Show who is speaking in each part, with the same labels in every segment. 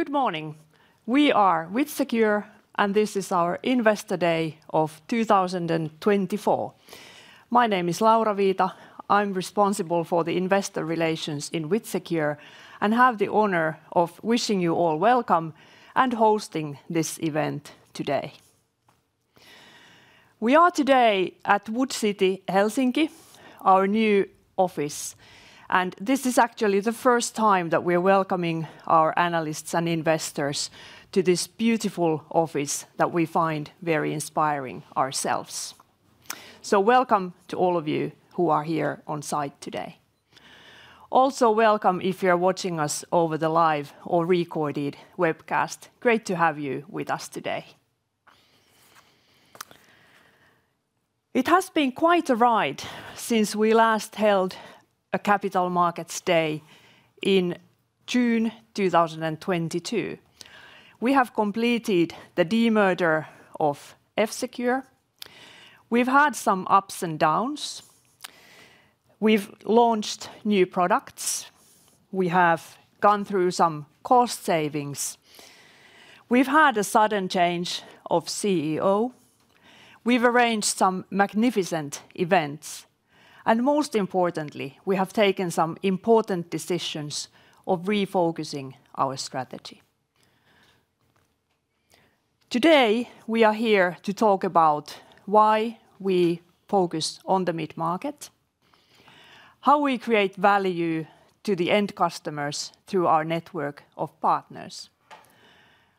Speaker 1: Good morning. We are WithSecure, and this is our Investor Day of 2024. My name is Laura Viita. I'm responsible for the investor relations in WithSecure and have the honor of wishing you all welcome and hosting this event today. We are today at Wood City, Helsinki, our new office. This is actually the first time that we are welcoming our analysts and investors to this beautiful office that we find very inspiring ourselves. So welcome to all of you who are here on site today. Also welcome if you're watching us over the live or recorded webcast. Great to have you with us today. It has been quite a ride since we last held a Capital Markets Day in June 2022. We have completed the demerger of F-Secure. We've had some ups and downs. We've launched new products. We have gone through some cost savings. We've had a sudden change of CEO. We've arranged some magnificent events. And most importantly, we have taken some important decisions of refocusing our strategy. Today, we are here to talk about why we focus on the mid-market, how we create value to the end customers through our network of partners,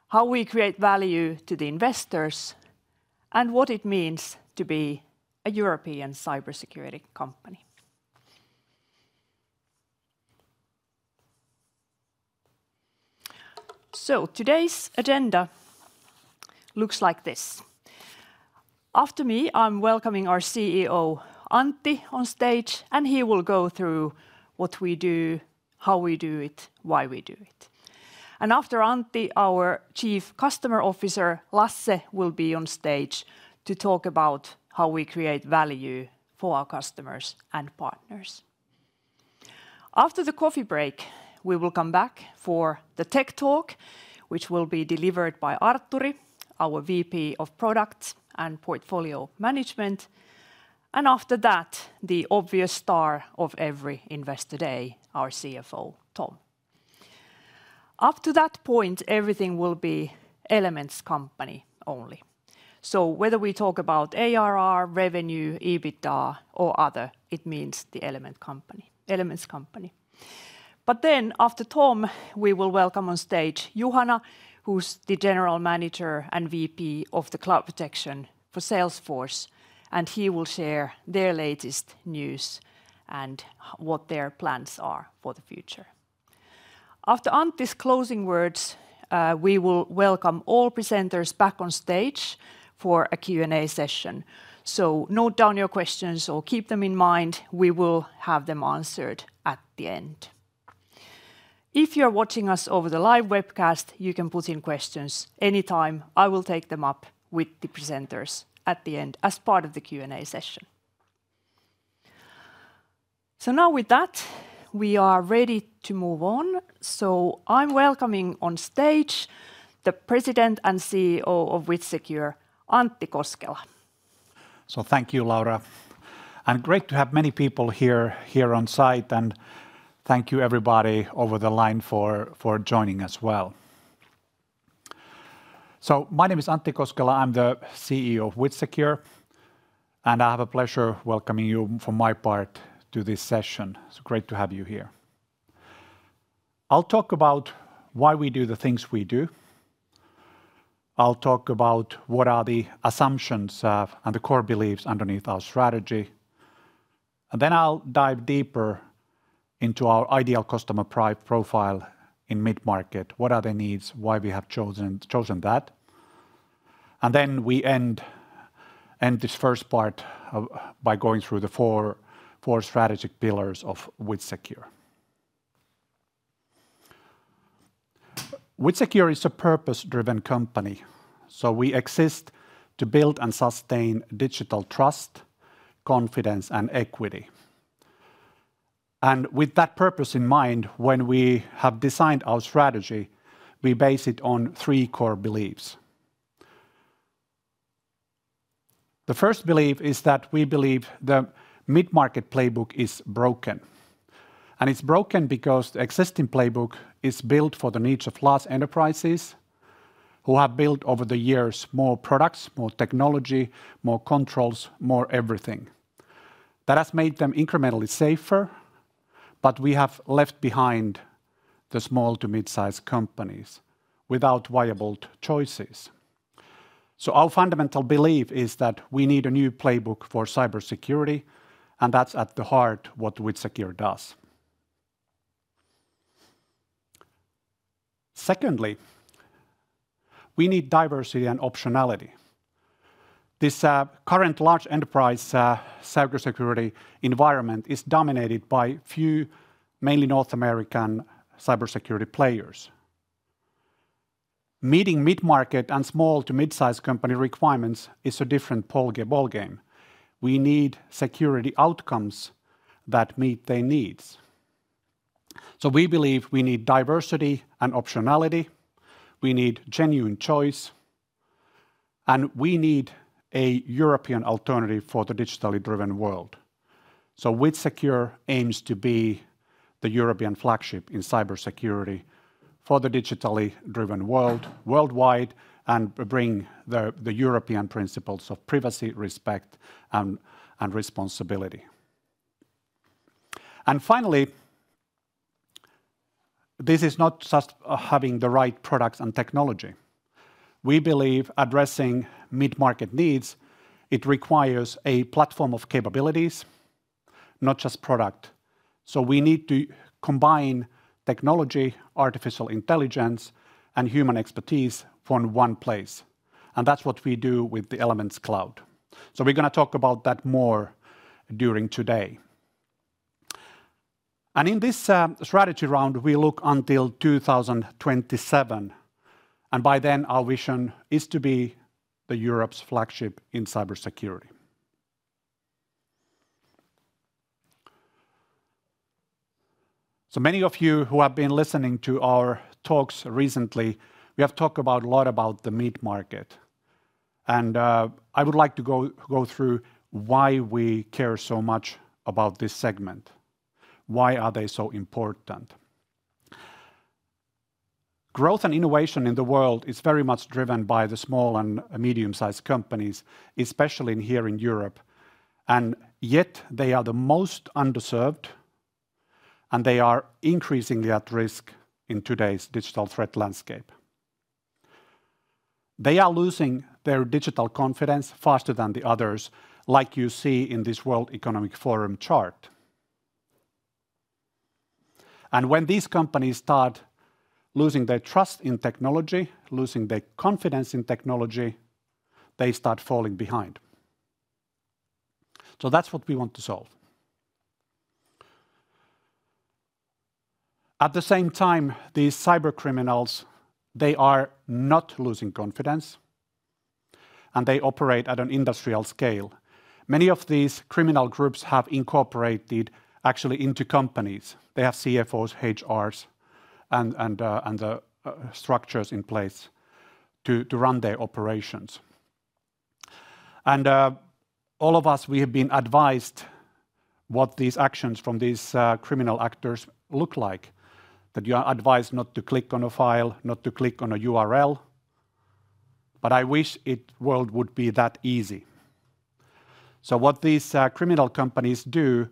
Speaker 1: how we create value to the investors, and what it means to be a European cybersecurity company. So today's agenda looks like this. After me, I'm welcoming our CEO, Antti, on stage, and he will go through what we do, how we do it, why we do it. And after Antti, our Chief Customer Officer, Lasse, will be on stage to talk about how we create value for our customers and partners. After the coffee break, we will come back for the tech talk, which will be delivered by Artturi, our VP of Product and Portfolio Management. And after that, the obvious star of every Investor Day, our CFO, Tom. Up to that point, everything will be Elements Company only. So whether we talk about ARR, revenue, EBITDA, or other, it means the Elements Company. But then after Tom, we will welcome on stage Juhana, who's the General Manager and VP of the Cloud Protection for Salesforce, and he will share their latest news and what their plans are for the future. After Antti's closing words, we will welcome all presenters back on stage for a Q&A session. So note down your questions or keep them in mind. We will have them answered at the end. If you're watching us over the live webcast, you can put in questions anytime. I will take them up with the presenters at the end as part of the Q&A session. So now with that, we are ready to move on. I'm welcoming on stage the President and CEO of WithSecure, Antti Koskela.
Speaker 2: Thank you, Laura. And great to have many people here on site. And thank you, everybody over the line, for joining as well. So my name is Antti Koskela. I'm the CEO of WithSecure. And I have the pleasure of welcoming you on my part to this session. It's great to have you here. I'll talk about why we do the things we do. I'll talk about what are the assumptions and the core beliefs underneath our strategy. And then I'll dive deeper into our ideal customer profile in mid-market. What are the needs? Why we have chosen that? And then we end this first part by going through the four strategic pillars of WithSecure. WithSecure is a purpose-driven company. So we exist to build and sustain digital trust, confidence, and equity. And with that purpose in mind, when we have designed our strategy, we base it on three core beliefs. The first belief is that we believe the mid-market playbook is broken. And it's broken because the existing playbook is built for the needs of large enterprises who have built over the years more products, more technology, more controls, more everything. That has made them incrementally safer, but we have left behind the small to mid-sized companies without viable choices. So our fundamental belief is that we need a new playbook for cybersecurity, and that's at the heart of what WithSecure does. Secondly, we need diversity and optionality. This current large enterprise cybersecurity environment is dominated by few, mainly North American cybersecurity players. Meeting mid-market and small to mid-sized company requirements is a different ballgame. We need security outcomes that meet their needs. So we believe we need diversity and optionality. We need genuine choice. And we need a European alternative for the digitally driven world. So WithSecure aims to be the European flagship in cybersecurity for the digitally driven world worldwide and bring the European principles of privacy, respect, and responsibility. And finally, this is not just having the right products and technology. We believe addressing mid-market needs, it requires a platform of capabilities, not just product. So we need to combine technology, artificial intelligence, and human expertise from one place. And that's what we do with the Elements Cloud. So we're going to talk about that more during today. And in this strategy round, we look until 2027. And by then, our vision is to be Europe's flagship in cybersecurity. So many of you who have been listening to our talks recently, we have talked a lot about the mid-market. I would like to go through why we care so much about this segment. Why are they so important? Growth and innovation in the world is very much driven by the small and medium-sized companies, especially here in Europe. Yet, they are the most underserved, and they are increasingly at risk in today's digital threat landscape. They are losing their digital confidence faster than the others, like you see in this World Economic Forum chart. When these companies start losing their trust in technology, losing their confidence in technology, they start falling behind. That's what we want to solve. At the same time, these cybercriminals, they are not losing confidence, and they operate at an industrial scale. Many of these criminal groups have incorporated actually into companies. They have CFOs, HRs, and structures in place to run their operations. And all of us, we have been advised what these actions from these criminal actors look like. That you are advised not to click on a file, not to click on a URL. But I wish the world would be that easy. So what these criminal companies do,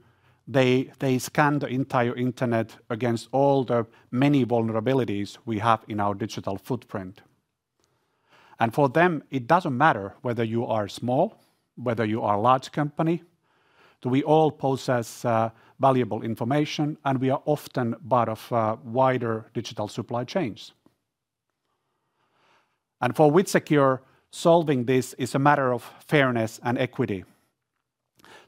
Speaker 2: they scan the entire internet against all the many vulnerabilities we have in our digital footprint. And for them, it doesn't matter whether you are small, whether you are a large company. We all possess valuable information, and we are often part of wider digital supply chains. And for WithSecure, solving this is a matter of fairness and equity.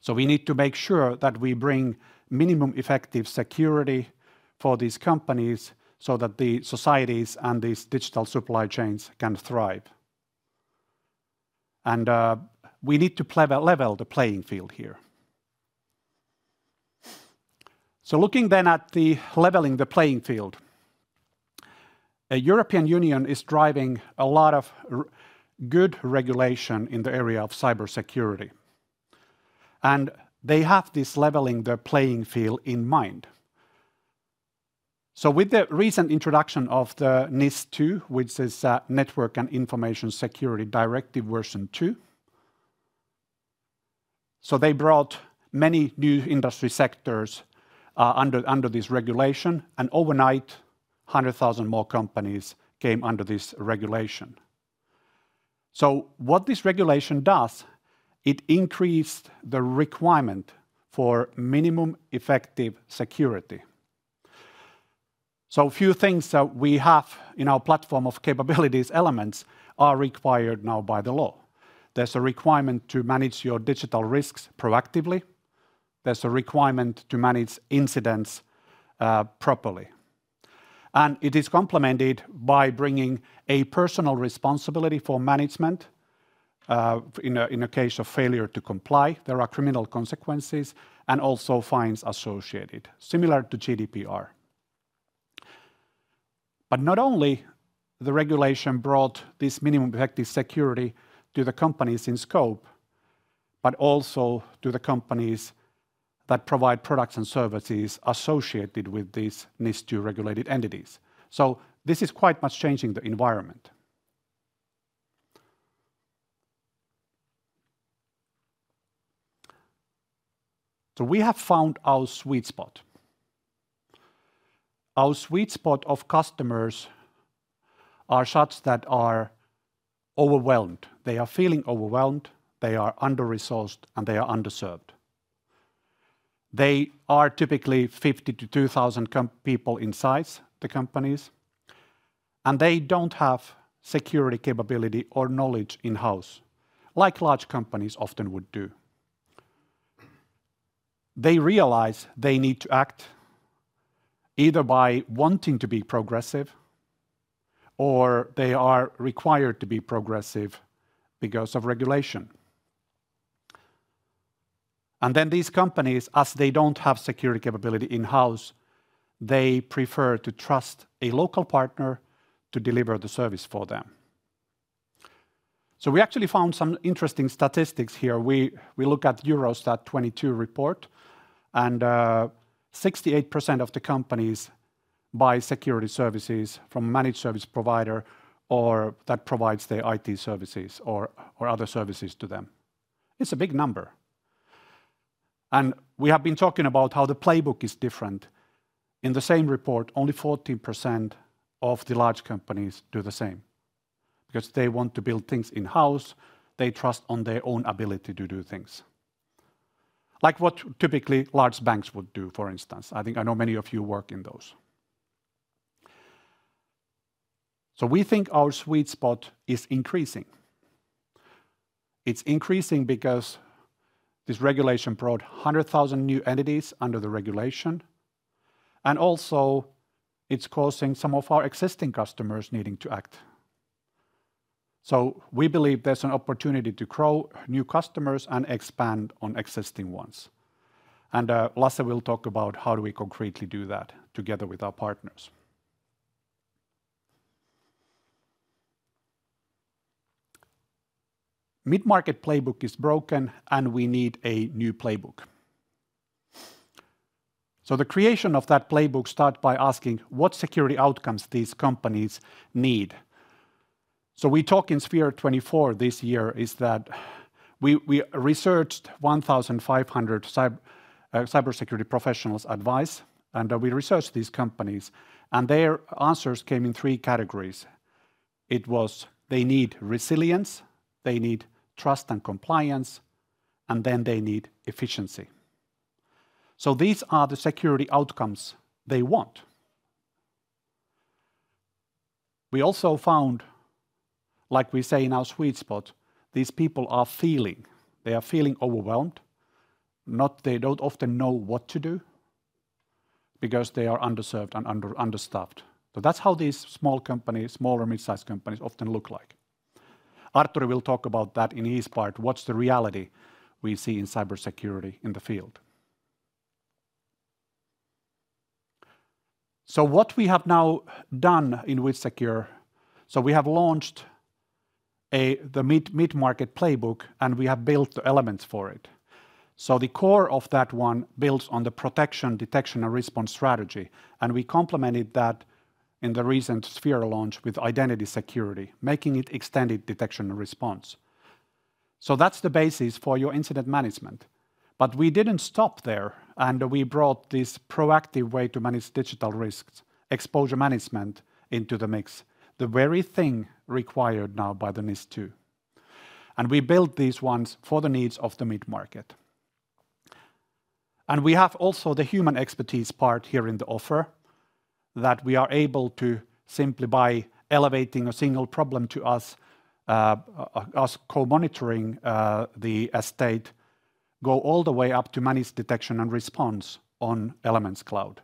Speaker 2: So we need to make sure that we bring Minimum Effective Security for these companies so that the societies and these digital supply chains can thrive. And we need to level the playing field here. So looking then at the leveling the playing field, the European Union is driving a lot of good regulation in the area of cybersecurity. And they have this leveling the playing field in mind. So with the recent introduction of the NIS2, which is Network and Information Security Directive version 2, so they brought many new industry sectors under this regulation, and overnight, 100,000 more companies came under this regulation. So what this regulation does, it increased the requirement for minimum effective security. So a few things that we have in our platform of capabilities, Elements, are required now by the law. There's a requirement to manage your digital risks proactively. There's a requirement to manage incidents properly. And it is complemented by bringing a personal responsibility for management in a case of failure to comply. There are criminal consequences and also fines associated, similar to GDPR. But not only the regulation brought this minimum effective security to the companies in scope, but also to the companies that provide products and services associated with these NIS2 regulated entities. This is quite much changing the environment. We have found our sweet spot. Our sweet spot of customers are shops that are overwhelmed. They are feeling overwhelmed. They are under-resourced, and they are underserved. They are typically 50-2,000 people in size, the companies. They don't have security capability or knowledge in-house, like large companies often would do. They realize they need to act either by wanting to be progressive, or they are required to be progressive because of regulation. These companies, as they don't have security capability in-house, they prefer to trust a local partner to deliver the service for them. We actually found some interesting statistics here. We look at the EuroSec 2022 report, and 68% of the companies buy security services from a managed service provider that provides their IT services or other services to them. It's a big number. And we have been talking about how the playbook is different. In the same report, only 14% of the large companies do the same because they want to build things in-house. They trust on their own ability to do things, like what typically large banks would do, for instance. I think I know many of you work in those. So we think our sweet spot is increasing. It's increasing because this regulation brought 100,000 new entities under the regulation. And also, it's causing some of our existing customers needing to act. So we believe there's an opportunity to grow new customers and expand on existing ones. Lasse will talk about how we concretely do that together with our partners. Mid-market playbook is broken, and we need a new playbook. The creation of that playbook starts by asking what security outcomes these companies need. We talk in SPHERE 24 this year is that we researched 1,500 cybersecurity professionals' advice, and we researched these companies. Their answers came in three categories. It was they need resilience, they need trust and compliance, and then they need efficiency. These are the security outcomes they want. We also found, like we say in our sweet spot, these people are feeling. They are feeling overwhelmed. They don't often know what to do because they are underserved and understaffed. That's how these small companies, small or mid-sized companies often look like. Artturi will talk about that in his part. What's the reality we see in cybersecurity in the field? So what we have now done in WithSecure, so we have launched the mid-market playbook, and we have built the Elements for it. So the core of that one builds on the protection, detection, and response strategy. And we complemented that in the recent Sphere launch with Identity Security, making it extended detection and response. So that's the basis for your incident management. But we didn't stop there, and we brought this proactive way to manage digital risks, Exposure Management into the mix, the very thing required now by the NIS2. And we built these ones for the needs of the mid-market. And we have also the human expertise part here in the offer that we are able to simply by elevating a single problem to us, Co-monitoring the estate, go all the way up to Managed Detection and Response on Elements Cloud.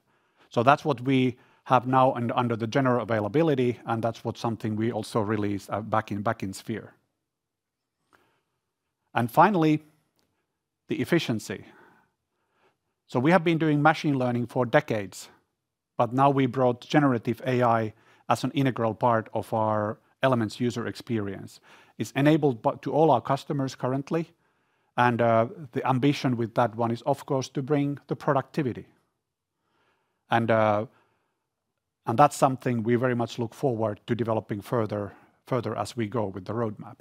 Speaker 2: So that's what we have now and under the general availability, and that's something we also released back in Q3. And finally, the efficiency. So we have been doing machine learning for decades, but now we brought generative AI as an integral part of our Elements user experience. It's enabled to all our customers currently, and the ambition with that one is, of course, to bring the productivity. And that's something we very much look forward to developing further as we go with the roadmap.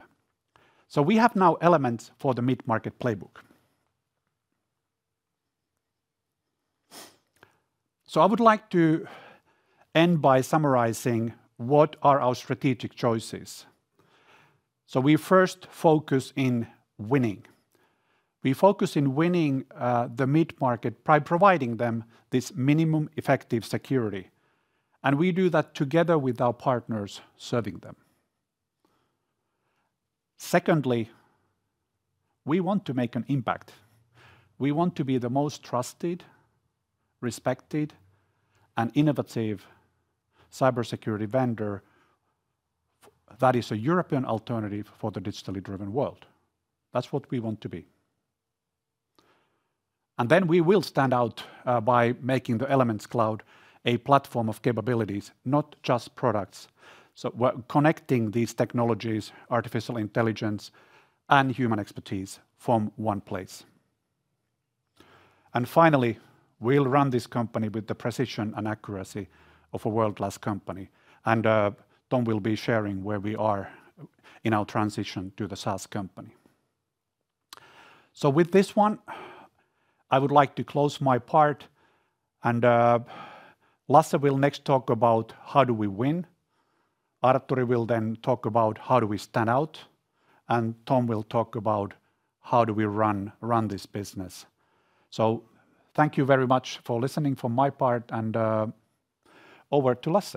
Speaker 2: So we have now Elements for the mid-market playbook. So I would like to end by summarizing what are our strategic choices. We first focus on winning. We focus on winning the mid-market by providing them this minimum effective security. We do that together with our partners serving them. Secondly, we want to make an impact. We want to be the most trusted, respected, and innovative cybersecurity vendor that is a European alternative for the digitally driven world. That's what we want to be. We will stand out by making the Elements Cloud a platform of capabilities, not just products. We're connecting these technologies, artificial intelligence, and human expertise from one place. Finally, we'll run this company with the precision and accuracy of a world-class company. Tom will be sharing where we are in our transition to the SaaS company. With this one, I would like to close my part. Lasse will next talk about how do we win. Artturi will then talk about how do we stand out. Tom will talk about how do we run this business. Thank you very much for listening from my part, and over to Lasse.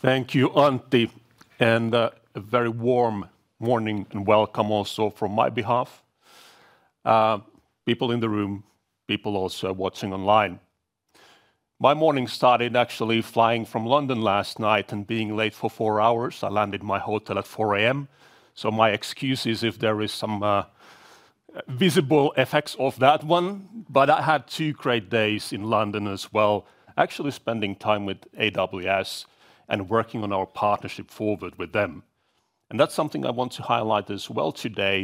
Speaker 3: Thank you, Antti. A very warm morning and welcome also from my behalf. People in the room, people also watching online. My morning started actually flying from London last night and being late for four hours. I landed in my hotel at 4:00 A.M. My excuse is if there is some visible effects of that one. I had two great days in London as well, actually spending time with AWS and working on our partnership forward with them. That's something I want to highlight as well today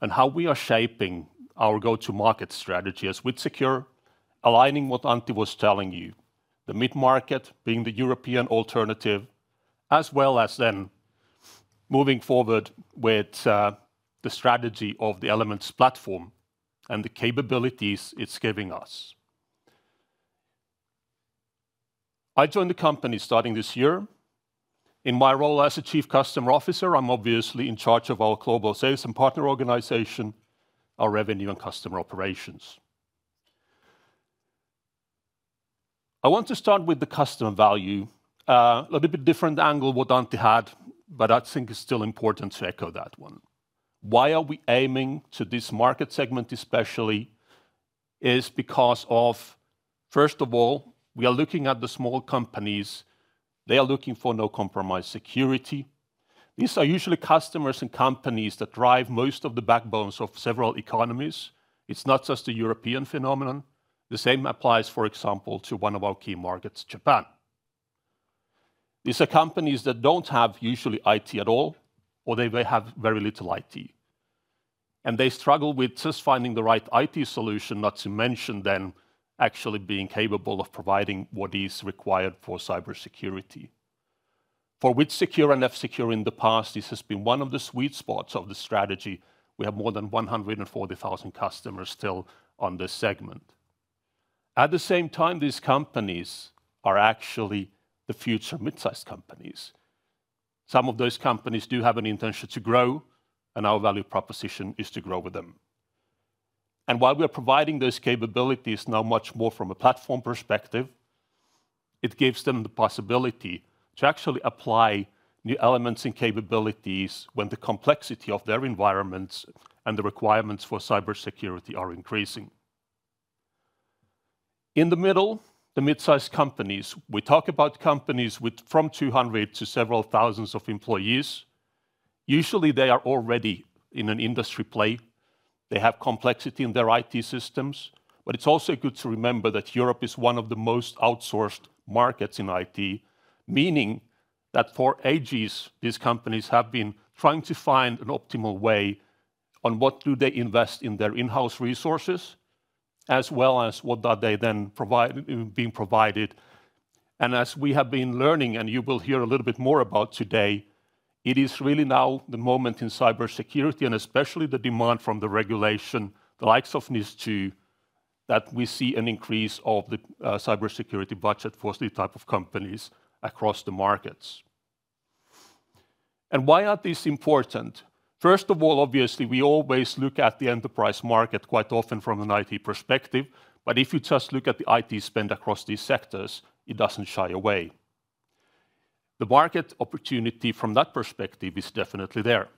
Speaker 3: and how we are shaping our go-to-market strategy as WithSecure, aligning what Antti was telling you, the mid-market being the European alternative, as well as then moving forward with the strategy of the Elements platform and the capabilities it's giving us. I joined the company starting this year. In my role as a Chief Customer Officer, I'm obviously in charge of our global sales and partner organization, our revenue and customer operations. I want to start with the customer value, a little bit different angle what Antti had, but I think it's still important to echo that one. Why are we aiming to this market segment especially is because of, first of all, we are looking at the small companies. They are looking for no-compromise security. These are usually customers and companies that drive most of the backbones of several economies. It's not just a European phenomenon. The same applies, for example, to one of our key markets, Japan. These are companies that don't have usually IT at all, or they may have very little IT, and they struggle with just finding the right IT solution, not to mention then actually being capable of providing what is required for cybersecurity. For WithSecure and F-Secure in the past, this has been one of the sweet spots of the strategy. We have more than 140,000 customers still on this segment. At the same time, these companies are actually the future mid-sized companies. Some of those companies do have an intention to grow, and our value proposition is to grow with them. And while we are providing those capabilities now much more from a platform perspective, it gives them the possibility to actually apply new elements and capabilities when the complexity of their environments and the requirements for cybersecurity are increasing. In the middle, the mid-sized companies. We talk about companies from 200 to several thousands of employees. Usually, they are already in an industry play. They have complexity in their IT systems. But it's also good to remember that Europe is one of the most outsourced markets in IT, meaning that for ages, these companies have been trying to find an optimal way on what do they invest in their in-house resources, as well as what are they then being provided. And as we have been learning, and you will hear a little bit more about today, it is really now the moment in cybersecurity, and especially the demand from the regulation, the likes of NIS2, that we see an increase of the cybersecurity budget for the type of companies across the markets. And why are these important? First of all, obviously, we always look at the enterprise market quite often from an IT perspective. But if you just look at the IT spend across these sectors, it doesn't shy away. The market opportunity from that perspective is definitely there.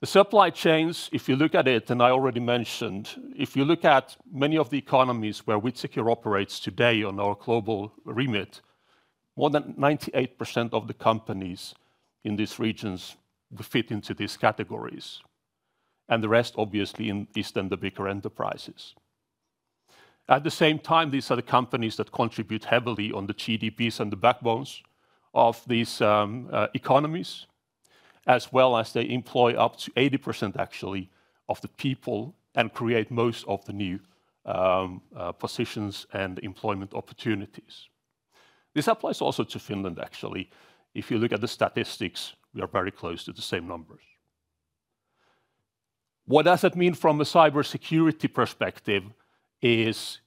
Speaker 3: The supply chains, if you look at it, and I already mentioned, if you look at many of the economies where WithSecure operates today on our global remit, more than 98% of the companies in these regions fit into these categories. And the rest, obviously, is then the bigger enterprises. At the same time, these are the companies that contribute heavily on the GDPs and the backbones of these economies, as well as they employ up to 80% actually of the people and create most of the new positions and employment opportunities. This applies also to Finland, actually. If you look at the statistics, we are very close to the same numbers. What does it mean from a cybersecurity perspective is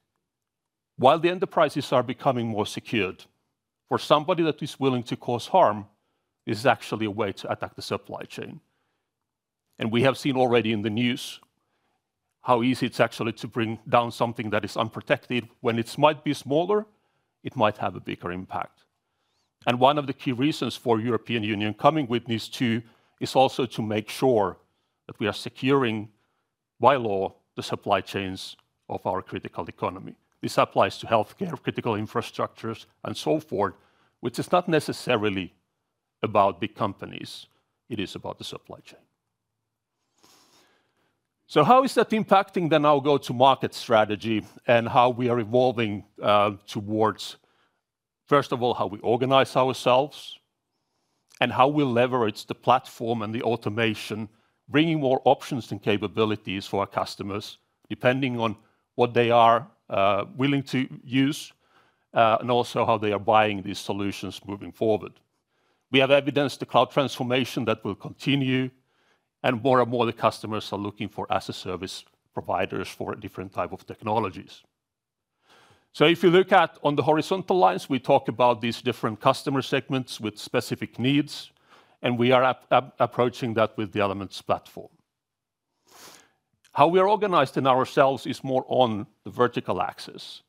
Speaker 3: while the enterprises are becoming more secured, for somebody that is willing to cause harm, it is actually a way to attack the supply chain. And we have seen already in the news how easy it's actually to bring down something that is unprotected. When it might be smaller, it might have a bigger impact. One of the key reasons for the European Union coming with NIS2 is also to make sure that we are securing by law the supply chains of our critical economy. This applies to healthcare, critical infrastructures, and so forth, which is not necessarily about big companies. It is about the supply chain. So how is that impacting then our go-to-market strategy and how we are evolving towards, first of all, how we organize ourselves and how we leverage the platform and the automation, bringing more options and capabilities for our customers depending on what they are willing to use and also how they are buying these solutions moving forward. We have evidence of the cloud transformation that will continue, and more and more the customers are looking for as-a-service providers for different types of technologies. So if you look at on the horizontal lines, we talk about these different customer segments with specific needs, and we are approaching that with the Elements platform. How we are organized in ourselves is more on the vertical axis.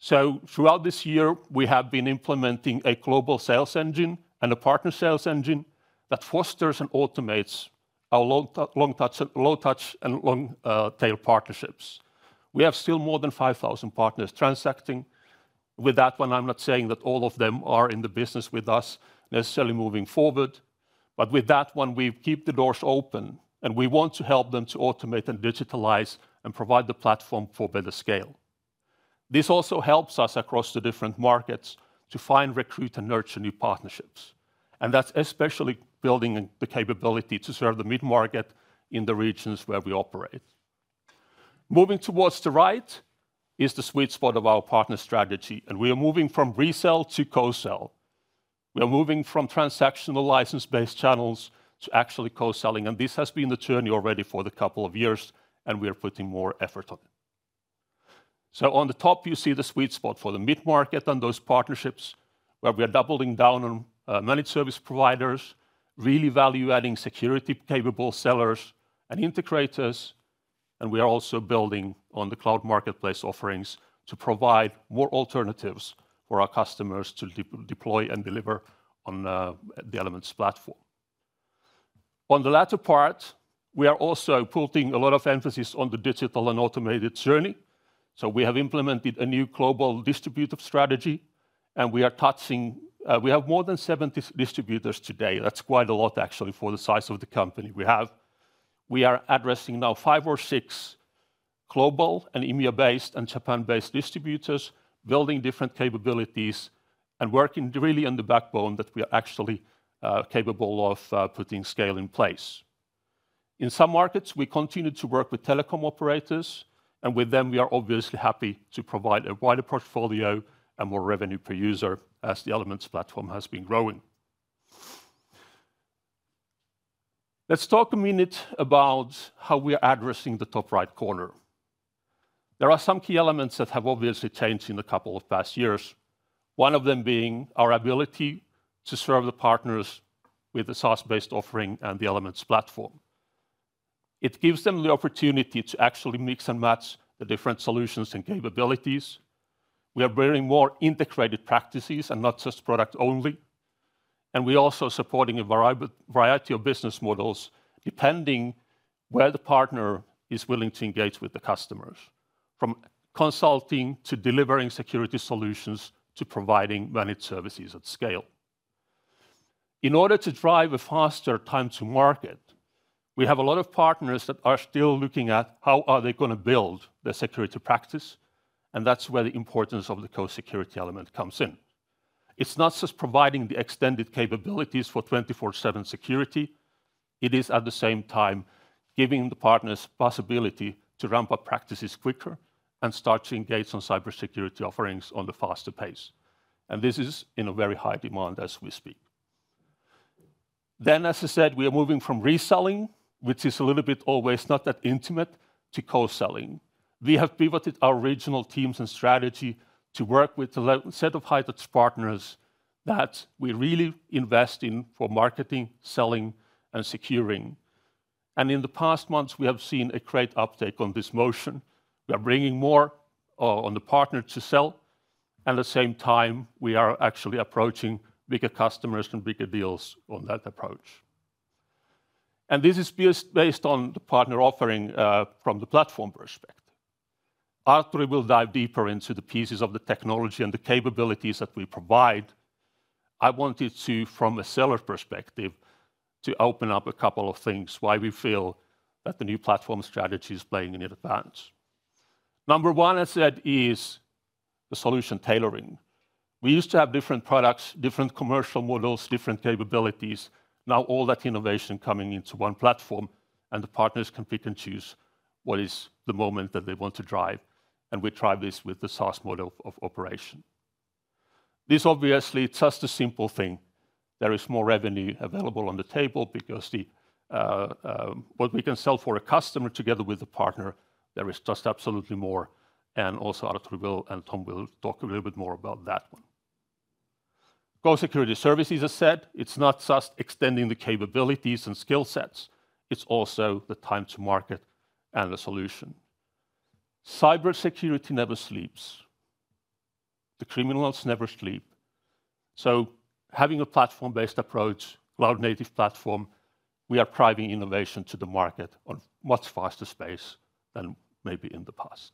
Speaker 3: So throughout this year, we have been implementing a global sales engine and a partner sales engine that fosters and automates our long-touch and long-tail partnerships. We have still more than 5,000 partners transacting. With that one, I'm not saying that all of them are in the business with us necessarily moving forward. But with that one, we keep the doors open, and we want to help them to automate and digitalize and provide the platform for better scale. This also helps us across the different markets to find, recruit, and nurture new partnerships. And that's especially building the capability to serve the mid-market in the regions where we operate. Moving towards the right is the sweet spot of our partner strategy, and we are moving from resale to co-sell. We are moving from transactional license-based channels to actually co-selling, and this has been the journey already for the couple of years, and we are putting more effort on it, so on the top, you see the sweet spot for the mid-market and those partnerships where we are doubling down on managed service providers, really value-adding security-capable sellers and integrators, and we are also building on the cloud marketplace offerings to provide more alternatives for our customers to deploy and deliver on the Elements platform. On the latter part, we are also putting a lot of emphasis on the digital and automated journey, so we have implemented a new global distribution strategy, and we have more than 70 distributors today. That's quite a lot actually for the size of the company we have. We are addressing now five or six global and EMEA-based and Japan-based distributors, building different capabilities and working really on the backbone that we are actually capable of putting scale in place. In some markets, we continue to work with telecom operators, and with them, we are obviously happy to provide a wider portfolio and more revenue per user as the Elements platform has been growing. Let's talk a minute about how we are addressing the top right corner. There are some key elements that have obviously changed in the couple of past years, one of them being our ability to serve the partners with the SaaS-based offering and the Elements platform. It gives them the opportunity to actually mix and match the different solutions and capabilities. We are bringing more integrated practices and not just product-only. We are also supporting a variety of business models depending on where the partner is willing to engage with the customers, from consulting to delivering security solutions to providing managed services at scale. In order to drive a faster time to market, we have a lot of partners that are still looking at how are they going to build their security practice, and that's where the importance of the co-security element comes in. It's not just providing the extended capabilities for 24/7 security. It is at the same time giving the partners the possibility to ramp up practices quicker and start to engage on cybersecurity offerings on the faster pace. And this is in a very high demand as we speak. As I said, we are moving from reselling, which is a little bit always not that intimate, to co-selling. We have pivoted our regional teams and strategy to work with a set of high-touch partners that we really invest in for marketing, selling, and securing. And in the past months, we have seen a great uptake on this motion. We are bringing more on the partner to sell. At the same time, we are actually approaching bigger customers and bigger deals on that approach. And this is based on the partner offering from the platform perspective. Artturi will dive deeper into the pieces of the technology and the capabilities that we provide. I wanted to, from a seller perspective, open up a couple of things why we feel that the new platform strategy is playing in advance. Number one, as I said, is the solution tailoring. We used to have different products, different commercial models, different capabilities. Now all that innovation is coming into one platform, and the partners can pick and choose what is the module that they want to drive. And we tried this with the SaaS model of operation. This obviously is just a simple thing. There is more revenue available on the table because what we can sell for a customer together with the partner, there is just absolutely more. And also Artturi will and Tom will talk a little bit more about that one. Co-Security Services, as I said, it's not just extending the capabilities and skill sets. It's also the time to market and the solution. Cybersecurity never sleeps. The criminals never sleep. So having a platform-based approach, cloud-native platform, we are driving innovation to the market on a much faster pace than maybe in the past.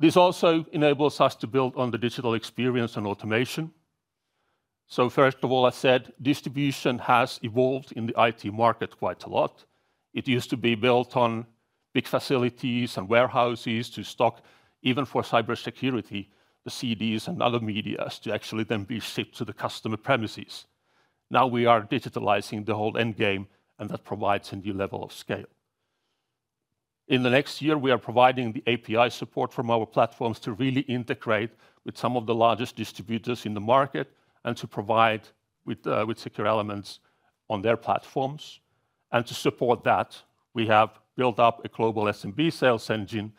Speaker 3: This also enables us to build on the digital experience and automation. So first of all, I said, distribution has evolved in the IT market quite a lot. It used to be built on big facilities and warehouses to stock, even for cybersecurity, the CDs and other media to actually then be shipped to the customer premises. Now we are digitizing the whole end game, and that provides a new level of scale. In the next year, we are providing the API support from our platforms to really integrate with some of the largest distributors in the market and to provide WithSecure Elements on their platforms. And to support that, we have built up a global SMB sales engine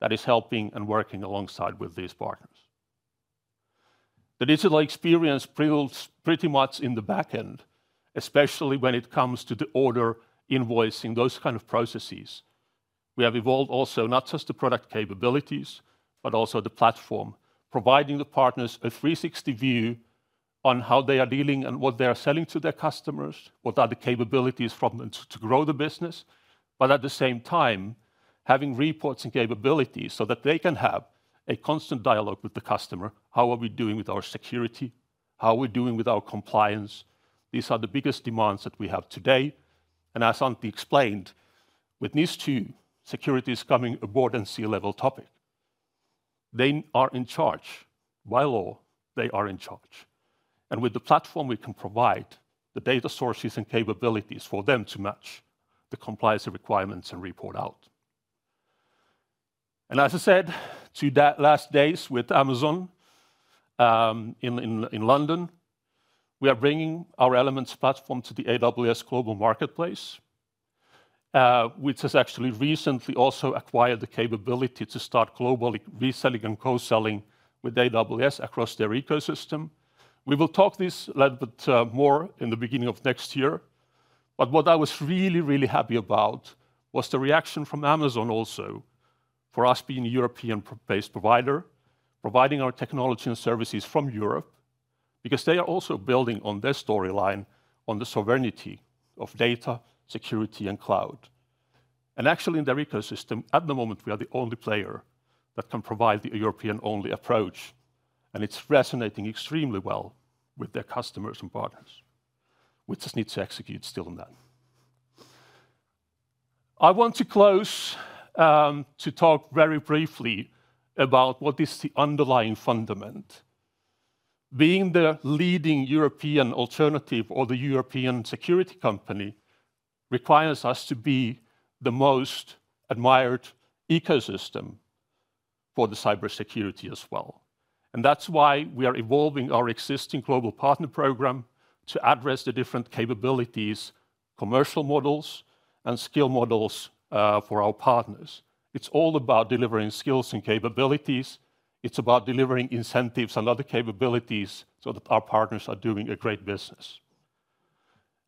Speaker 3: that is helping and working alongside with these partners. The digital experience builds pretty much in the backend, especially when it comes to the order invoicing, those kinds of processes. We have evolved also not just the product capabilities, but also the platform, providing the partners a 360 view on how they are dealing and what they are selling to their customers, what are the capabilities from them to grow the business, but at the same time, having reports and capabilities so that they can have a constant dialogue with the customer. How are we doing with our security? How are we doing with our compliance? These are the biggest demands that we have today, and as Antti explained, with NIS2, security is coming on board as a C-level topic. They are in charge. By law, they are in charge, and with the platform, we can provide the data sources and capabilities for them to match the compliance requirements and report out. As I said, two last days with Amazon in London, we are bringing our Elements platform to the AWS global marketplace, which has actually recently also acquired the capability to start global reselling and co-selling with AWS across their ecosystem. We will talk this a little bit more in the beginning of next year. But what I was really, really happy about was the reaction from Amazon also for us being a European-based provider, providing our technology and services from Europe because they are also building on their storyline on the sovereignty of data, security, and cloud. Actually, in their ecosystem, at the moment, we are the only player that can provide the European-only approach. And it's resonating extremely well with their customers and partners, which just needs to execute still on that. I want to close to talk very briefly about what is the underlying fundament. Being the leading European alternative or the European security company requires us to be the most admired ecosystem for the cybersecurity as well, and that's why we are evolving our existing global partner program to address the different capabilities, commercial models, and skill models for our partners. It's all about delivering skills and capabilities. It's about delivering incentives and other capabilities so that our partners are doing a great business.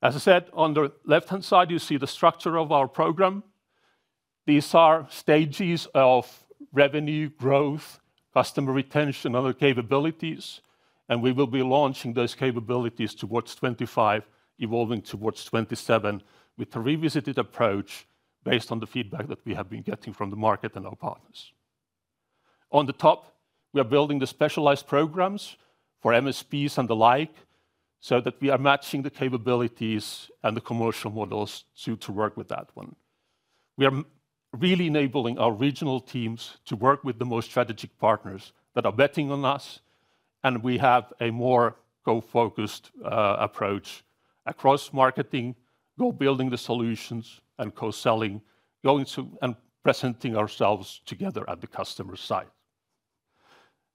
Speaker 3: As I said, on the left-hand side, you see the structure of our program. These are stages of revenue, growth, customer retention, and other capabilities, and we will be launching those capabilities towards 2025, evolving towards 2027 with a revisited approach based on the feedback that we have been getting from the market and our partners. On top, we are building the specialized programs for MSPs and the like so that we are matching the capabilities and the commercial models to work with that one. We are really enabling our regional teams to work with the most strategic partners that are betting on us. We have a more goal-focused approach across marketing, co-building the solutions, and co-selling, going to and presenting ourselves together at the customer's side.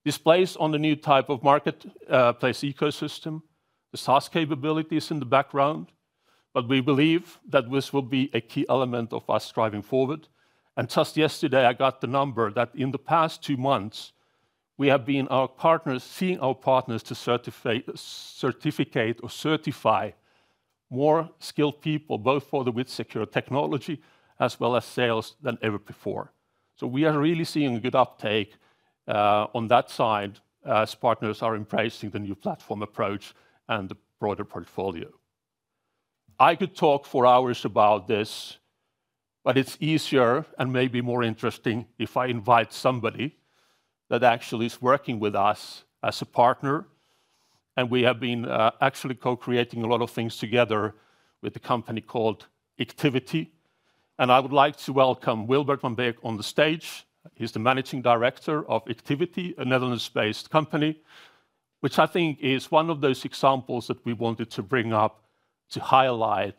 Speaker 3: This plays on the new type of marketplace ecosystem. The SaaS capability is in the background, but we believe that this will be a key element of us driving forward. Just yesterday, I got the number that in the past two months, we have been seeing our partners certify more skilled people, both for the WithSecure technology as well as sales than ever before. We are really seeing a good uptake on that side as partners are embracing the new platform approach and the broader portfolio. I could talk for hours about this, but it's easier and maybe more interesting if I invite somebody that actually is working with us as a partner. And we have been actually co-creating a lot of things together with a company called Ictivity. And I would like to welcome Wilbert van Beek on the stage. He's the Managing Director of Ictivity, a Netherlands-based company, which I think is one of those examples that we wanted to bring up to highlight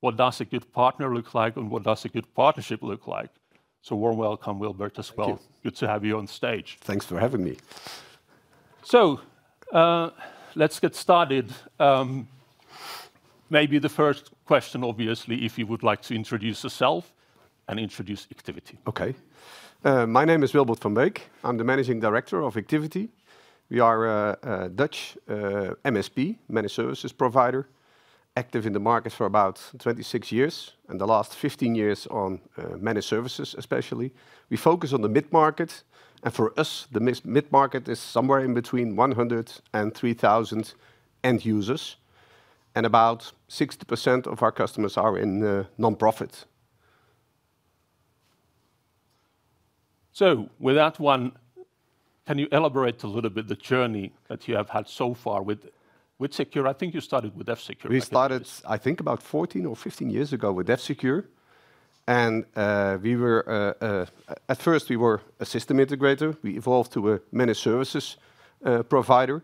Speaker 3: what does a good partner look like and what does a good partnership look like. So warm welcome, Wilbert, as well. Good to have you on stage. Thanks for having me. So let's get started. Maybe the first question, obviously, if you would like to introduce yourself and introduce, Ictivity.
Speaker 4: Okay. My name is Wilbert van Beek. I'm the managing director of Ictivity. We are a Dutch MSP, managed services provider, active in the market for about 26 years, and the last 15 years on managed services, especially. We focus on the mid-market. And for us, the mid-market is somewhere in between 100 and 3,000 end users. And about 60% of our customers are in nonprofit.
Speaker 3: So with that one, can you elaborate a little bit on the journey that you have had so far with F-Secure? I think you started with F-Secure.
Speaker 4: We started, I think, about 14 or 15 years ago with F-Secure. And at first, we were a system integrator. We evolved to a managed services provider.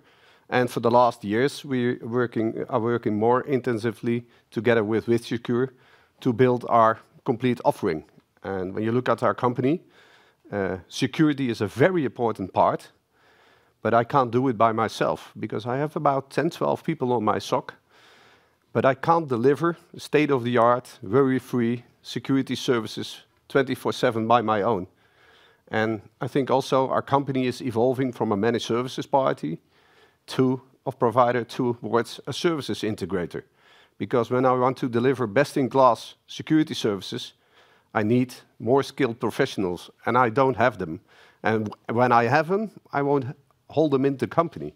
Speaker 4: And for the last years, we are working more intensively together with WithSecure to build our complete offering. And when you look at our company, security is a very important part, but I can't do it by myself because I have about 10, 12 people on my SOC. But I can't deliver state-of-the-art, very free security services 24/7 on my own. And I think also our company is evolving from a managed services provider towards a services integrator. Because when I want to deliver best-in-class security services, I need more skilled professionals, and I don't have them. And when I have them, I won't hold them in the company.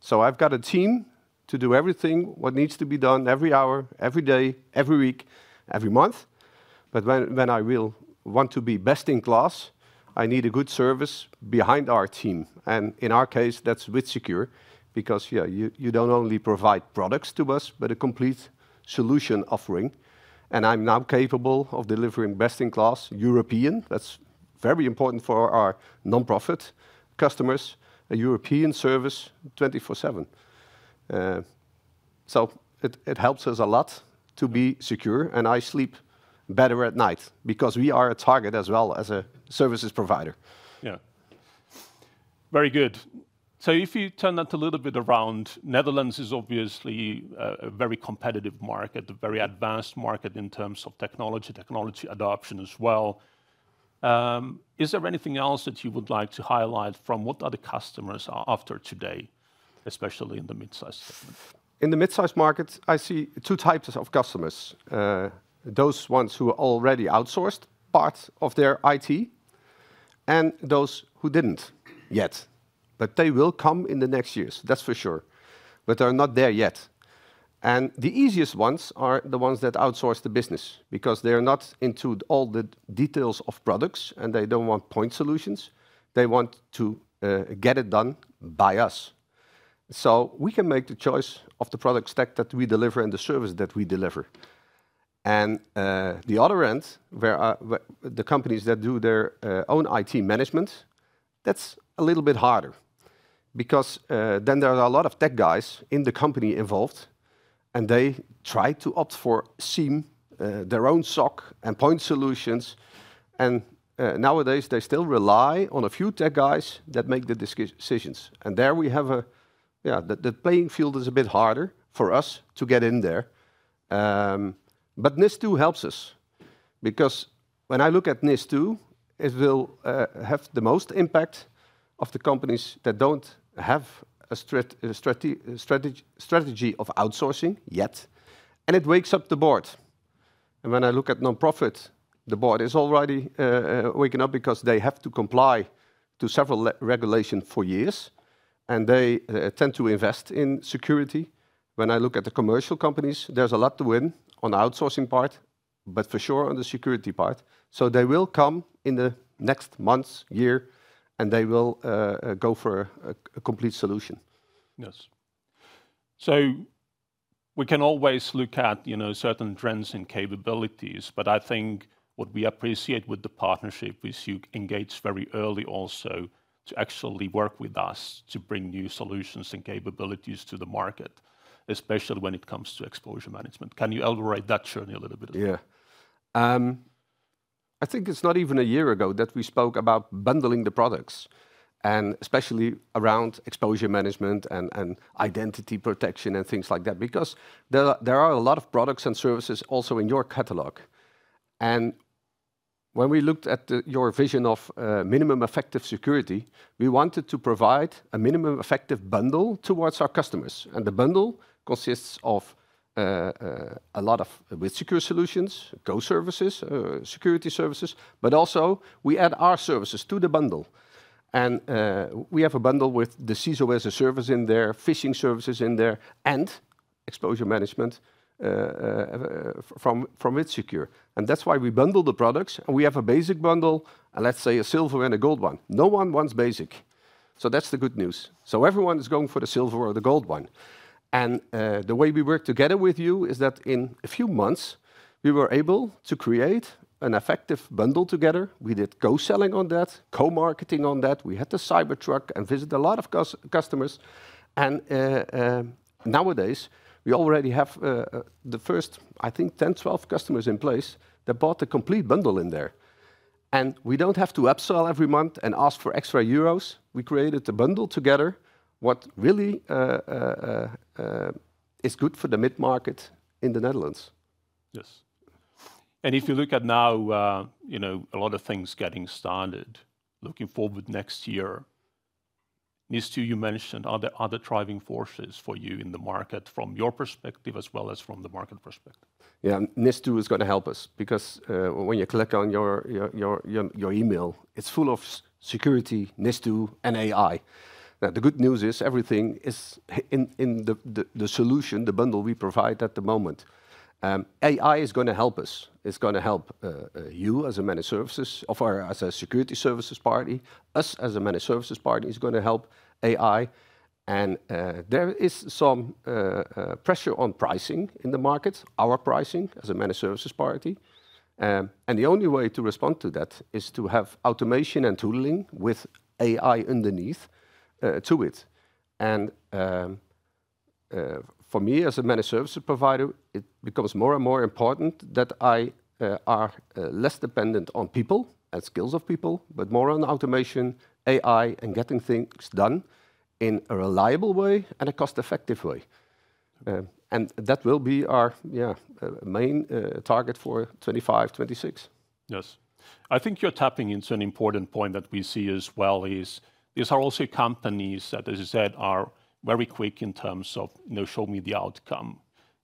Speaker 4: So I've got a team to do everything that needs to be done every hour, every day, every week, every month. But when I will want to be best-in-class, I need a good service behind our team. And in our case, that's WithSecure because you don't only provide products to us, but a complete solution offering. And I'm now capable of delivering best-in-class European. That's very important for our nonprofit customers, a European service 24/7. So it helps us a lot to be secure, and I sleep better at night because we are a target as well as a services provider.
Speaker 3: Yeah. Very good. If you turn that a little bit around, Netherlands is obviously a very competitive market, a very advanced market in terms of technology, technology adoption as well. Is there anything else that you would like to highlight from what other customers are after today, especially in the mid-size segment?
Speaker 4: In the mid-size market, I see two types of customers. Those ones who are already outsourced part of their IT and those who didn't yet. But they will come in the next years, that's for sure. But they're not there yet. And the easiest ones are the ones that outsource the business because they are not into all the details of products, and they don't want point solutions. They want to get it done by us. So we can make the choice of the product stack that we deliver and the service that we deliver. And the other end, the companies that do their own IT management, that's a little bit harder because then there are a lot of tech guys in the company involved, and they try to opt for SIEM, their own SOC, and point solutions. And nowadays, they still rely on a few tech guys that make the decisions. And there we have, yeah, the playing field is a bit harder for us to get in there. But NIS2 helps us because when I look at NIS2, it will have the most impact of the companies that don't have a strategy of outsourcing yet. And it wakes up the board. And when I look at nonprofit, the board is already waking up because they have to comply to several regulations for years. And they tend to invest in security. When I look at the commercial companies, there's a lot to win on the outsourcing part, but for sure on the security part. So they will come in the next month, year, and they will go for a complete solution.
Speaker 3: Yes. So we can always look at certain trends and capabilities, but I think what we appreciate with the partnership is you engage very early also to actually work with us to bring new solutions and capabilities to the market, especially when it comes to exposure management. Can you elaborate that journey a little bit?
Speaker 4: Yeah. I think it's not even a year ago that we spoke about bundling the products, and especially around exposure management and identity protection and things like that because there are a lot of products and services also in your catalog. And when we looked at your vision of minimum effective security, we wanted to provide a minimum effective bundle towards our customers. And the bundle consists of a lot of WithSecure solutions, Co-security services, security services, but also we add our services to the bundle. And we have a bundle with the CISO as a service in there, phishing services in there, and exposure management from WithSecure. And that's why we bundle the products. And we have a basic bundle and let's say a silver and a gold one. No one wants basic. So that's the good news. So everyone is going for the silver or the gold one. And the way we work together with you is that in a few months, we were able to create an effective bundle together. We did co-selling on that, co-marketing on that. We had the Cyber Truck and visited a lot of customers. And nowadays, we already have the first, I think, 10-12 customers in place that bought the complete bundle in there. And we don't have to upsell every month and ask for extra Euros. We created the bundle together, what really is good for the mid-market in the Netherlands.
Speaker 3: Yes. And if you look at now, a lot of things getting started, looking forward next year, NIS2, you mentioned, are there other driving forces for you in the market from your perspective as well as from the market perspective?
Speaker 4: Yeah, NIS2 is going to help us because when you click on your email, it's full of security, NIS2, and AI. Now, the good news is everything is in the solution, the bundle we provide at the moment. AI is going to help us. It's going to help you as a managed services or as a security services party. Us as a managed services party is going to help AI. And there is some pressure on pricing in the market, our pricing as a managed services party. And the only way to respond to that is to have automation and tooling with AI underneath to it. And for me, as a managed services provider, it becomes more and more important that I are less dependent on people and skills of people, but more on automation, AI, and getting things done in a reliable way and a cost-effective way. And that will be our, yeah, main target for 2025, 2026.
Speaker 3: Yes. I think you're tapping into an important point that we see as well is these are also companies that, as you said, are very quick in terms of, you know, show me the outcome,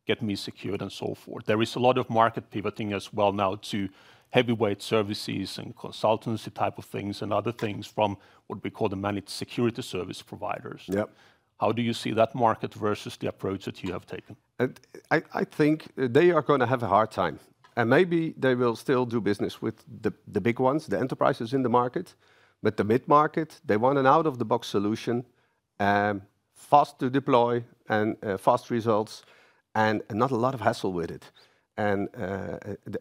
Speaker 3: get me secured, and so forth. There is a lot of market pivoting as well now to heavyweight services and consultancy type of things and other things from what we call the managed security service providers. How do you see that market versus the approach that you have taken?
Speaker 4: I think they are going to have a hard time. And maybe they will still do business with the big ones, the enterprises in the market. But the mid-market, they want an out-of-the-box solution, fast to deploy, and fast results, and not a lot of hassle with it. And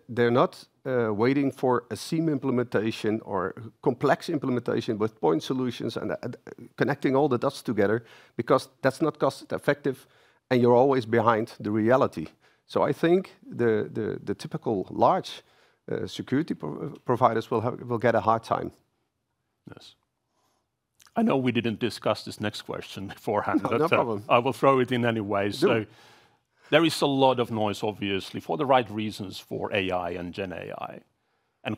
Speaker 4: they're not waiting for a SIEM implementation or complex implementation with point solutions and connecting all the dots together because that's not cost-effective, and you're always behind the reality. So I think the typical large security providers will get a hard time.
Speaker 3: Yes. I know we didn't discuss this next question beforehand, but I will throw it in anyway. So there is a lot of noise, obviously, for the right reasons for AI and GenAI.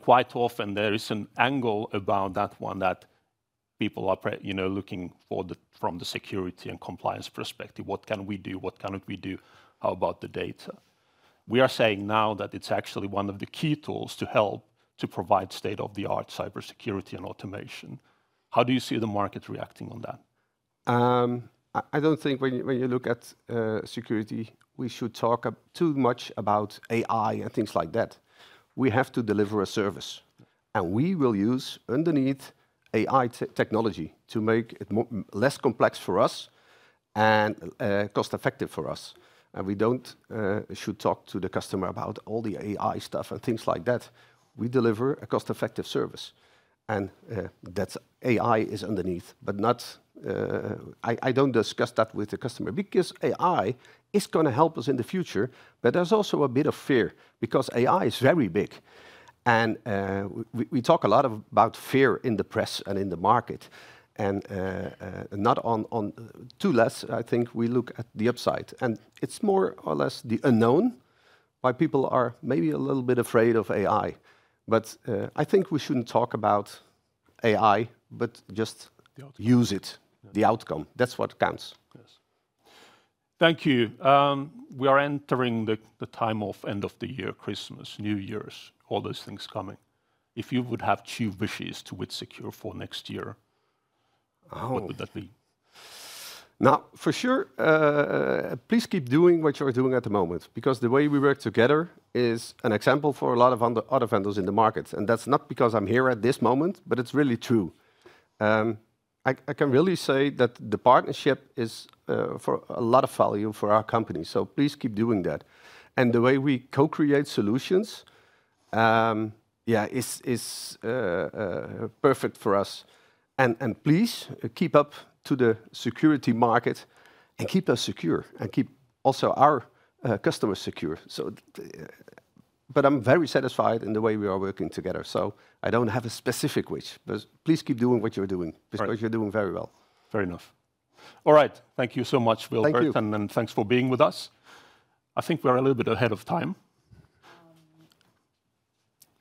Speaker 3: Quite often, there is an angle about that one that people are looking for from the security and compliance perspective. What can we do? What can't we do? How about the data? We are saying now that it's actually one of the key tools to help to provide state-of-the-art cybersecurity and automation. How do you see the market reacting on that?
Speaker 4: I don't think when you look at security, we should talk too much about AI and things like that. We have to deliver a service, and we will use underneath AI technology to make it less complex for us and cost-effective for us. And we don't should talk to the customer about all the AI stuff and things like that. We deliver a cost-effective service. And that AI is underneath, but I don't discuss that with the customer because AI is going to help us in the future. But there's also a bit of fear because AI is very big. And we talk a lot about fear in the press and in the market, and not too less. I think we look at the upside, and it's more or less the unknown. Why people are maybe a little bit afraid of AI. But I think we shouldn't talk about AI, but just use it, the outcome. That's what counts.
Speaker 3: Yes. Thank you. We are entering the time of end of the year, Christmas, New Year's, all those things coming. If you would have two wishes to WithSecure for next year, what would that be?
Speaker 4: Now, for sure, please keep doing what you're doing at the moment because the way we work together is an example for a lot of other vendors in the market. And that's not because I'm here at this moment, but it's really true. I can really say that the partnership is of a lot of value for our company. So please keep doing that. And the way we co-create solutions, yeah, is perfect for us. And please keep up with the security market and keep us secure and keep also our customers secure. But I'm very satisfied with the way we are working together. So I don't have a specific wish, but please keep doing what you're doing because you're doing very well.
Speaker 3: Fair enough. All right. Thank you so much, Wilbert.
Speaker 4: Thank you.
Speaker 3: And thanks for being with us. I think we are a little bit ahead of time.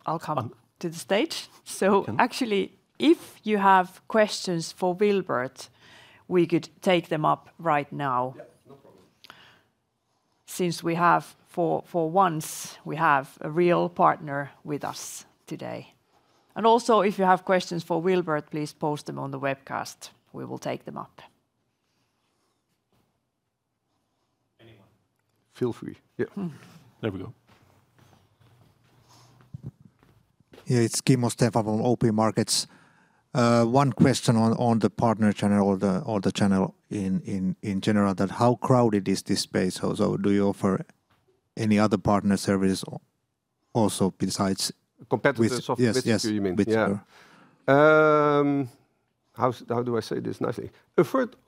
Speaker 1: I'll come to the stage. So actually, if you have questions for Wilbert, we could take them up right now. Yeah, no problem. Since we have for once, we have a real partner with us today. And also, if you have questions for Wilbert, please post them on the webcast. We will take them up.
Speaker 3: Anyone. Feel free. Yeah. There we go.
Speaker 5: Yeah, it's Kimmo Stenvall from OP Markets. One question on the partner channel or the channel in general, that how crowded is this space? So do you offer any other partner services also besides WithSecure?
Speaker 4: Competitive software? Yes, you mean. Yeah. How do I say this nicely?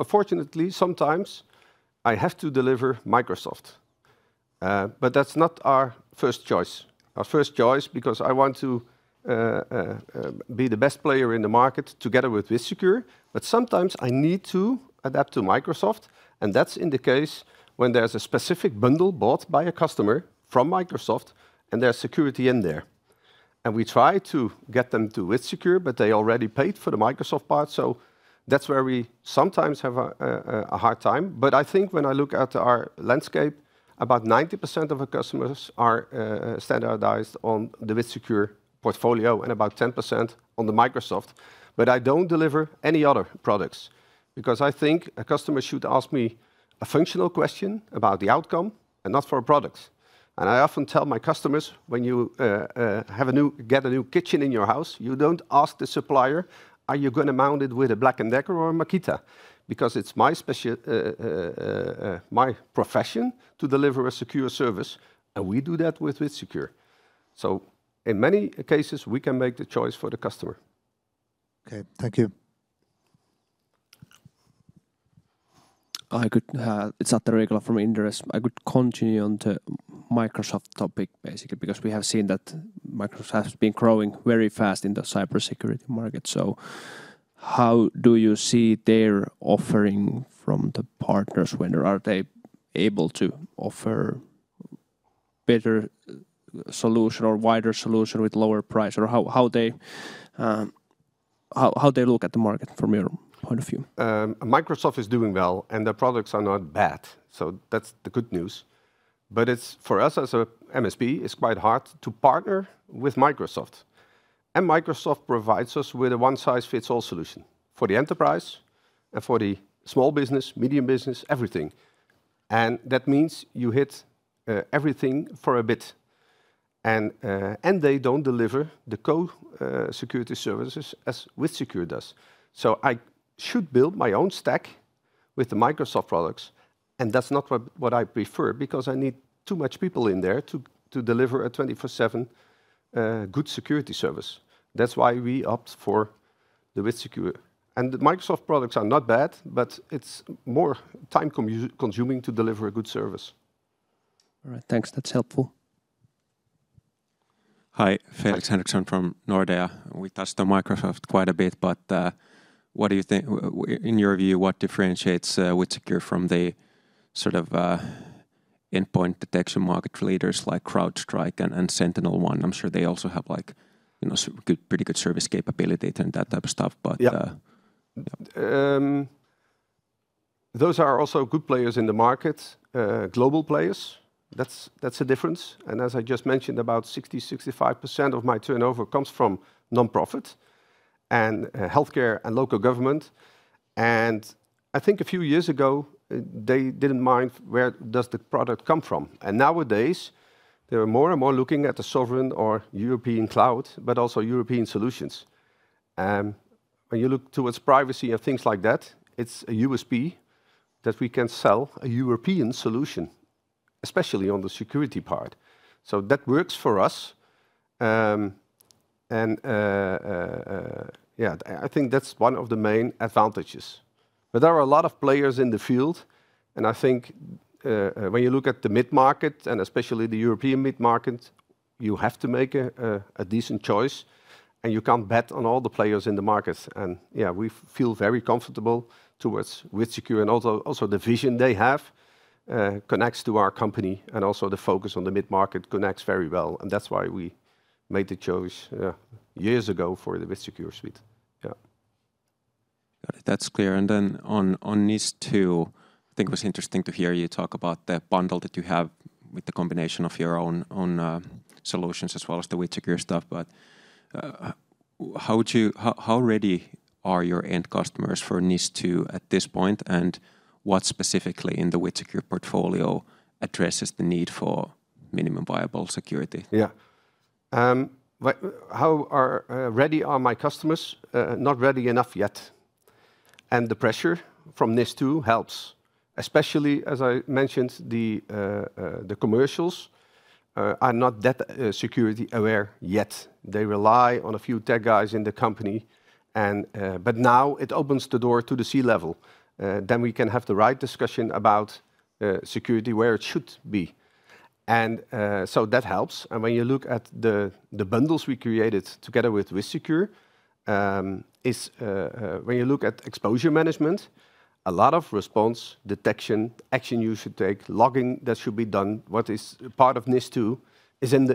Speaker 4: Fortunately, sometimes I have to deliver Microsoft. But that's not our first choice. Our first choice because I want to be the best player in the market together with WithSecure. But sometimes I need to adapt to Microsoft. That's in the case when there's a specific bundle bought by a customer from Microsoft, and there's security in there. And we try to get them to WithSecure, but they already paid for the Microsoft part. So that's where we sometimes have a hard time. But I think when I look at our landscape, about 90% of our customers are standardized on the WithSecure portfolio and about 10% on the Microsoft. But I don't deliver any other products because I think a customer should ask me a functional question about the outcome and not for products. And I often tell my customers, when you get a new kitchen in your house, you don't ask the supplier, are you going to mount it with a Black & Decker or a Makita? Because it's my profession to deliver a secure service, and we do that with WithSecure. So in many cases, we can make the choice for the customer.
Speaker 5: Okay, thank you.
Speaker 6: It's Atte Riikola from Inderes. I could continue on to Microsoft topic, basically, because we have seen that Microsoft has been growing very fast in the cybersecurity market. So how do you see their offering from the partners? When are they able to offer a better solution or wider solution with lower price? Or how they look at the market from your point of view?
Speaker 4: Microsoft is doing well, and their products are not bad. So that's the good news. But for us as an MSP, it's quite hard to partner with Microsoft. And Microsoft provides us with a one-size-fits-all solution for the enterprise and for the small business, medium business, everything. And that means you hit everything for a bit. And they don't deliver the core security services as WithSecure does. So I should build my own stack with the Microsoft products. And that's not what I prefer because I need too much people in there to deliver a 24/7 good security service. That's why we opt for the WithSecure. And the Microsoft products are not bad, but it's more time-consuming to deliver a good service. All right, thanks.
Speaker 6: That's helpful.
Speaker 7: Hi, Felix Henriksson from Nordea. We touched on Microsoft quite a bit, but what do you think, in your view, what differentiates WithSecure from the sort of endpoint detection market leaders like CrowdStrike and SentinelOne? I'm sure they also have pretty good service capability and that type of stuff.
Speaker 4: But those are also good players in the market, global players. That's a difference. And as I just mentioned, about 60%-65% of my turnover comes from nonprofit and healthcare and local government. And I think a few years ago, they didn't mind where does the product come from. And nowadays, they are more and more looking at the sovereign or European cloud, but also European solutions. When you look towards privacy and things like that, it's a USP that we can sell a European solution, especially on the security part. So that works for us. And yeah, I think that's one of the main advantages. But there are a lot of players in the field. And I think when you look at the mid-market and especially the European mid-market, you have to make a decent choice. And you can't bet on all the players in the market. And yeah, we feel very comfortable towards WithSecure. And also the vision they have connects to our company. And also the focus on the mid-market connects very well. And that's why we made the choice years ago for the WithSecure suite.
Speaker 7: Yeah. That's clear. And then on NIS2, I think it was interesting to hear you talk about the bundle that you have with the combination of your own solutions as well as the WithSecure stuff. But how ready are your end customers for NIS2 at this point? And what specifically in the WithSecure portfolio addresses the need for minimum viable security?
Speaker 4: Yeah. How ready are my customers? Not ready enough yet. And the pressure from NIS2 helps, especially as I mentioned, the commercials are not that security aware yet. They rely on a few tech guys in the company. But now it opens the door to the C-level. Then we can have the right discussion about security where it should be. And so that helps. When you look at the bundles we created together with WithSecure, when you look at exposure management, a lot of response detection, action you should take, logging that should be done, what is part of NIS2 is in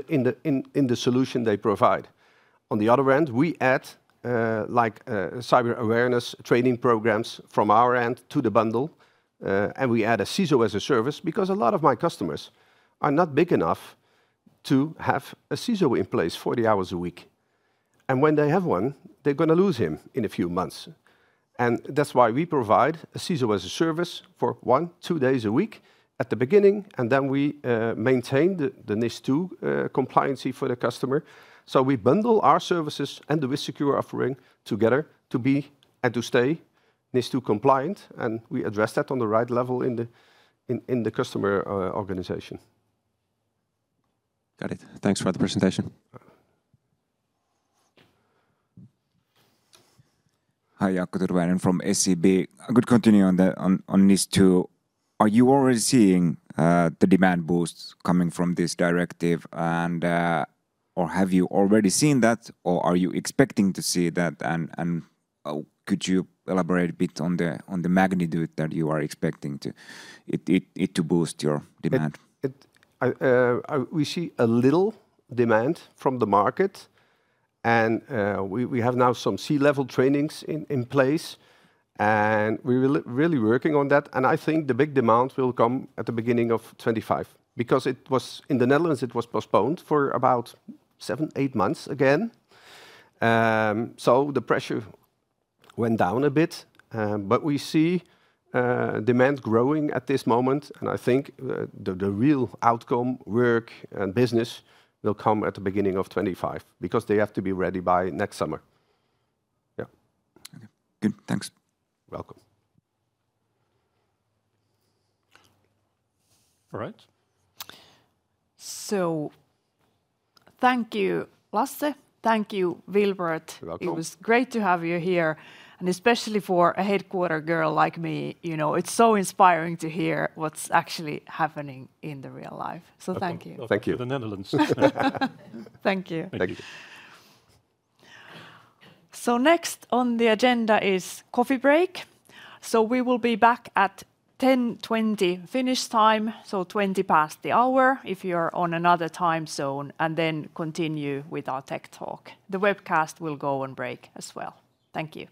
Speaker 4: the solution they provide. On the other end, we add cyber awareness training programs from our end to the bundle. We add a CISO as a Service because a lot of my customers are not big enough to have a CISO in place 40 hours a week. When they have one, they are going to lose him in a few months. That is why we provide a CISO as a Service for one, two days a week at the beginning. Then we maintain the NIS2 compliance for the customer. We bundle our services and the WithSecure offering together to be and to stay NIS2 compliant. We address that on the right level in the customer organization.
Speaker 7: Got it. Thanks for the presentation. Hi, Jaakko Tyrväinen from SEB. I could continue on NIS2. Are you already seeing the demand boost coming from this directive? Or have you already seen that? Or are you expecting to see that? And could you elaborate a bit on the magnitude that you are expecting to boost your demand?
Speaker 4: We see a little demand from the market. And we have now some C-level trainings in place. And we're really working on that. And I think the big demand will come at the beginning of 2025 because in the Netherlands, it was postponed for about seven, eight months again. So the pressure went down a bit. But we see demand growing at this moment. And I think the real outcome work and business will come at the beginning of 2025 because they have to be ready by next summer.
Speaker 8: Yeah. Okay. Good. Thanks.
Speaker 4: Welcome. All right.
Speaker 1: So thank you, Lasse. Thank you, Wilbert. It was great to have you here. And especially for a headquarters girl like me, it's so inspiring to hear what's actually happening in the real life. So thank you.
Speaker 3: Thank you.
Speaker 4: The Netherlands.
Speaker 1: Thank you.
Speaker 4: Thank you.
Speaker 1: So next on the agenda is coffee break. So we will be back at 10:20 Finnish time, so 20 past the hour if you're on another time zone, and then continue with our tech talk. The webcast will go on break as well. Thank you.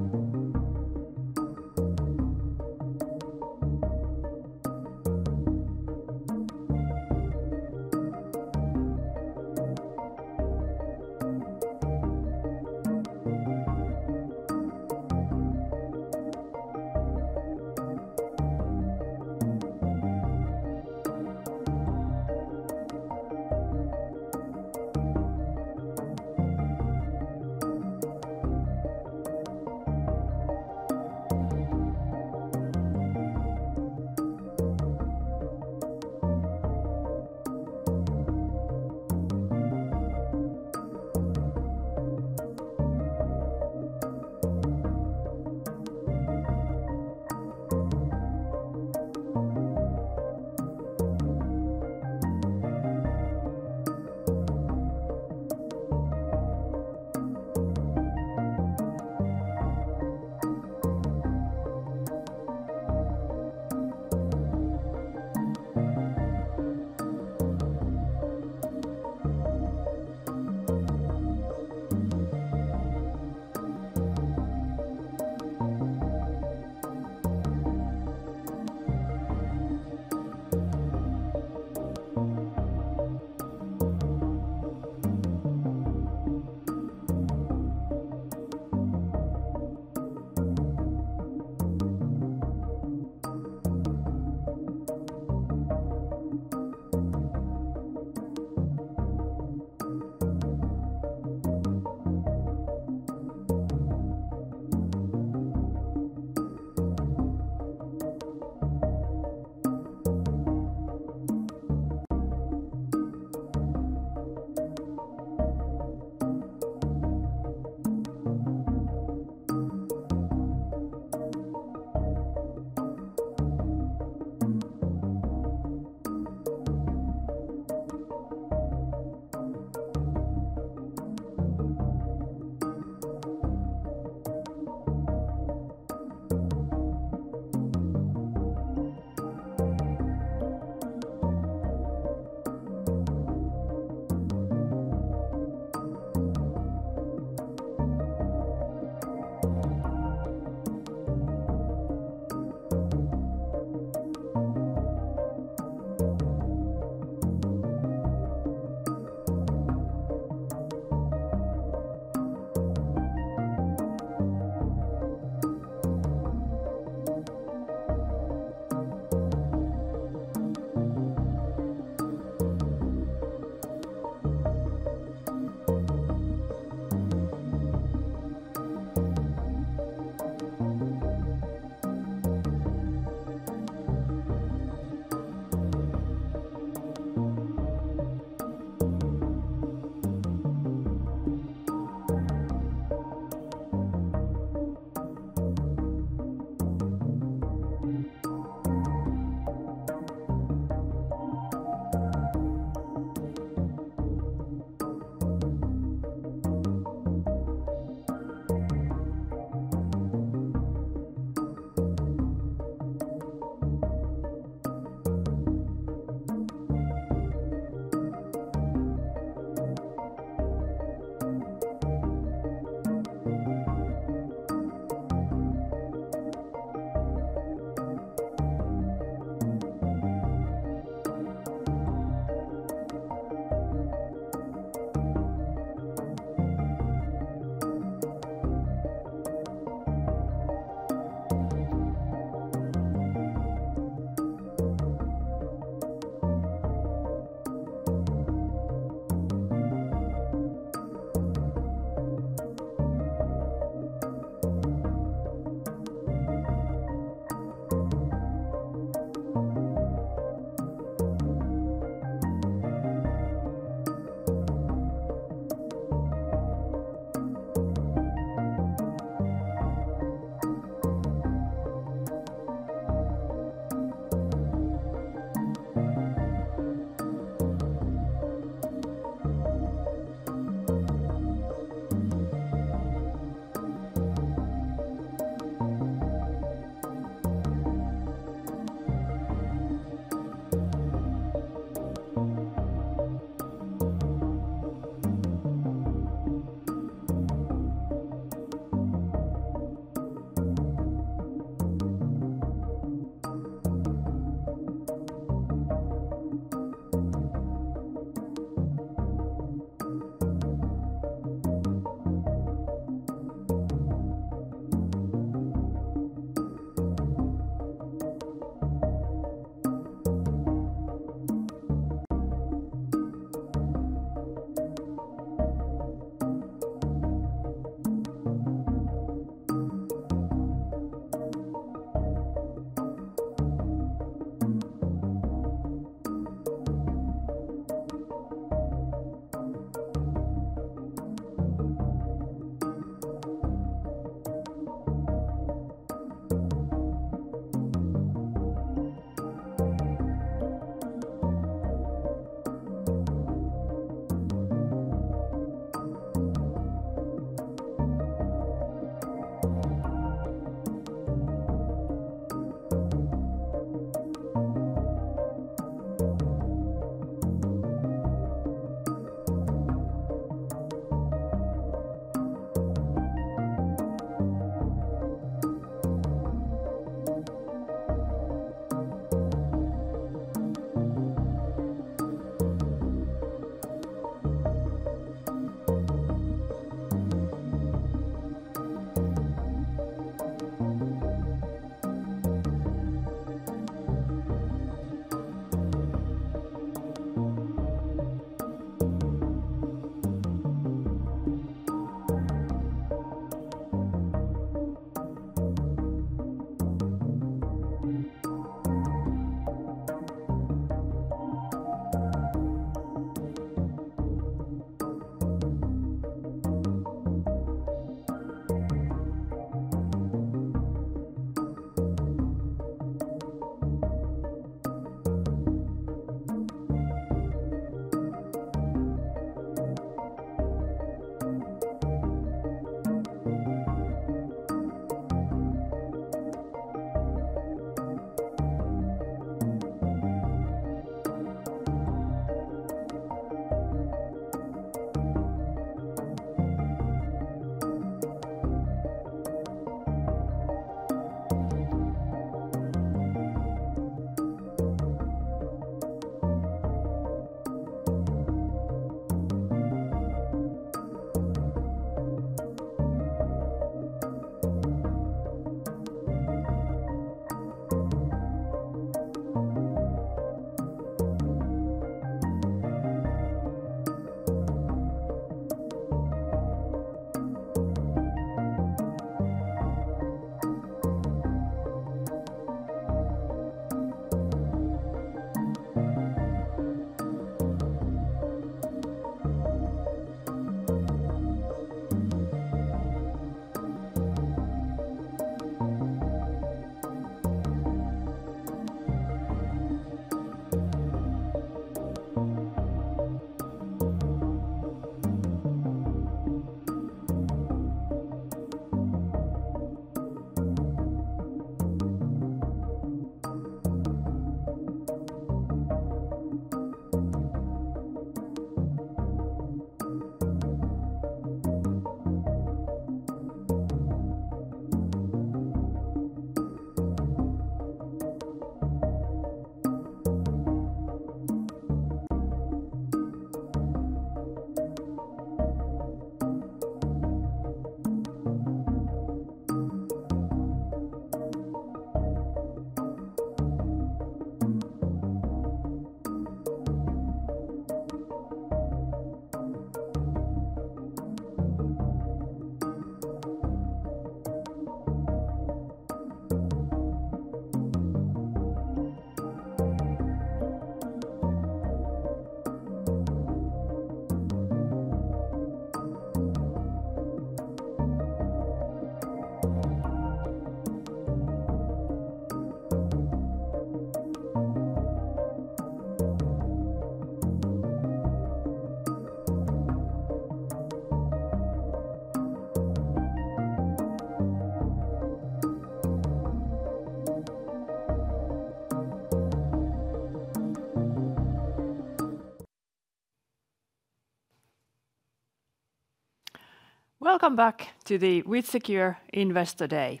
Speaker 1: Welcome back to the WithSecure Investor Day.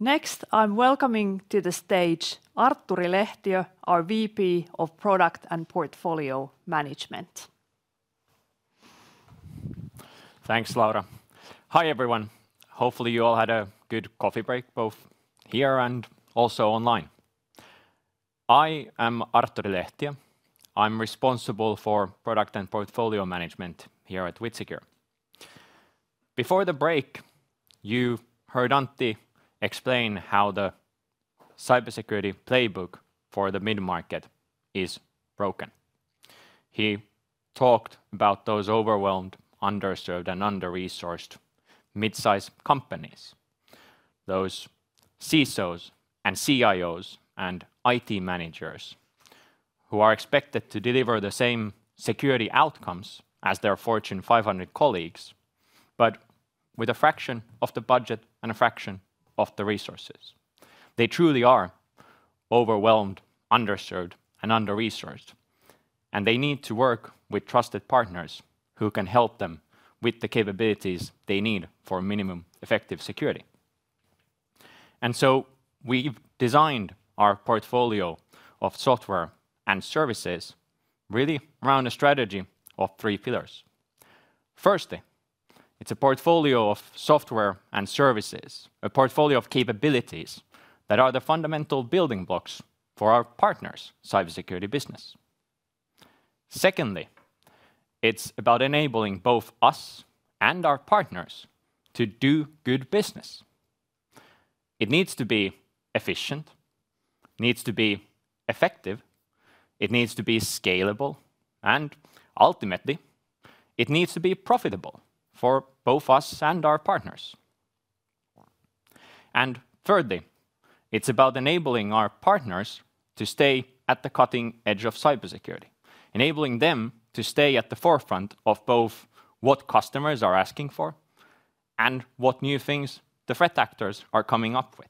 Speaker 1: Next, I'm welcoming to the stage Artturi Lehtiö, our VP of Product and Portfolio Management.
Speaker 9: Thanks, Laura. Hi, everyone. Hopefully, you all had a good coffee break, both here and also online. I am Artturi Lehtiö. I'm responsible for Product and Portfolio Management here at WithSecure. Before the break, you heard Antti explain how the cybersecurity playbook for the mid-market is broken. He talked about those overwhelmed, underserved, and under-resourced midsize companies, those CISOs and CIOs and IT managers who are expected to deliver the same security outcomes as their Fortune 500 colleagues, but with a fraction of the budget and a fraction of the resources. They truly are overwhelmed, underserved, and under-resourced, and they need to work with trusted partners who can help them with the capabilities they need for minimum effective security. And so we've designed our portfolio of software and services really around a strategy of three pillars. Firstly, it's a portfolio of software and services, a portfolio of capabilities that are the fundamental building blocks for our partners' cybersecurity business. Secondly, it's about enabling both us and our partners to do good business. It needs to be efficient, it needs to be effective, it needs to be scalable, and ultimately, it needs to be profitable for both us and our partners. And thirdly, it's about enabling our partners to stay at the cutting edge of cybersecurity, enabling them to stay at the forefront of both what customers are asking for and what new things the threat actors are coming up with.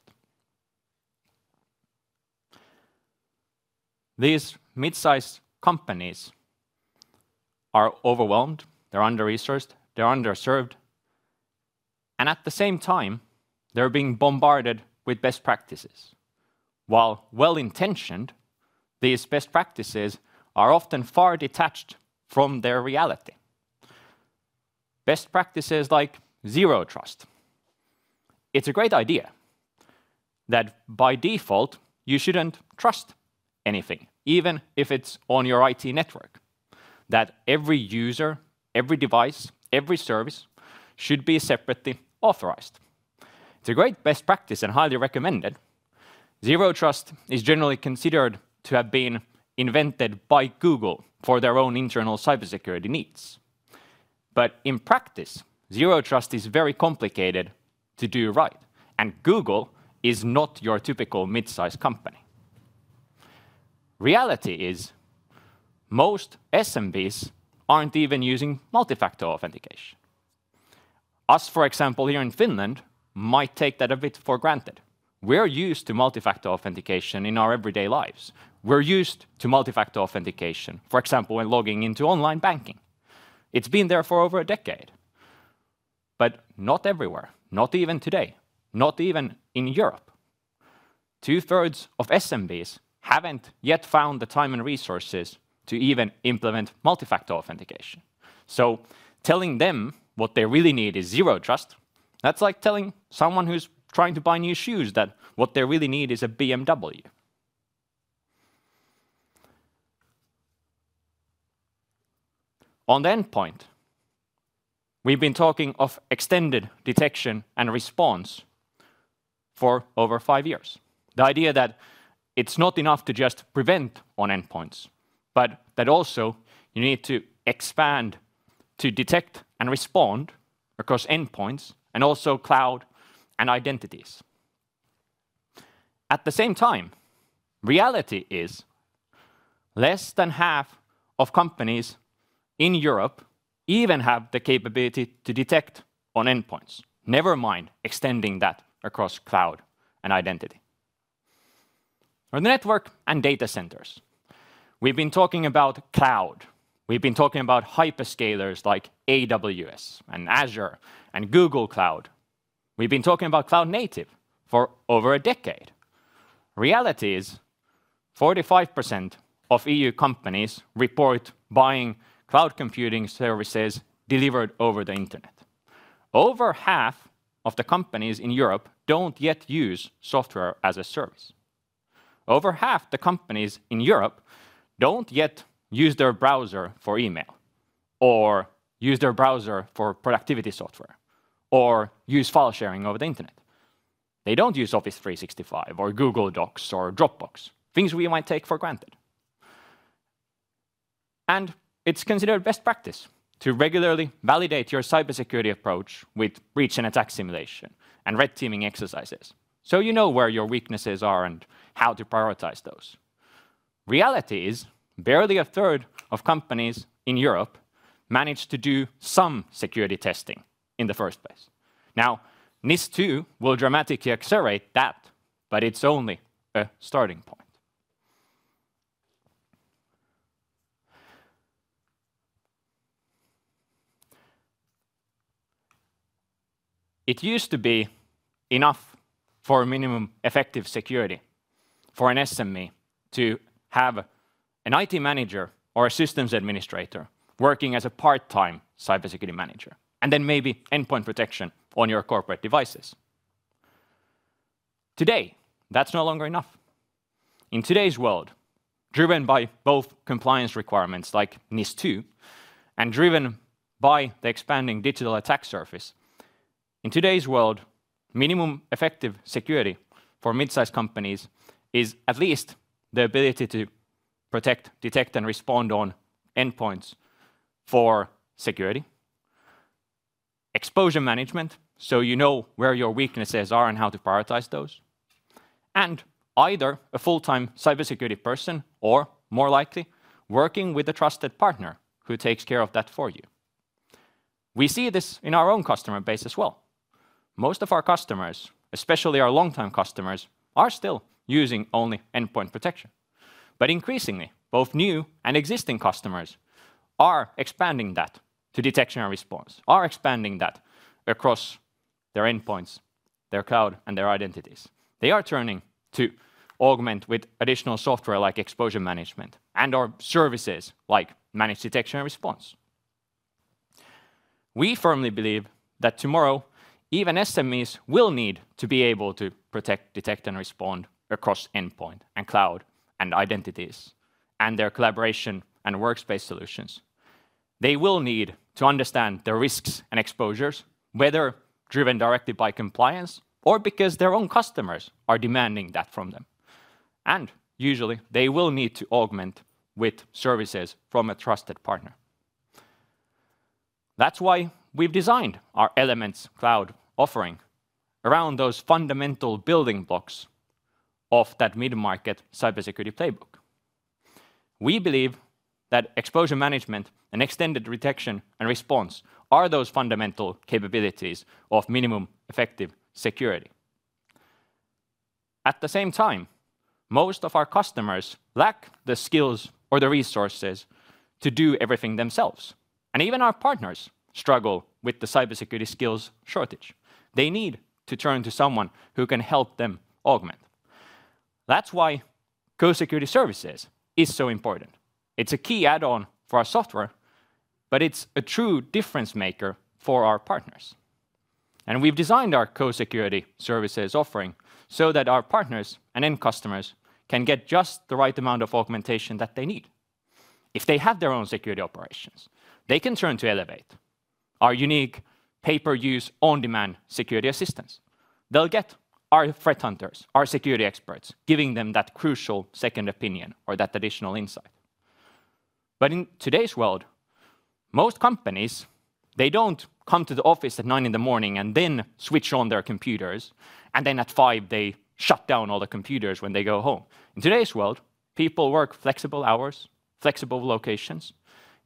Speaker 9: These midsize companies are overwhelmed, they're under-resourced, they're underserved, and at the same time, they're being bombarded with best practices. While well-intentioned, these best practices are often far detached from their reality. Best practices like zero trust. It's a great idea that by default, you shouldn't trust anything, even if it's on your IT network, that every user, every device, every service should be separately authorized. It's a great best practice and highly recommended. Zero Trust is generally considered to have been invented by Google for their own internal cybersecurity needs. But in practice, Zero Trust is very complicated to do right, and Google is not your typical midsize company. Reality is most SMBs aren't even using multi-factor authentication. Us, for example, here in Finland might take that a bit for granted. We're used to multi-factor authentication in our everyday lives. We're used to multi-factor authentication, for example, when logging into online banking. It's been there for over a decade, but not everywhere, not even today, not even in Europe. Two-thirds of SMBs haven't yet found the time and resources to even implement multi-factor authentication. Telling them what they really need is Zero Trust. That's like telling someone who's trying to buy new shoes that what they really need is a BMW. On the endpoint, we've been talking of Extended Detection and Response for over five years. The idea that it's not enough to just prevent on endpoints, but that also you need to expand to detect and respond across endpoints and also cloud and identities. At the same time, reality is less than half of companies in Europe even have the capability to detect on endpoints, never mind extending that across cloud and identity. On the network and data centers, we've been talking about cloud. We've been talking about hyperscalers like AWS and Azure and Google Cloud. We've been talking about Cloud Native for over a decade. Reality is 45% of EU companies report buying cloud computing services delivered over the internet. Over half of the companies in Europe don't yet use software as a service. Over half the companies in Europe don't yet use their browser for email or use their browser for productivity software or use file sharing over the internet. They don't use Office 365 or Google Docs or Dropbox, things we might take for granted. And it's considered best practice to regularly validate your cybersecurity approach with breach and attack simulation and red teaming exercises so you know where your weaknesses are and how to prioritize those. Reality is barely a third of companies in Europe manage to do some security testing in the first place. Now, NIS2 will dramatically accelerate that, but it's only a starting point. It used to be enough for minimum effective security for an SME to have an IT manager or a systems administrator working as a part-time cybersecurity manager and then maybe endpoint protection on your corporate devices. Today, that's no longer enough. In today's world, driven by both compliance requirements like NIS2 and driven by the expanding digital attack surface, in today's world, minimum effective security for midsize companies is at least the ability to protect, detect, and respond on endpoints for security, exposure management so you know where your weaknesses are and how to prioritize those, and either a full-time cybersecurity person or, more likely, working with a trusted partner who takes care of that for you. We see this in our own customer base as well. Most of our customers, especially our long-time customers, are still using only endpoint protection. But increasingly, both new and existing customers are expanding that to detection and response, are expanding that across their endpoints, their cloud, and their identities. They are turning to augment with additional software like exposure management and/or services like managed detection and response. We firmly believe that tomorrow, even SMEs will need to be able to protect, detect, and respond across endpoint and cloud and identities and their collaboration and workspace solutions. They will need to understand the risks and exposures, whether driven directly by compliance or because their own customers are demanding that from them. And usually, they will need to augment with services from a trusted partner. That's why we've designed our Elements Cloud offering around those fundamental building blocks of that mid-market cybersecurity playbook. We believe that exposure management and extended detection and response are those fundamental capabilities of minimum effective security. At the same time, most of our customers lack the skills or the resources to do everything themselves. And even our partners struggle with the cybersecurity skills shortage. They need to turn to someone who can help them augment. That's why Co-Security Services is so important. It's a key add-on for our software, but it's a true difference maker for our partners. And we've designed our Co-Security Services offering so that our partners and end customers can get just the right amount of augmentation that they need. If they have their own security operations, they can turn to Elevate, our unique pay-per-use on-demand security assistance. They'll get our threat hunters, our security experts giving them that crucial second opinion or that additional insight. But in today's world, most companies, they don't come to the office at 9:00 A.M. and then switch on their computers, and then at 5:00 P.M., they shut down all the computers when they go home. In today's world, people work flexible hours, flexible locations.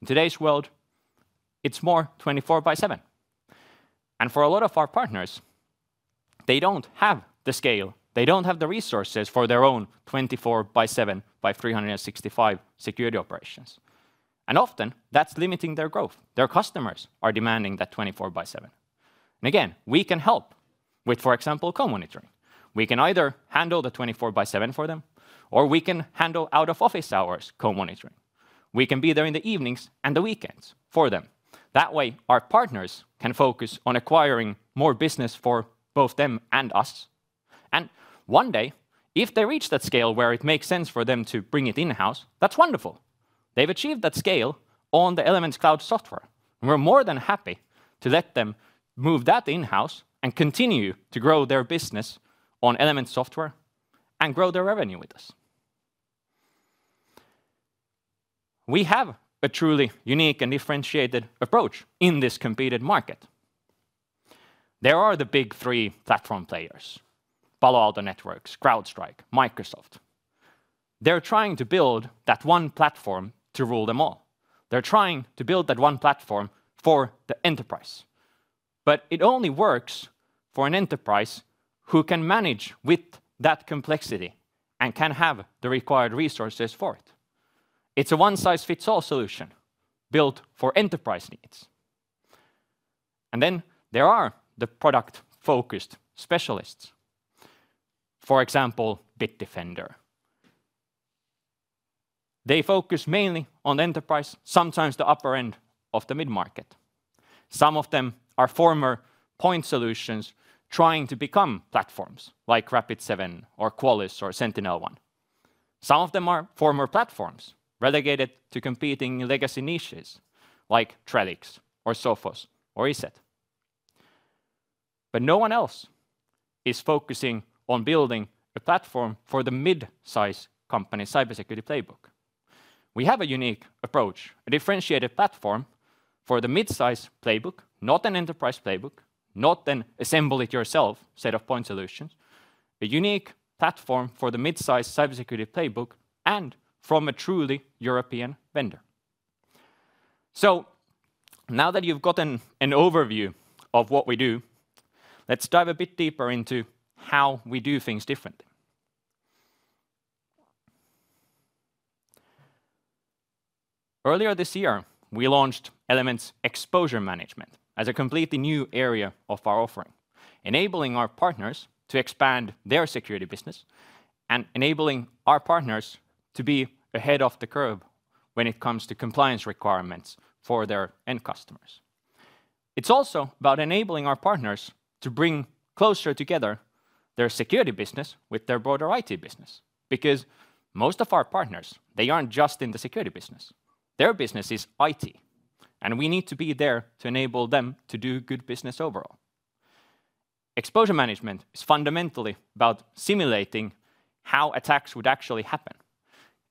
Speaker 9: In today's world, it's more 24 by 7. And for a lot of our partners, they don't have the scale. They don't have the resources for their own 24 by 7 by 365 security operations. And often, that's limiting their growth. Their customers are demanding that 24 by 7. And again, we can help with, for example, Co-monitoring. We can either handle the 24 by 7 for them, or we can handle out-of-office hours Co-monitoring. We can be there in the evenings and the weekends for them. That way, our partners can focus on acquiring more business for both them and us. One day, if they reach that scale where it makes sense for them to bring it in-house, that's wonderful. They've achieved that scale on the Elements Cloud software. We're more than happy to let them move that in-house and continue to grow their business on Elements software and grow their revenue with us. We have a truly unique and differentiated approach in this competitive market. There are the big three platform players: Palo Alto Networks, CrowdStrike, Microsoft. They're trying to build that one platform to rule them all. They're trying to build that one platform for the enterprise. But it only works for an enterprise who can manage with that complexity and can have the required resources for it. It's a one-size-fits-all solution built for enterprise needs. And then there are the product-focused specialists. For example, Bitdefender. They focus mainly on the enterprise, sometimes the upper end of the mid-market. Some of them are former point solutions trying to become platforms like Rapid7 or Qualys or SentinelOne. Some of them are former platforms relegated to competing legacy niches like Trellix or Sophos or ESET. But no one else is focusing on building a platform for the midsize company cybersecurity playbook. We have a unique approach, a differentiated platform for the midsize playbook, not an enterprise playbook, not an assemble-it-yourself set of point solutions, a unique platform for the midsize cybersecurity playbook and from a truly European vendor. So now that you've gotten an overview of what we do, let's dive a bit deeper into how we do things differently. Earlier this year, we launched Elements Exposure Management as a completely new area of our offering, enabling our partners to expand their security business and enabling our partners to be ahead of the curve when it comes to compliance requirements for their end customers. It's also about enabling our partners to bring closer together their security business with their broader IT business because most of our partners, they aren't just in the security business. Their business is IT, and we need to be there to enable them to do good business overall. Exposure management is fundamentally about simulating how attacks would actually happen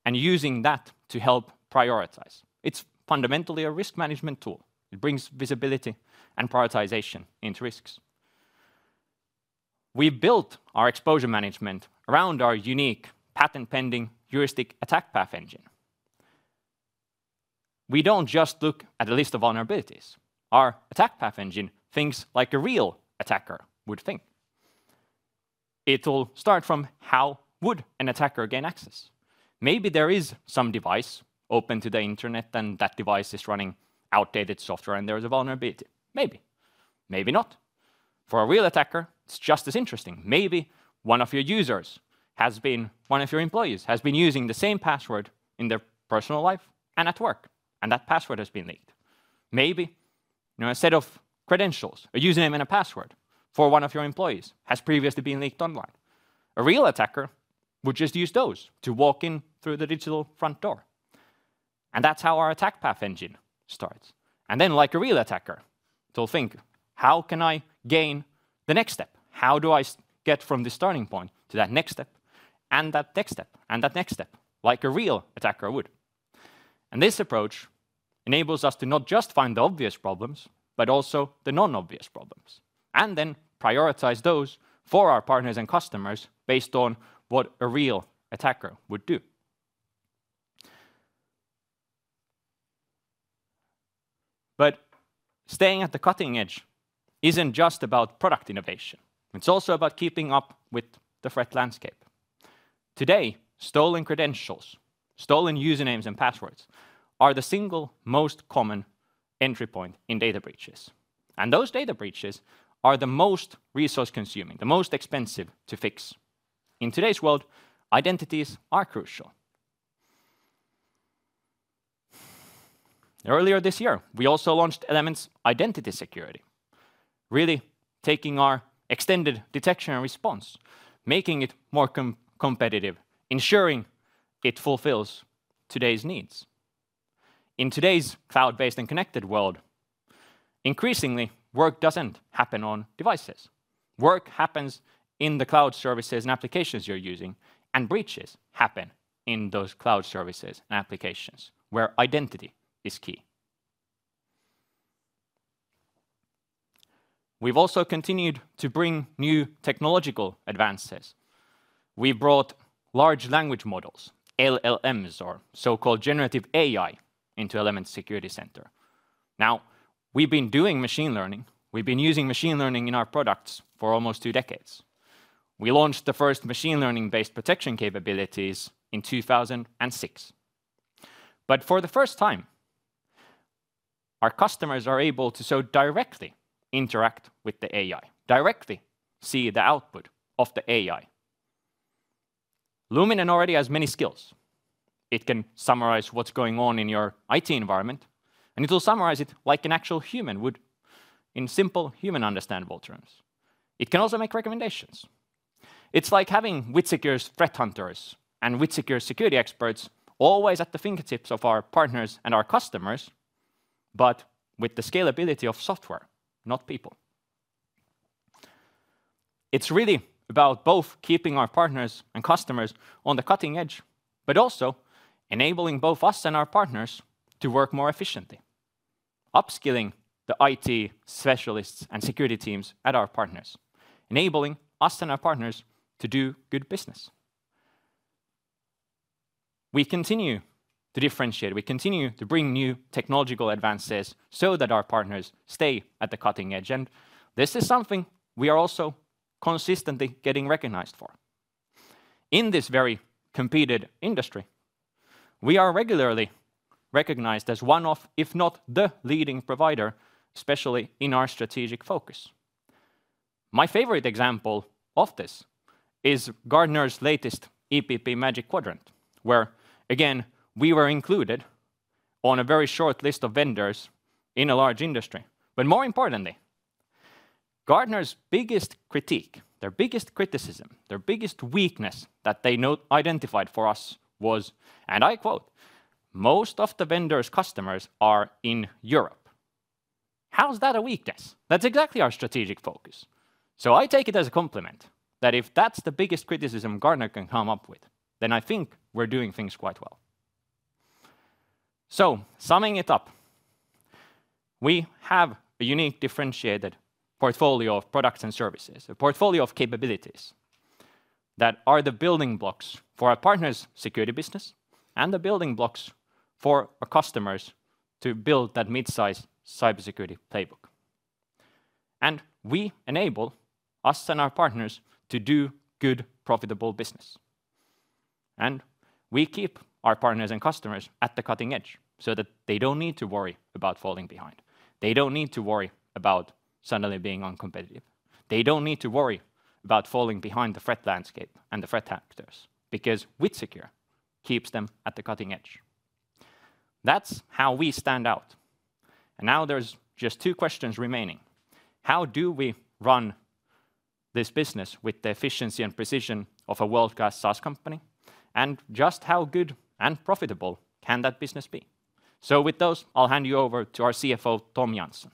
Speaker 9: and using that to help prioritize. It's fundamentally a risk management tool. It brings visibility and prioritization into risks. We built our exposure management around our unique patent-pending heuristic Attack Path Engine. We don't just look at a list of vulnerabilities. Our Attack Path Engine thinks like a real attacker would think. It'll start from how would an attacker gain access? Maybe there is some device open to the internet and that device is running outdated software and there is a vulnerability. Maybe. Maybe not. For a real attacker, it's just as interesting. Maybe one of your employees has been using the same password in their personal life and at work, and that password has been leaked. Maybe a set of credentials, a username and a password for one of your employees has previously been leaked online. A real attacker would just use those to walk in through the digital front door. And that's how our Attack Path Engine starts. And then, like a real attacker, it'll think, how can I gain the next step? How do I get from the starting point to that next step and that next step and that next step, like a real attacker would? And this approach enables us to not just find the obvious problems, but also the non-obvious problems, and then prioritize those for our partners and customers based on what a real attacker would do. But staying at the cutting edge isn't just about product innovation. It's also about keeping up with the threat landscape. Today, stolen credentials, stolen usernames, and passwords are the single most common entry point in data breaches. And those data breaches are the most resource-consuming, the most expensive to fix. In today's world, identities are crucial. Earlier this year, we also launched Elements Identity Security, really taking our Extended Detection and Response, making it more competitive, ensuring it fulfills today's needs. In today's cloud-based and connected world, increasingly, work doesn't happen on devices. Work happens in the cloud services and applications you're using, and breaches happen in those cloud services and applications where identity is key. We've also continued to bring new technological advances. We brought large language models, LLMs, or so-called generative AI into Elements Security Center. Now, we've been doing machine learning. We've been using machine learning in our products for almost two decades. We launched the first machine learning-based protection capabilities in 2006. But for the first time, our customers are able to so directly interact with the AI, directly see the output of the AI. Luminen already has many skills. It can summarize what's going on in your IT environment, and it'll summarize it like an actual human would in simple, human-understandable terms. It can also make recommendations. It's like having WithSecure's threat hunters and WithSecure's security experts always at the fingertips of our partners and our customers, but with the scalability of software, not people. It's really about both keeping our partners and customers on the cutting edge, but also enabling both us and our partners to work more efficiently, upskilling the IT specialists and security teams at our partners, enabling us and our partners to do good business. We continue to differentiate. We continue to bring new technological advances so that our partners stay at the cutting edge. And this is something we are also consistently getting recognized for. In this very competitive industry, we are regularly recognized as one of, if not the leading provider, especially in our strategic focus. My favorite example of this is Gartner's latest EPP Magic Quadrant, where, again, we were included on a very short list of vendors in a large industry. But more importantly, Gartner's biggest critique, their biggest criticism, their biggest weakness that they identified for us was, and I quote, "Most of the vendors' customers are in Europe." How's that a weakness? That's exactly our strategic focus. So I take it as a compliment that if that's the biggest criticism Gartner can come up with, then I think we're doing things quite well. So summing it up, we have a unique, differentiated portfolio of products and services, a portfolio of capabilities that are the building blocks for our partners' security business and the building blocks for our customers to build that midsize cybersecurity playbook. And we enable us and our partners to do good, profitable business. We keep our partners and customers at the cutting edge so that they don't need to worry about falling behind. They don't need to worry about suddenly being uncompetitive. They don't need to worry about falling behind the threat landscape and the threat actors because WithSecure keeps them at the cutting edge. That's how we stand out. Now there's just two questions remaining. How do we run this business with the efficiency and precision of a world-class SaaS company? And just how good and profitable can that business be? With those, I'll hand you over to our CFO, Tom Jansson.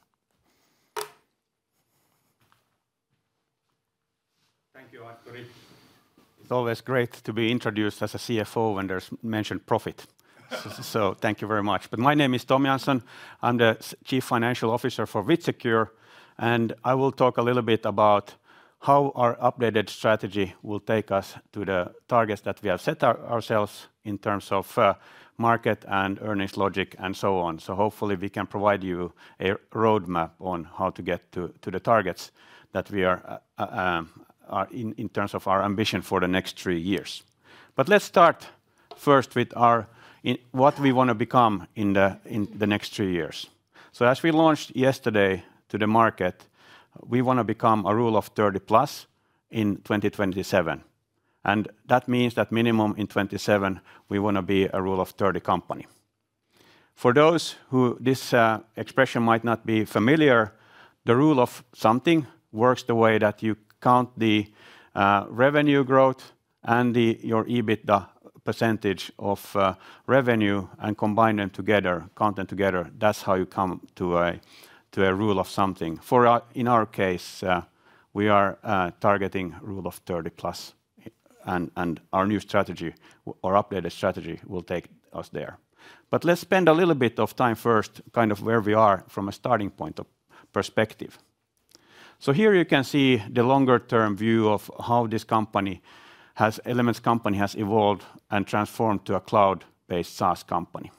Speaker 10: Thank you, Artturi. It's always great to be introduced as a CFO when there's mentioned profit. So thank you very much. But my name is Tom Jansson. I'm the Chief Financial Officer for WithSecure, and I will talk a little bit about how our updated strategy will take us to the targets that we have set ourselves in terms of market and earnings logic and so on. So hopefully, we can provide you a roadmap on how to get to the targets that we are in terms of our ambition for the next three years. But let's start first with what we want to become in the next three years. So as we launched yesterday to the market, we want to become a Rule of 30 plus in 2027. And that means that minimum in 2027, we want to be a Rule of 30 company. For those who this expression might not be familiar, the Rule of 30 works the way that you count the revenue growth and your EBITDA percentage of revenue and combine them together, count them together. That's how you come to a Rule of 30. In our case, we are targeting Rule of 30 plus, and our new strategy, our updated strategy, will take us there. But let's spend a little bit of time first kind of where we are from a starting point of perspective. So here you can see the longer-term view of how this company has evolved and transformed to a cloud-based SaaS company.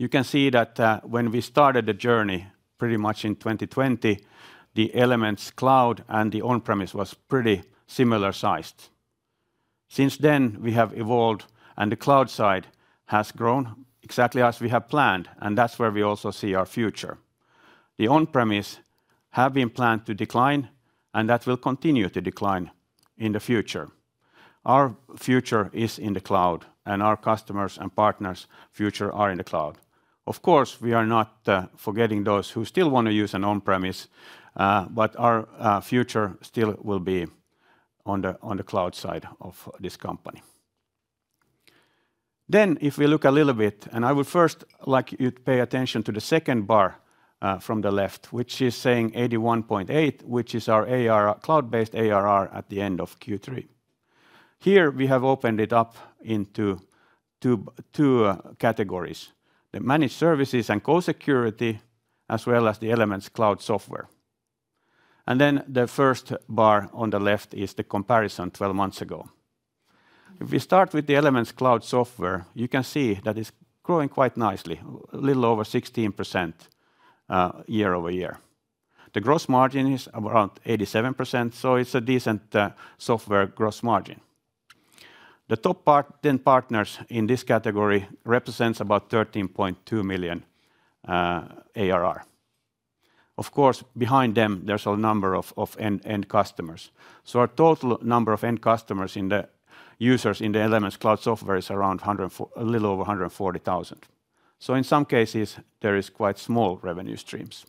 Speaker 10: You can see that when we started the journey pretty much in 2020, the Elements Cloud and the on-premise was pretty similar sized. Since then, we have evolved, and the cloud side has grown exactly as we have planned, and that's where we also see our future. The on-premise has been planned to decline, and that will continue to decline in the future. Our future is in the cloud, and our customers and partners' future are in the cloud. Of course, we are not forgetting those who still want to use an on-premise, but our future still will be on the cloud side of this company. Then, if we look a little bit, and I would first like you to pay attention to the second bar from the left, which is saying 81.8%, which is our cloud-based ARR at the end of Q3. Here we have opened it up into two categories: the managed services and co-security, as well as the Elements Cloud software. Then the first bar on the left is the comparison 12 months ago. If we start with the Elements Cloud software, you can see that it's growing quite nicely, a little over 16% year over year. The gross margin is around 87%, so it's a decent software gross margin. The top 10 partners in this category represent about 13.2 million ARR. Of course, behind them, there's a number of end customers. So our total number of end customers and users in the Elements Cloud software is around a little over 140,000. So in some cases, there are quite small revenue streams.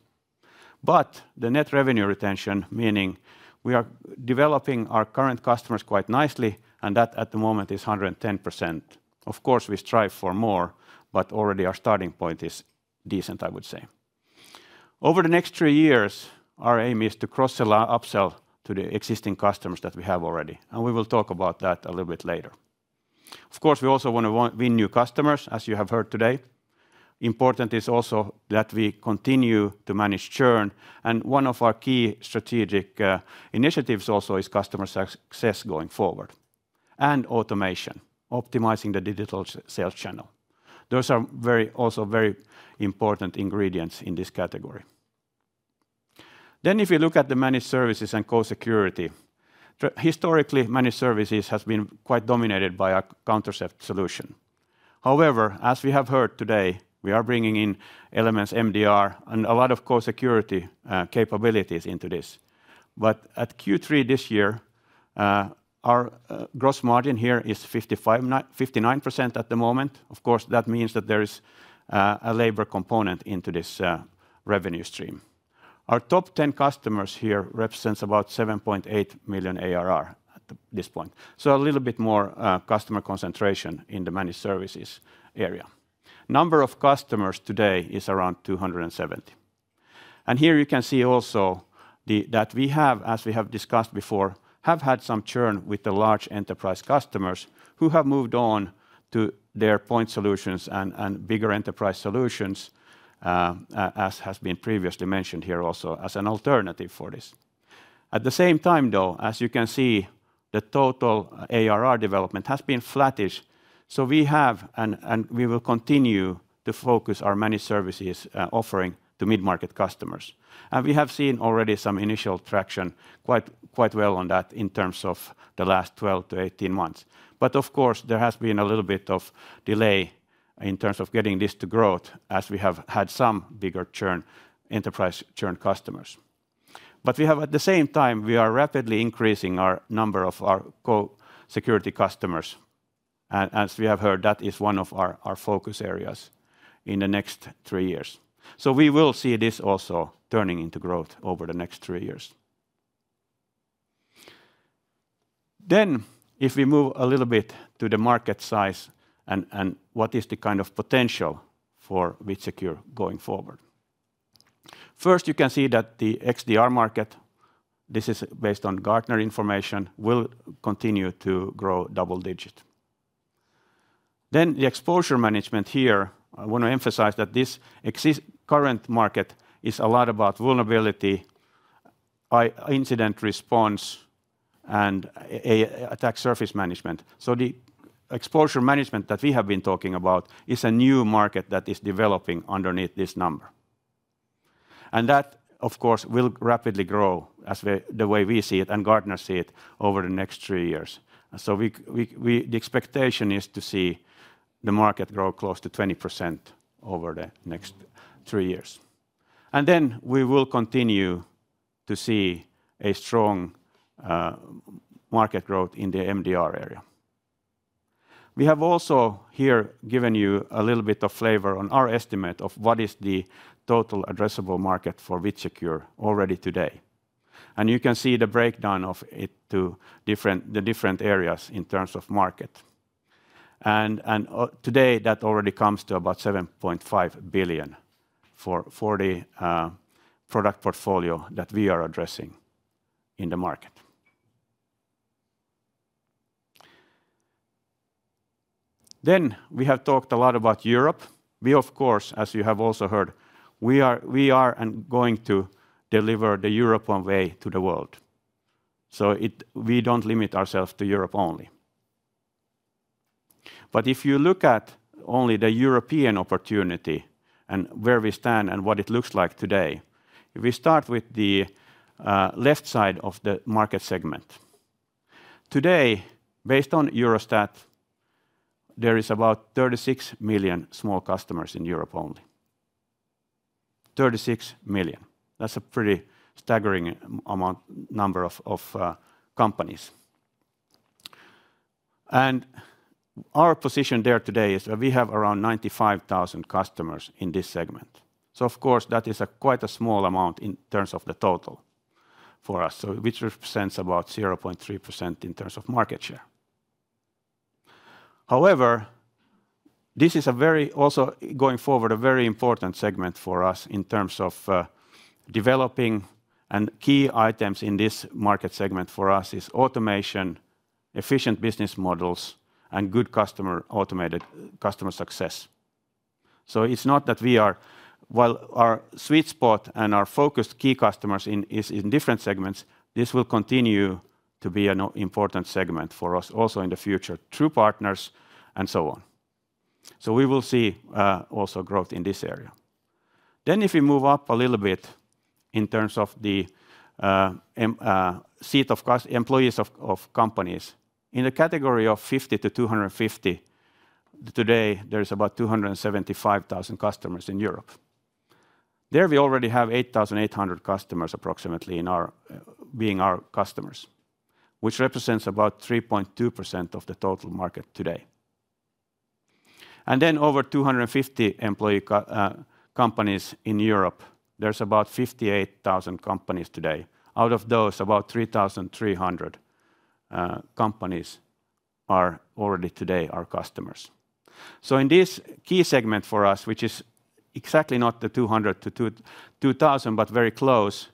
Speaker 10: But the net revenue retention, meaning we are developing our current customers quite nicely, and that at the moment is 110%. Of course, we strive for more, but already our starting point is decent, I would say. Over the next three years, our aim is to cross-sell to the existing customers that we have already, and we will talk about that a little bit later. Of course, we also want to win new customers, as you have heard today. Important is also that we continue to manage churn, and one of our key strategic initiatives also is customer success going forward and automation, optimizing the digital sales channel. Those are also very important ingredients in this category. Then, if you look at the managed services and Co-security, historically, managed services have been quite dominated by a consulting solution. However, as we have heard today, we are bringing in Elements MDR and a lot of Co-security capabilities into this. But at Q3 this year, our gross margin here is 59% at the moment. Of course, that means that there is a labor component into this revenue stream. Our top 10 customers here represent about 7.8 million ARR at this point. So a little bit more customer concentration in the managed services area. Number of customers today is around 270. And here you can see also that we have, as we have discussed before, had some churn with the large enterprise customers who have moved on to their point solutions and bigger enterprise solutions, as has been previously mentioned here also as an alternative for this. At the same time, though, as you can see, the total ARR development has been flattish. So we have and we will continue to focus our managed services offering to mid-market customers. And we have seen already some initial traction quite well on that in terms of the last 12-18 months. But of course, there has been a little bit of delay in terms of getting this to growth as we have had some bigger enterprise churn customers. But we have, at the same time, we are rapidly increasing our number of our co-security customers. As we have heard, that is one of our focus areas in the next three years. So we will see this also turning into growth over the next three years. Then, if we move a little bit to the market size and what is the kind of potential for WithSecure going forward. First, you can see that the XDR market, this is based on Gartner information, will continue to grow double-digit. Then, the exposure management here, I want to emphasize that this current market is a lot about vulnerability, incident response, and attack surface management. The exposure management that we have been talking about is a new market that is developing underneath this number. And that, of course, will rapidly grow as the way we see it and Gartner see it over the next three years. The expectation is to see the market grow close to 20% over the next three years. And then we will continue to see a strong market growth in the MDR area. We have also here given you a little bit of flavor on our estimate of what is the total addressable market for WithSecure already today. And you can see the breakdown of it to the different areas in terms of market. And today, that already comes to about 7.5 billion for the product portfolio that we are addressing in the market. Then, we have talked a lot about Europe. We, of course, as you have also heard, we are going to deliver the European way to the world. So we don't limit ourselves to Europe only. But if you look at only the European opportunity and where we stand and what it looks like today, if we start with the left side of the market segment. Today, based on Eurostat, there are about 36 million small customers in Europe only. 36 million. That's a pretty staggering number of companies. And our position there today is that we have around 95,000 customers in this segment. So, of course, that is quite a small amount in terms of the total for us, which represents about 0.3% in terms of market share. However, this is also going forward a very important segment for us in terms of developing and key items in this market segment for us is automation, efficient business models, and good customer success. So it's not that we are, while our sweet spot and our focused key customers are in different segments, this will continue to be an important segment for us also in the future, true partners and so on. So we will see also growth in this area. Then, if we move up a little bit in terms of the employees of companies, in the category of 50 to 250, today, there are about 275,000 customers in Europe. There we already have 8,800 customers approximately being our customers, which represents about 3.2% of the total market today. And then over 250 employee companies in Europe, there are about 58,000 companies today. Out of those, about 3,300 companies are already today our customers. So in this key segment for us, which is exactly not the 200-2,000, but very close,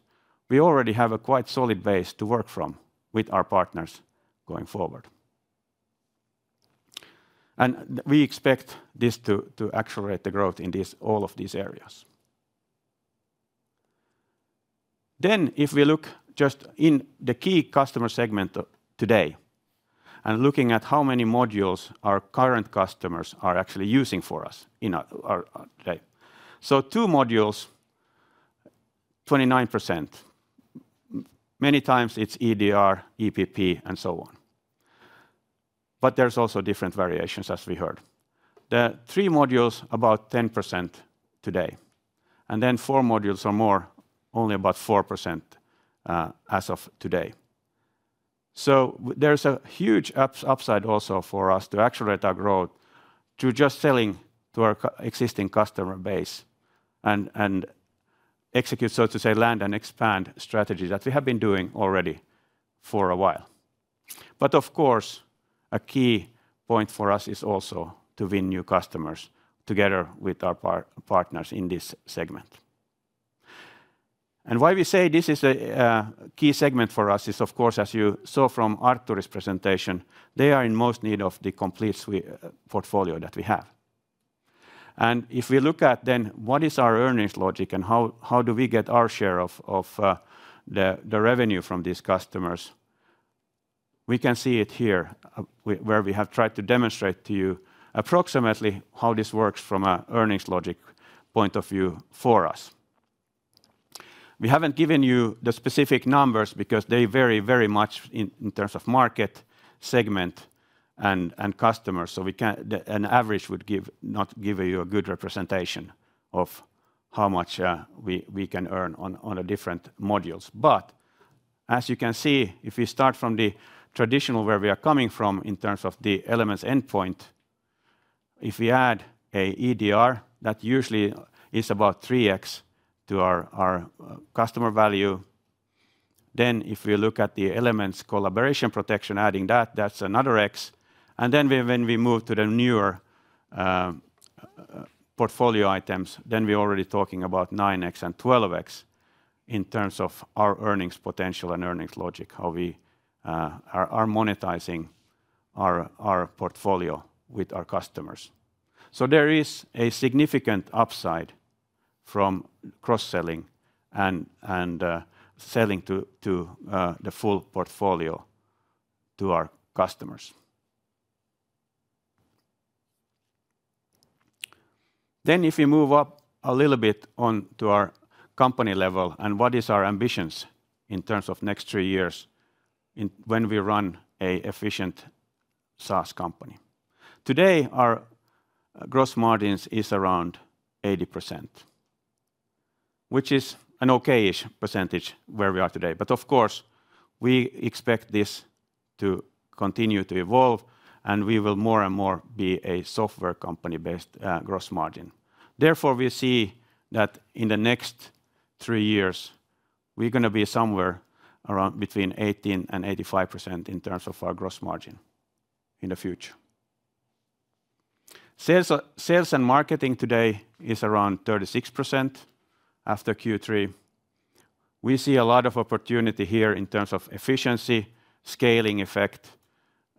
Speaker 10: we already have a quite solid base to work from with our partners going forward, and we expect this to accelerate the growth in all of these areas. Then, if we look just in the key customer segment today and looking at how many modules our current customers are actually using for us today, so two modules, 29%. Many times it's EDR, EPP, and so on. But there's also different variations, as we heard. The three modules, about 10% today. And then four modules or more, only about 4% as of today. So there's a huge upside also for us to accelerate our growth to just selling to our existing customer base and execute, so to say, land and expand strategies that we have been doing already for a while. But of course, a key point for us is also to win new customers together with our partners in this segment. And why we say this is a key segment for us is, of course, as you saw from Artturi's presentation, they are in most need of the complete portfolio that we have. And if we look at then what is our earnings logic and how do we get our share of the revenue from these customers, we can see it here where we have tried to demonstrate to you approximately how this works from an earnings logic point of view for us. We haven't given you the specific numbers because they vary very much in terms of market segment and customers. So an average would not give you a good representation of how much we can earn on the different modules. But as you can see, if we start from the traditional where we are coming from in terms of the Elements Endpoint, if we add an EDR, that usually is about 3x to our customer value. Then if we look at the Elements Collaboration Protection, adding that, that's another x. And then when we move to the newer portfolio items, then we're already talking about 9x and 12x in terms of our earnings potential and earnings logic, how we are monetizing our portfolio with our customers. So there is a significant upside from cross-selling and selling to the full portfolio to our customers. Then if we move up a little bit on to our company level and what are our ambitions in terms of next three years when we run an efficient SaaS company. Today, our gross margins are around 80%, which is an okay-ish percentage where we are today. But of course, we expect this to continue to evolve and we will more and more be a software company-based gross margin. Therefore, we see that in the next three years, we're going to be somewhere around between 18% and 85% in terms of our gross margin in the future. Sales and marketing today are around 36% after Q3. We see a lot of opportunity here in terms of efficiency, scaling effect,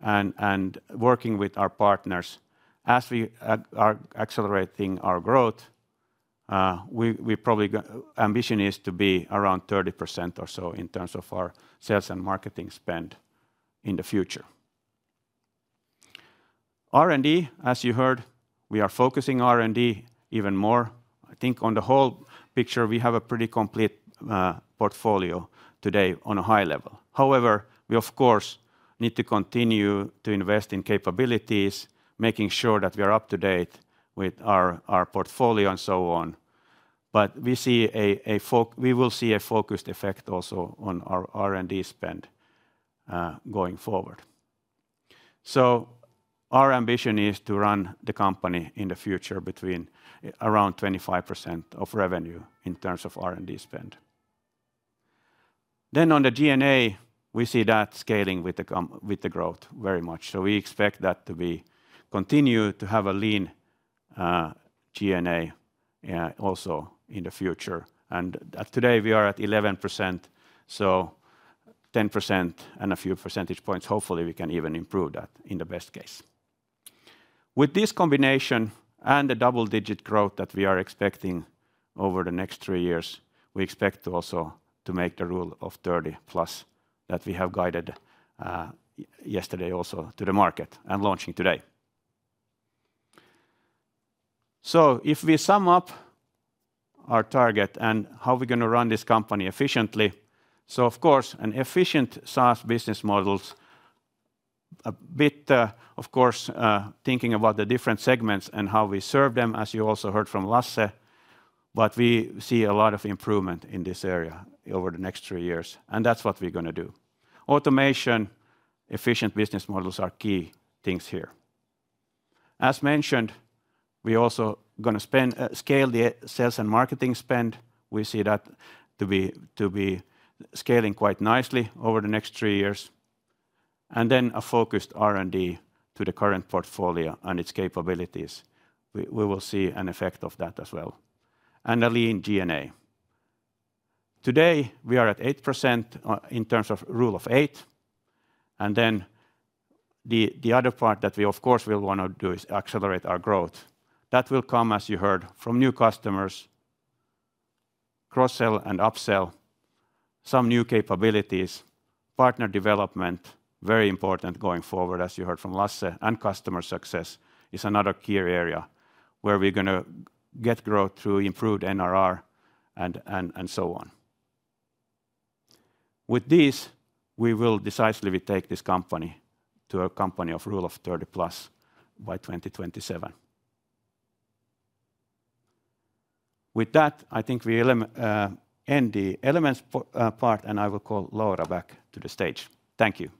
Speaker 10: and working with our partners. As we are accelerating our growth, the ambition is to be around 30% or so in terms of our sales and marketing spend in the future. R&D, as you heard, we are focusing on R&D even more. I think on the whole picture, we have a pretty complete portfolio today on a high level. However, we, of course, need to continue to invest in capabilities, making sure that we are up to date with our portfolio and so on. But we will see a focused effect also on our R&D spend going forward. So our ambition is to run the company in the future between around 25% of revenue in terms of R&D spend. Then on the G&A, we see that scaling with the growth very much. So we expect that to continue to have a lean G&A also in the future. And today we are at 11%, so 10% and a few percentage points. Hopefully, we can even improve that in the best case. With this combination and the double-digit growth that we are expecting over the next three years, we expect also to make the Rule of 30 plus that we have guided yesterday also to the market and launching today. If we sum up our target and how we're going to run this company efficiently, of course, an efficient SaaS business model, a bit, of course, thinking about the different segments and how we serve them, as you also heard from Lasse, but we see a lot of improvement in this area over the next three years. That's what we're going to do. Automation, efficient business models are key things here. As mentioned, we're also going to scale the sales and marketing spend. We see that to be scaling quite nicely over the next three years. Then a focused R&D to the current portfolio and its capabilities. We will see an effect of that as well, and a lean G&A. Today, we are at 8% in terms of rule of 8, and then the other part that we, of course, will want to do is accelerate our growth. That will come, as you heard, from new customers, cross-sell and upsell, some new capabilities, partner development, very important going forward, as you heard from Lasse, and customer success is another key area where we're going to get growth through improved NRR and so on. With these, we will decisively take this company to a company of rule of 30 plus by 2027. With that, I think we end the Elements part, and I will call Laura back to the stage. Thank you.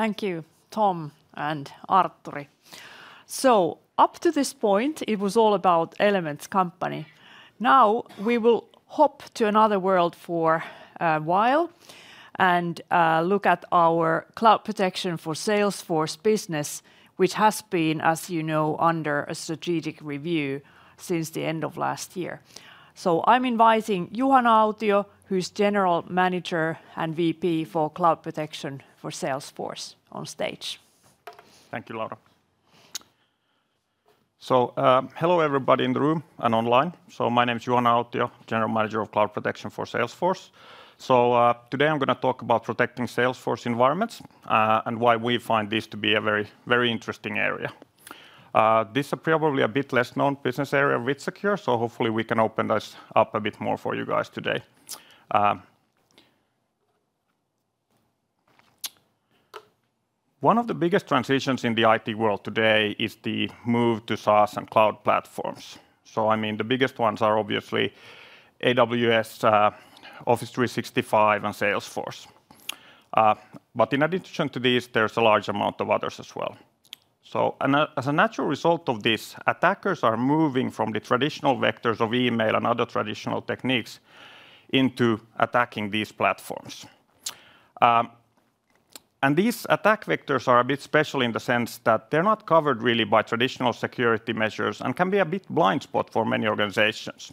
Speaker 1: Thank you, Tom and Artturi. So up to this point, it was all about Elements company. Now we will hop to another world for a while and look at our Cloud Protection for Salesforce business, which has been, as you know, under a strategic review since the end of last year. So I'm inviting Juhana Autio, who's General Manager and VP for Cloud Protection for Salesforce on stage.
Speaker 11: Thank you, Laura. So hello everybody in the room and online. So my name is Juhana Autio, General Manager of Cloud Protection for Salesforce. So today I'm going to talk about protecting Salesforce environments and why we find this to be a very interesting area. This is probably a bit less known business area of WithSecure, so hopefully we can open this up a bit more for you guys today. One of the biggest transitions in the IT world today is the move to SaaS and cloud platforms. So I mean, the biggest ones are obviously AWS, Office 365, and Salesforce. But in addition to these, there's a large amount of others as well. So as a natural result of this, attackers are moving from the traditional vectors of email and other traditional techniques into attacking these platforms. And these attack vectors are a bit special in the sense that they're not covered really by traditional security measures and can be a bit of a blind spot for many organizations,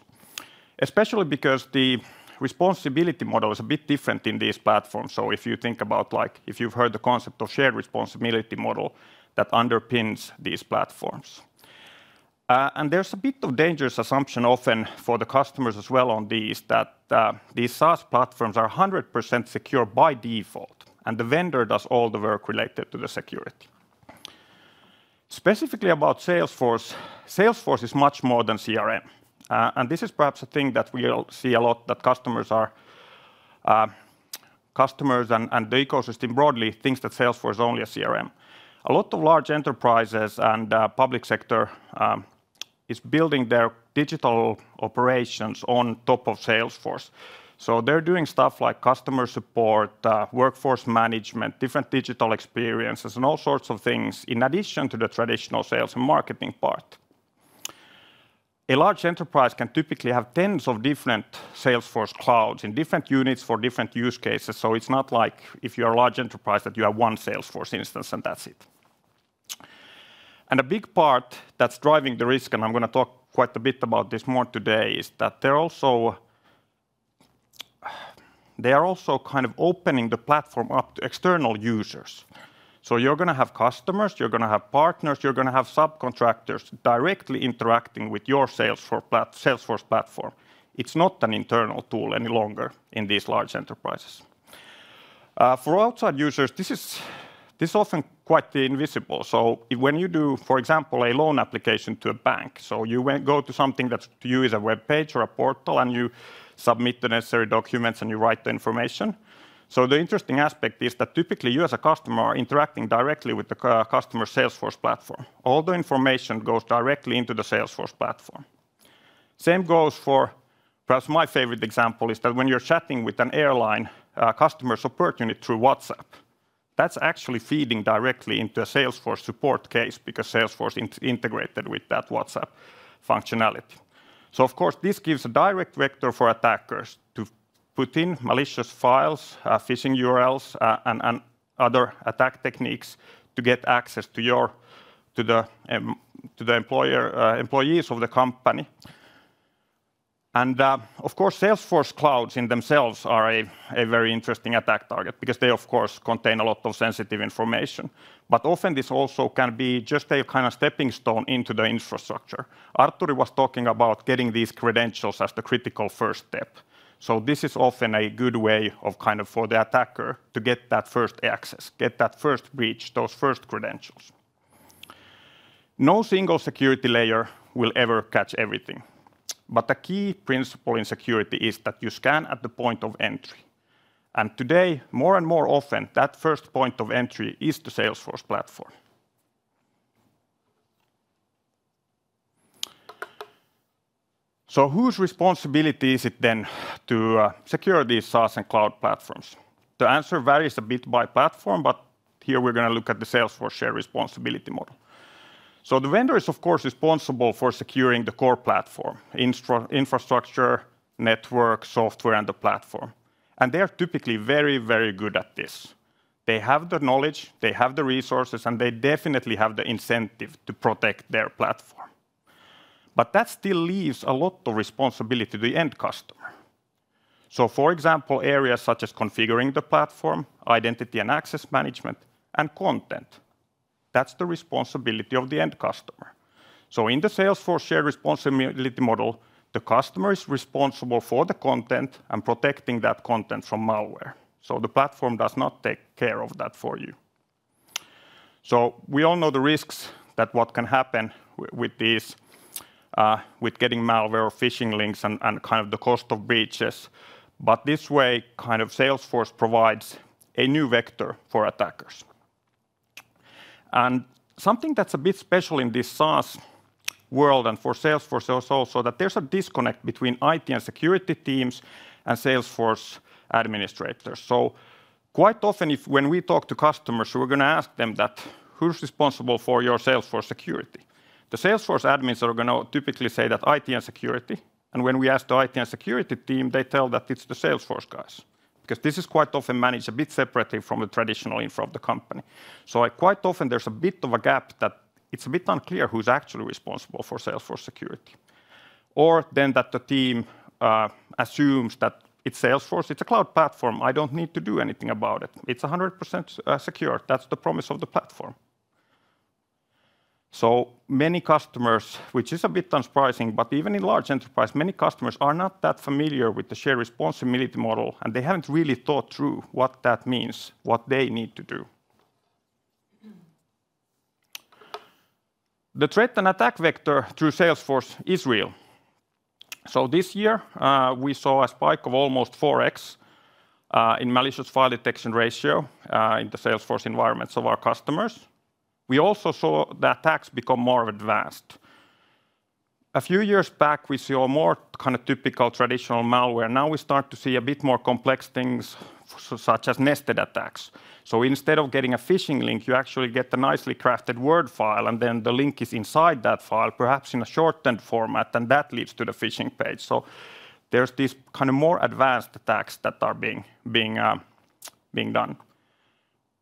Speaker 11: especially because the responsibility model is a bit different in these platforms. So if you think about, like if you've heard the concept of shared responsibility model that underpins these platforms. And there's a bit of a dangerous assumption often for the customers as well on these that these SaaS platforms are 100% secure by default, and the vendor does all the work related to the security. Specifically about Salesforce, Salesforce is much more than CRM, and this is perhaps a thing that we see a lot that customers and the ecosystem broadly thinks that Salesforce is only a CRM. A lot of large enterprises and public sector are building their digital operations on top of Salesforce, so they're doing stuff like customer support, workforce management, different digital experiences, and all sorts of things in addition to the traditional sales and marketing part. A large enterprise can typically have tens of different Salesforce clouds in different units for different use cases, so it's not like if you're a large enterprise that you have one Salesforce instance and that's it, and a big part that's driving the risk, and I'm going to talk quite a bit about this more today, is that they're also kind of opening the platform up to external users. So you're going to have customers, you're going to have partners, you're going to have subcontractors directly interacting with your Salesforce platform. It's not an internal tool any longer in these large enterprises. For outside users, this is often quite invisible. So when you do, for example, a loan application to a bank, so you go to something that to you is a webpage or a portal and you submit the necessary documents and you write the information. So the interesting aspect is that typically you as a customer are interacting directly with the customer's Salesforce platform. All the information goes directly into the Salesforce platform. Same goes for perhaps my favorite example is that when you're chatting with an airline customer support unit through WhatsApp, that's actually feeding directly into a Salesforce support case because Salesforce is integrated with that WhatsApp functionality. So of course, this gives a direct vector for attackers to put in malicious files, phishing URLs, and other attack techniques to get access to the employees of the company. And of course, Salesforce clouds in themselves are a very interesting attack target because they, of course, contain a lot of sensitive information. But often this also can be just a kind of stepping stone into the infrastructure. Artturi was talking about getting these credentials as the critical first step. So this is often a good way of kind of for the attacker to get that first access, get that first breach, those first credentials. No single security layer will ever catch everything. But the key principle in security is that you scan at the point of entry. And today, more and more often, that first point of entry is the Salesforce platform. Whose responsibility is it then to secure these SaaS and cloud platforms? The answer varies a bit by platform, but here we're going to look at the Salesforce shared responsibility model. The vendor is, of course, responsible for securing the core platform, infrastructure, network, software, and the platform. They're typically very, very good at this. They have the knowledge, they have the resources, and they definitely have the incentive to protect their platform. But that still leaves a lot of responsibility to the end customer. For example, areas such as configuring the platform, identity and access management, and content. That's the responsibility of the end customer. In the Salesforce shared responsibility model, the customer is responsible for the content and protecting that content from malware. The platform does not take care of that for you. We all know the risks of what can happen with these, with getting malware or phishing links and kind of the cost of breaches. But this way, kind of Salesforce provides a new vector for attackers. And something that's a bit special in this SaaS world and for Salesforce also is that there's a disconnect between IT and security teams and Salesforce administrators. So quite often, when we talk to customers, we're going to ask them that, who's responsible for your Salesforce security? The Salesforce admins are going to typically say that IT and security. And when we ask the IT and security team, they tell that it's the Salesforce guys. Because this is quite often managed a bit separately from the traditional IT of the company. So quite often, there's a bit of a gap that it's a bit unclear who's actually responsible for Salesforce security. Or then, that the team assumes that it's Salesforce, it's a cloud platform. I don't need to do anything about it. It's 100% secure. That's the promise of the platform. So many customers, which is a bit unsurprising, but even in large enterprise, many customers are not that familiar with the shared responsibility model, and they haven't really thought through what that means, what they need to do. The threat and attack vector through Salesforce is real. So this year, we saw a spike of almost 4x in malicious file detection ratio in the Salesforce environments of our customers. We also saw the attacks become more advanced. A few years back, we saw more kind of typical traditional malware. Now we start to see a bit more complex things such as nested attacks. So instead of getting a phishing link, you actually get a nicely crafted Word file, and then the link is inside that file, perhaps in a shortened format, and that leads to the phishing page. So there's these kind of more advanced attacks that are being done.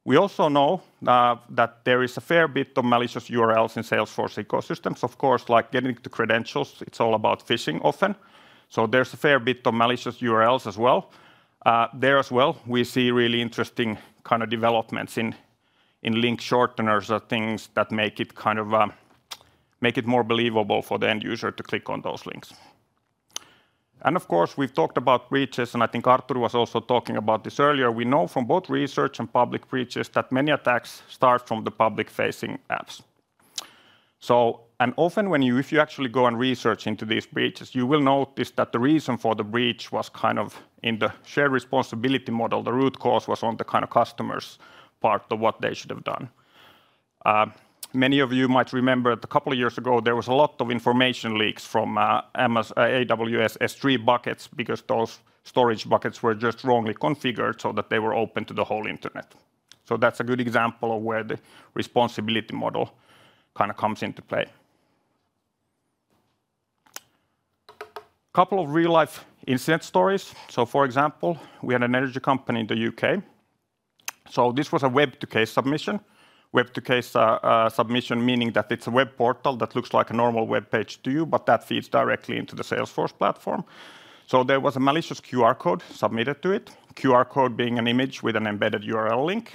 Speaker 11: We also know that there is a fair bit of malicious URLs in Salesforce ecosystems. Of course, like getting to credentials, it's all about phishing often. So there's a fair bit of malicious URLs as well. There as well, we see really interesting kind of developments in link shorteners or things that make it kind of make it more believable for the end user to click on those links. And of course, we've talked about breaches, and I think Artturi was also talking about this earlier. We know from both research and public breaches that many attacks start from the public-facing apps. So often when you, if you actually go and research into these breaches, you will notice that the reason for the breach was kind of in the shared responsibility model. The root cause was on the kind of customers' part of what they should have done. Many of you might remember that a couple of years ago, there was a lot of information leaks from AWS S3 buckets because those storage buckets were just wrongly configured so that they were open to the whole internet. So that's a good example of where the responsibility model kind of comes into play. A couple of real-life incident stories. So for example, we had an energy company in the U.K. So this was a Web-to-Case submission. Web-to-Case submission meaning that it's a web portal that looks like a normal web page to you, but that feeds directly into the Salesforce platform. There was a malicious QR code submitted to it. QR code being an image with an embedded URL link.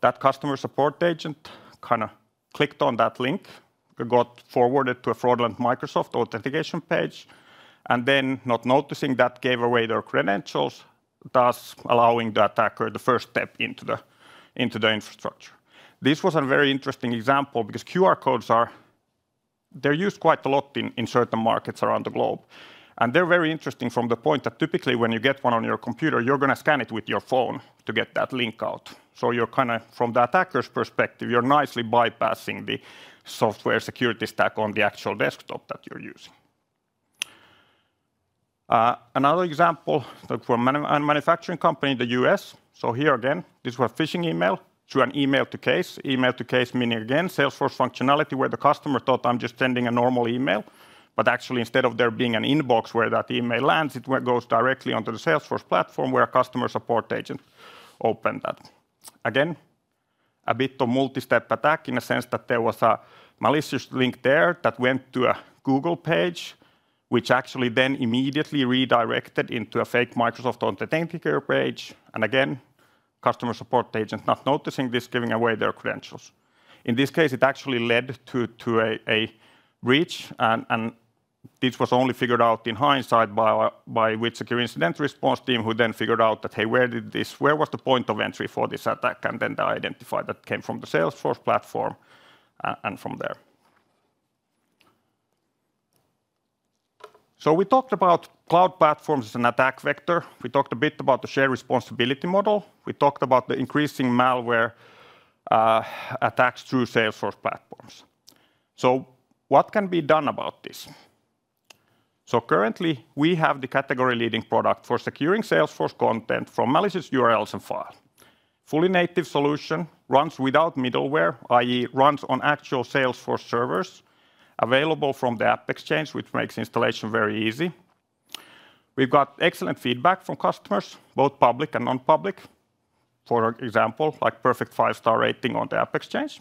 Speaker 11: That customer support agent kind of clicked on that link, got forwarded to a fraudulent Microsoft authentication page, and then not noticing that gave away their credentials, thus allowing the attacker the first step into the infrastructure. This was a very interesting example because QR codes are, they're used quite a lot in certain markets around the globe. And they're very interesting from the point that typically when you get one on your computer, you're going to scan it with your phone to get that link out. So you're kind of from the attacker's perspective, you're nicely bypassing the software security stack on the actual desktop that you're using. Another example from a manufacturing company in the U.S. So here again, this was a phishing email to an Email-to-Case. Email-to-Case meaning again Salesforce functionality where the customer thought, "I'm just sending a normal email." Actually, instead of there being an inbox where that email lands, it goes directly onto the Salesforce platform where a customer support agent opened that. Again, a bit of multi-step attack in the sense that there was a malicious link there that went to a Google page, which actually then immediately redirected into a fake Microsoft authenticator page. Again, customer support agent not noticing this giving away their credentials. In this case, it actually led to a breach, and this was only figured out in hindsight by WithSecure incident response team who then figured out that, "Hey, where did this, where was the point of entry for this attack?" Then they identified that it came from the Salesforce platform and from there. So we talked about cloud platforms as an attack vector. We talked a bit about the shared responsibility model. We talked about the increasing malware attacks through Salesforce platforms. So what can be done about this? Currently, we have the category-leading product for securing Salesforce content from malicious URLs and files. Fully native solution runs without middleware, i.e., runs on actual Salesforce servers available from the AppExchange, which makes installation very easy. We've got excellent feedback from customers, both public and non-public. For example, like perfect five-star rating on the AppExchange.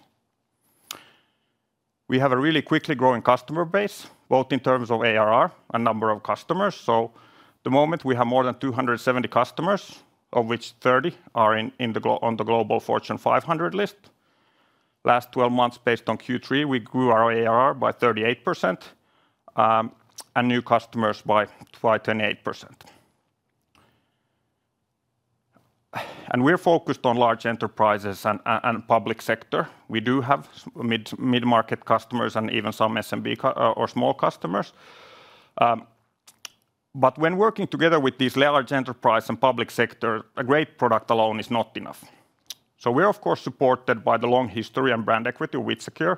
Speaker 11: We have a really quickly growing customer base, both in terms of ARR and number of customers. At the moment we have more than 270 customers, of which 30 are on the global Fortune 500 list. Last 12 months, based on Q3, we grew our ARR by 38% and new customers by 28%, and we're focused on large enterprises and public sector. We do have mid-market customers and even some SMB or small customers. But when working together with these large enterprises and public sector, a great product alone is not enough. So we're, of course, supported by the long history and brand equity of WithSecure.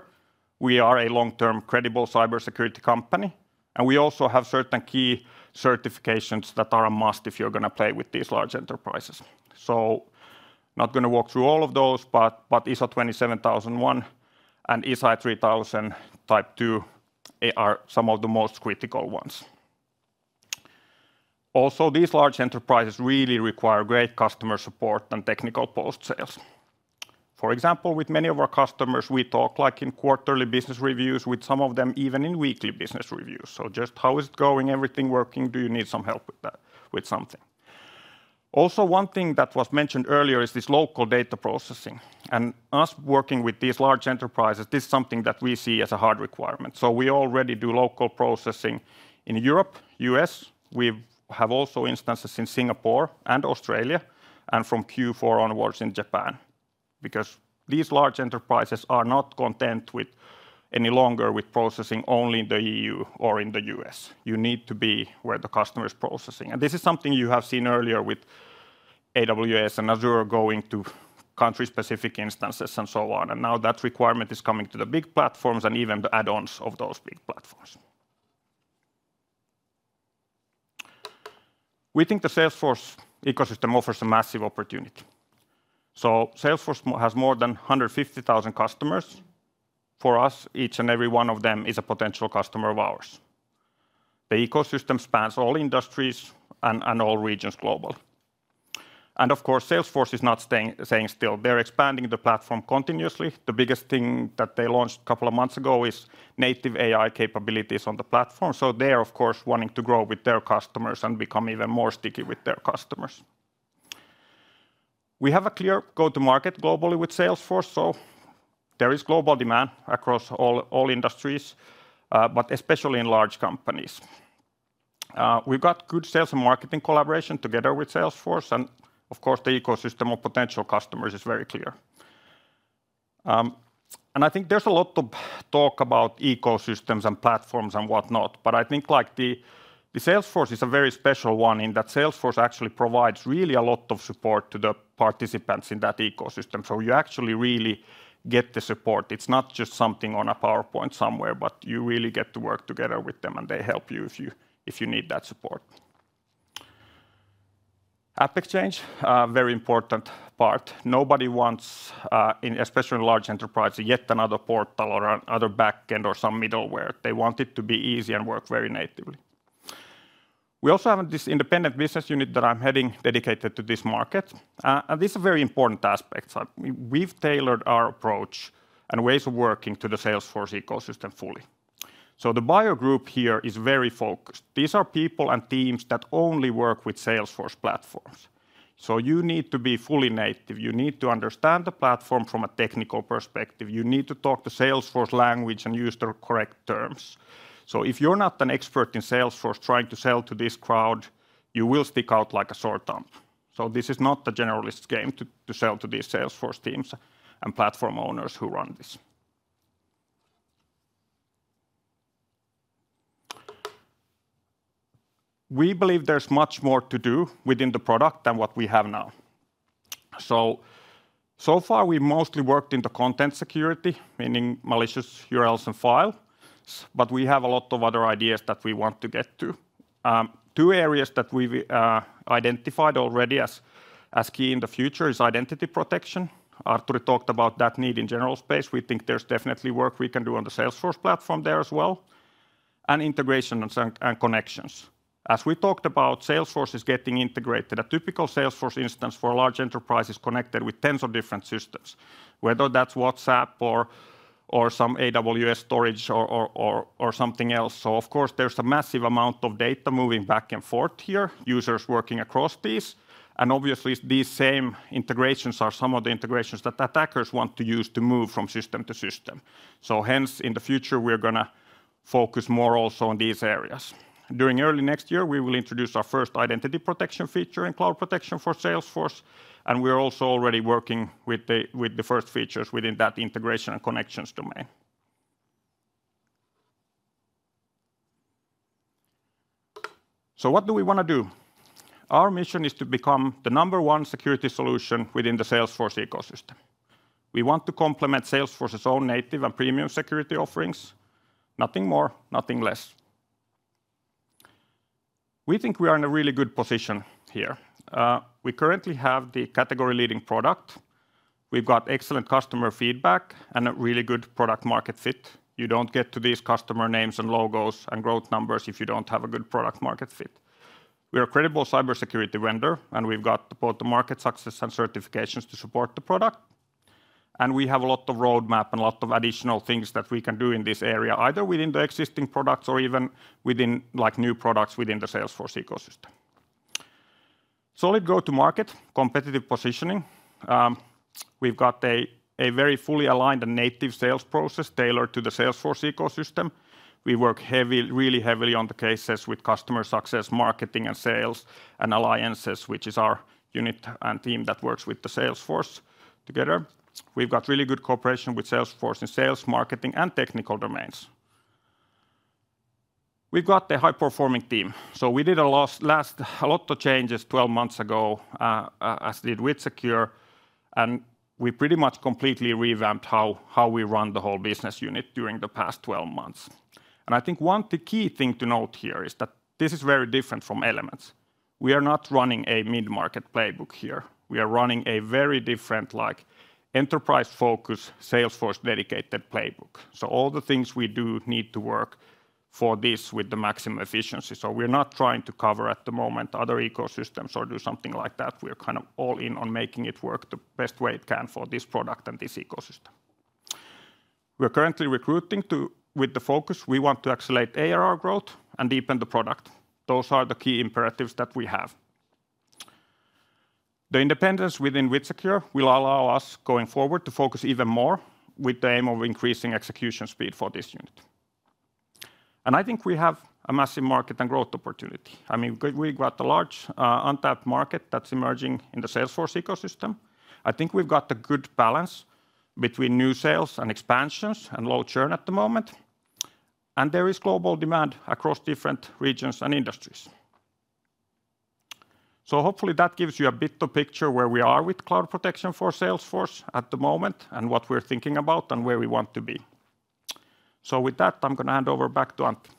Speaker 11: We are a long-term credible cybersecurity company. And we also have certain key certifications that are a must if you're going to play with these large enterprises. So not going to walk through all of those, but ISO 27001 and ISAE 3000 Type 2 are some of the most critical ones. Also, these large enterprises really require great customer support and technical post-sales. For example, with many of our customers, we talk like in quarterly business reviews, with some of them even in weekly business reviews. So just how is it going? Everything working? Do you need some help with something? Also, one thing that was mentioned earlier is this local data processing, and us working with these large enterprises, this is something that we see as a hard requirement, so we already do local processing in Europe, U.S. We have also instances in Singapore and Australia and from Q4 onwards in Japan because these large enterprises are not content any longer with processing only in the E.U. or in the U.S. You need to be where the customer is processing, and this is something you have seen earlier with AWS and Azure going to country-specific instances and so on, and now that requirement is coming to the big platforms and even the add-ons of those big platforms. We think the Salesforce ecosystem offers a massive opportunity, so Salesforce has more than 150,000 customers. For us, each and every one of them is a potential customer of ours. The ecosystem spans all industries and all regions globally. And of course, Salesforce is not staying still. They're expanding the platform continuously. The biggest thing that they launched a couple of months ago is native AI capabilities on the platform. So they're, of course, wanting to grow with their customers and become even more sticky with their customers. We have a clear go-to-market globally with Salesforce. So there is global demand across all industries, but especially in large companies. We've got good sales and marketing collaboration together with Salesforce. And of course, the ecosystem of potential customers is very clear. And I think there's a lot of talk about ecosystems and platforms and whatnot. But I think like the Salesforce is a very special one in that Salesforce actually provides really a lot of support to the participants in that ecosystem. So you actually really get the support. It's not just something on a PowerPoint somewhere, but you really get to work together with them and they help you if you need that support. AppExchange, very important part. Nobody wants, especially in large enterprises, yet another portal or another backend or some middleware. They want it to be easy and work very natively. We also have this independent business unit that I'm heading dedicated to this market, and these are very important aspects. We've tailored our approach and ways of working to the Salesforce ecosystem fully, so the buyer group here is very focused. These are people and teams that only work with Salesforce platforms, so you need to be fully native. You need to understand the platform from a technical perspective. You need to talk the Salesforce language and use the correct terms. So if you're not an expert in Salesforce trying to sell to this crowd, you will stick out like a sore thumb. So this is not a generalist game to sell to these Salesforce teams and platform owners who run this. We believe there's much more to do within the product than what we have now. So so far, we mostly worked in the content security, meaning malicious URLs and files. But we have a lot of other ideas that we want to get to. Two areas that we identified already as key in the future is identity protection. Artturi talked about that need in general space. We think there's definitely work we can do on the Salesforce platform there as well. And integration and connections. As we talked about, Salesforce is getting integrated. A typical Salesforce instance for large enterprises is connected with tens of different systems, whether that's WhatsApp or some AWS storage or something else, so of course, there's a massive amount of data moving back and forth here, users working across these, and obviously, these same integrations are some of the integrations that attackers want to use to move from system to system, so hence, in the future, we're going to focus more also on these areas. During early next year, we will introduce our first identity protection feature in Cloud Protection for Salesforce, and we're also already working with the first features within that integration and connections domain, so what do we want to do? Our mission is to become the number one security solution within the Salesforce ecosystem. We want to complement Salesforce's own native and premium security offerings. Nothing more, nothing less. We think we are in a really good position here. We currently have the category-leading product. We've got excellent customer feedback and a really good product market fit. You don't get to these customer names and logos and growth numbers if you don't have a good product market fit. We're a credible cybersecurity vendor, and we've got both the market success and certifications to support the product. And we have a lot of roadmap and a lot of additional things that we can do in this area, either within the existing products or even within new products within the Salesforce ecosystem. Solid go-to-market, competitive positioning. We've got a very fully aligned and native sales process tailored to the Salesforce ecosystem. We work really heavily on the cases with customer success, marketing and sales, and alliances, which is our unit and team that works with the Salesforce together. We've got really good cooperation with Salesforce in sales, marketing, and technical domains. We've got a high-performing team. So we did a lot of changes 12 months ago, as did WithSecure. And we pretty much completely revamped how we run the whole business unit during the past 12 months. And I think one key thing to note here is that this is very different from Elements. We are not running a mid-market playbook here. We are running a very different enterprise-focused Salesforce dedicated playbook. So all the things we do need to work for this with the maximum efficiency. So we're not trying to cover at the moment other ecosystems or do something like that. We're kind of all in on making it work the best way it can for this product and this ecosystem. We're currently recruiting with the focus we want to accelerate ARR growth and deepen the product. Those are the key imperatives that we have. The independence within WithSecure will allow us going forward to focus even more with the aim of increasing execution speed for this unit. And I think we have a massive market and growth opportunity. I mean, we've got a large untapped market that's emerging in the Salesforce ecosystem. I think we've got a good balance between new sales and expansions and low churn at the moment. And there is global demand across different regions and industries. So hopefully that gives you a bit of a picture where we are with cloud protection for Salesforce at the moment and what we're thinking about and where we want to be. So with that, I'm going to hand over back to Antti.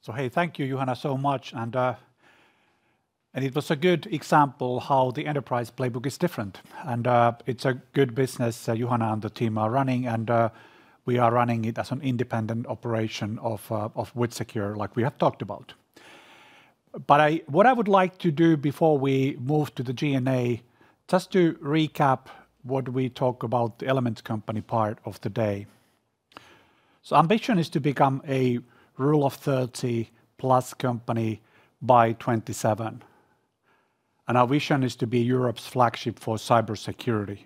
Speaker 2: So hey, thank you, Juhana, so much. And it was a good example of how the enterprise playbook is different. And it's a good business Juhana and the team are running. And we are running it as an independent operation of WithSecure, like we have talked about. But what I would like to do before we move to the G&A, just to recap what we talked about the Elements company part of the day. So our ambition is to become a Rule of 30 plus company by 2027. And our vision is to be Europe's flagship for cybersecurity.